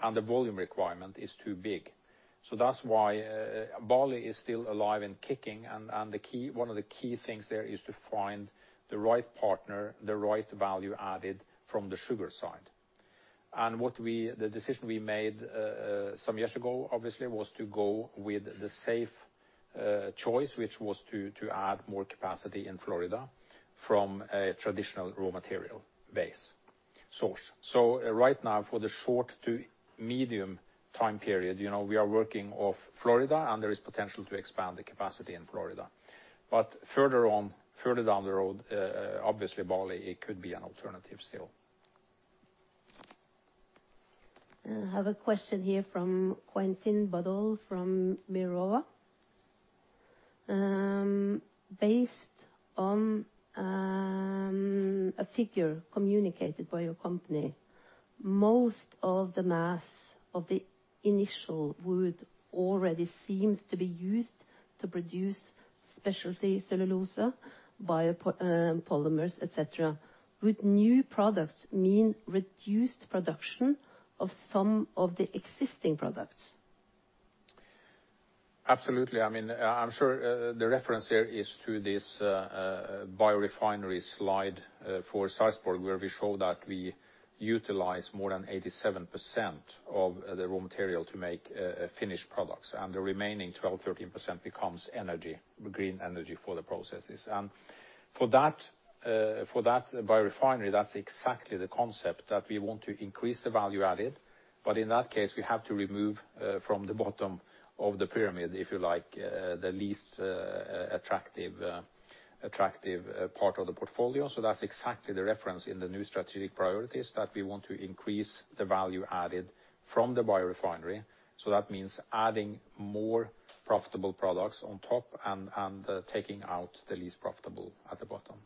and the volume requirement is too big. That's why BALi is still alive and kicking, and one of the key things there is to find the right partner, the right value added from the sugar side. The decision we made some years ago, obviously, was to go with the safe choice, which was to add more capacity in Florida from a traditional raw material base source. Right now, for the short to medium time period, we are working off Florida, and there is potential to expand the capacity in Florida. Further down the road, obviously, BALi, it could be an alternative still. I have a question here from [Quentin Badoil] from [Berenberg]. Based on a figure communicated by your company, most of the mass of the initial wood already seems to be used to produce specialty cellulose, biopolymers, et cetera. Would new products mean reduced production of some of the existing products? Absolutely. I'm sure the reference here is to this biorefinery slide for Sarpsborg, where we show that we utilize more than 87% of the raw material to make finished products, and the remaining 12%, 13% becomes green energy for the processes. For that biorefinery, that's exactly the concept that we want to increase the value added. In that case, we have to remove from the bottom of the pyramid, if you like, the least attractive part of the portfolio. That's exactly the reference in the new strategic priorities, that we want to increase the value added from the biorefinery. That means adding more profitable products on top and taking out the least profitable at the bottom.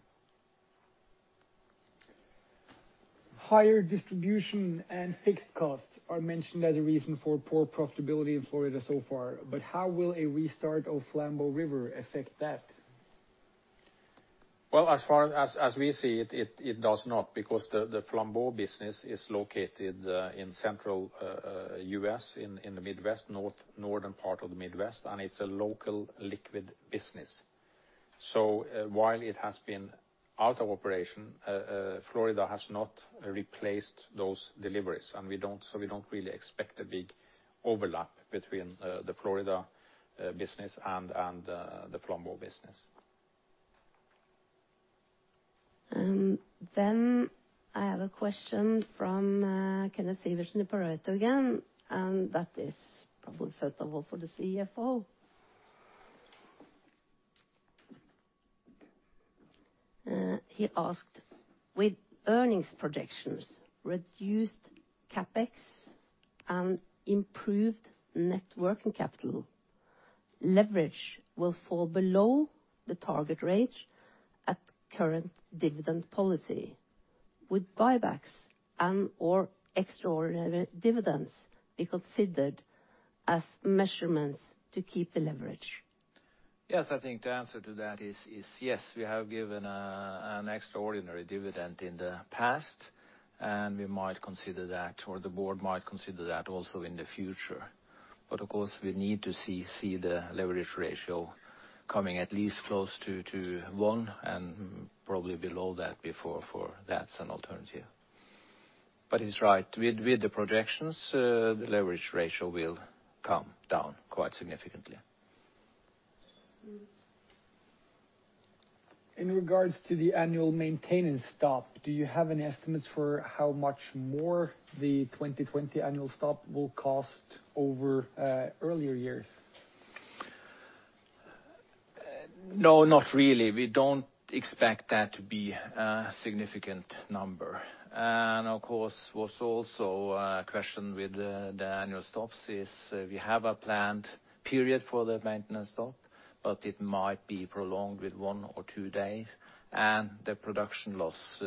Higher distribution and fixed costs are mentioned as a reason for poor profitability in Florida so far. How will a restart of Flambeau River affect that? Well, as far as we see it does not, because the Flambeau business is located in central U.S., in the northern part of the Midwest, and it's a local liquid business. While it has been out of operation, Borregaard has not replaced those deliveries. We don't really expect a big overlap between the Borregaard business and the Flambeau business. I have a question from Kenneth Sivertsen in Pareto again, and that is probably first of all for the CFO. He asked, with earnings projections, reduced CapEx, and improved net working capital, leverage will fall below the target range at current dividend policy. Would buybacks and/or extraordinary dividends be considered as measurements to keep the leverage? Yes, I think the answer to that is yes. We have given an extraordinary dividend in the past, and we might consider that, or the board might consider that also in the future. Of course, we need to see the leverage ratio coming at least close to one, and probably below that before that's an alternative. He's right. With the projections, the leverage ratio will come down quite significantly. In regards to the annual maintenance stop, do you have any estimates for how much more the 2020 annual stop will cost over earlier years? No, not really. We don't expect that to be a significant number. Of course, what's also a question with the annual stops is we have a planned period for the maintenance stop, but it might be prolonged with one or two days and the production loss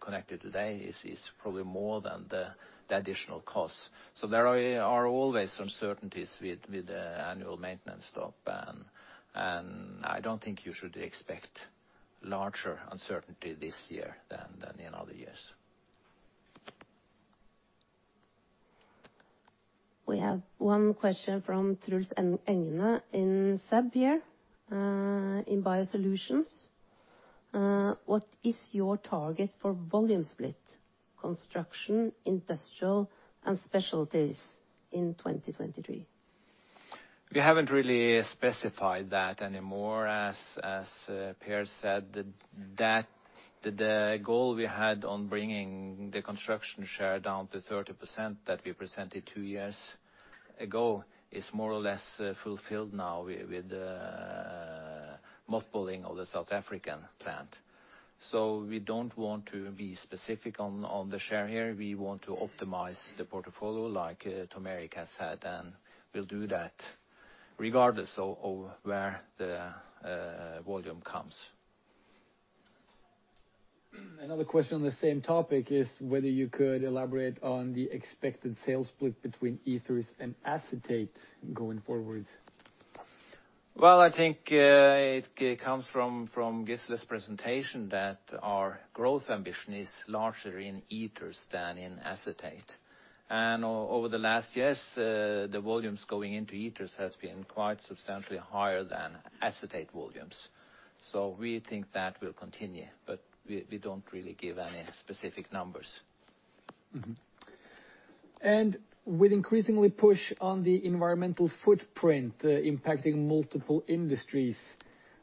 connected today is probably more than the additional costs. There are always uncertainties with the annual maintenance stop. I don't think you should expect larger uncertainty this year than in other years. We have one question from Truls Engene in SEB, in BioSolutions. What is your target for volume split construction, industrial and specialties in 2023? We haven't really specified that anymore, as Per said, that the goal we had on bringing the construction share down to 30% that we presented two years ago is more or less fulfilled now with mothballing of the South African plant. We don't want to be specific on the share here. We want to optimize the portfolio like Tom Erik has said, and we'll do that regardless of where the volume comes. Another question on the same topic is whether you could elaborate on the expected sales split between ethers and acetate going forwards. Well, I think it comes from Gisle's presentation that our growth ambition is larger in ethers than in acetate. Over the last years, the volumes going into ethers has been quite substantially higher than acetate volumes. We think that will continue, but we don't really give any specific numbers. With increasingly push on the environmental footprint impacting multiple industries,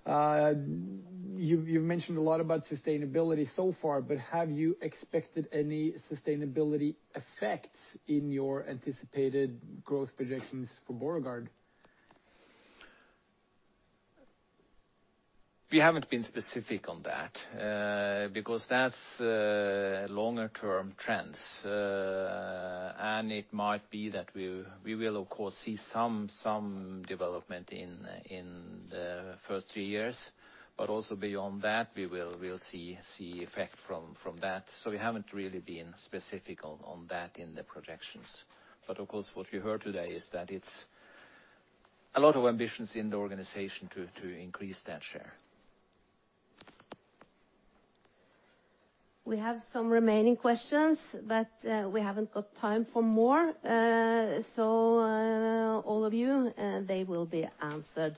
you've mentioned a lot about sustainability so far, but have you expected any sustainability effects in your anticipated growth projections for Borregaard? We haven't been specific on that because that's longer-term trends. It might be that we will, of course, see some development in the first two years, but also beyond that we'll see effect from that. We haven't really been specific on that in the projections. Of course, what you heard today is that it's a lot of ambitions in the organization to increase that share. We have some remaining questions, but we haven't got time for more. All of you, they will be answered.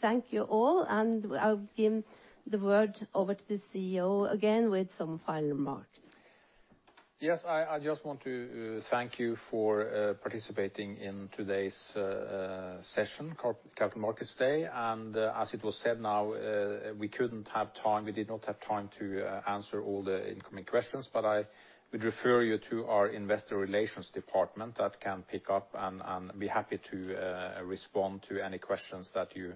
Thank you all and I'll give the word over to the CEO again with some final remarks. Yes, I just want to thank you for participating in today's session, Capital Markets Day. As it was said now, we did not have time to answer all the incoming questions. I would refer you to our Investor Relations department that can pick up and be happy to respond to any questions that you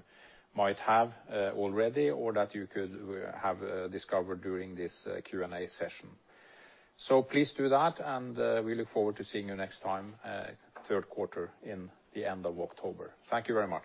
might have already or that you could have discovered during this Q&A session. Please do that. We look forward to seeing you next time, third quarter in the end of October. Thank you very much.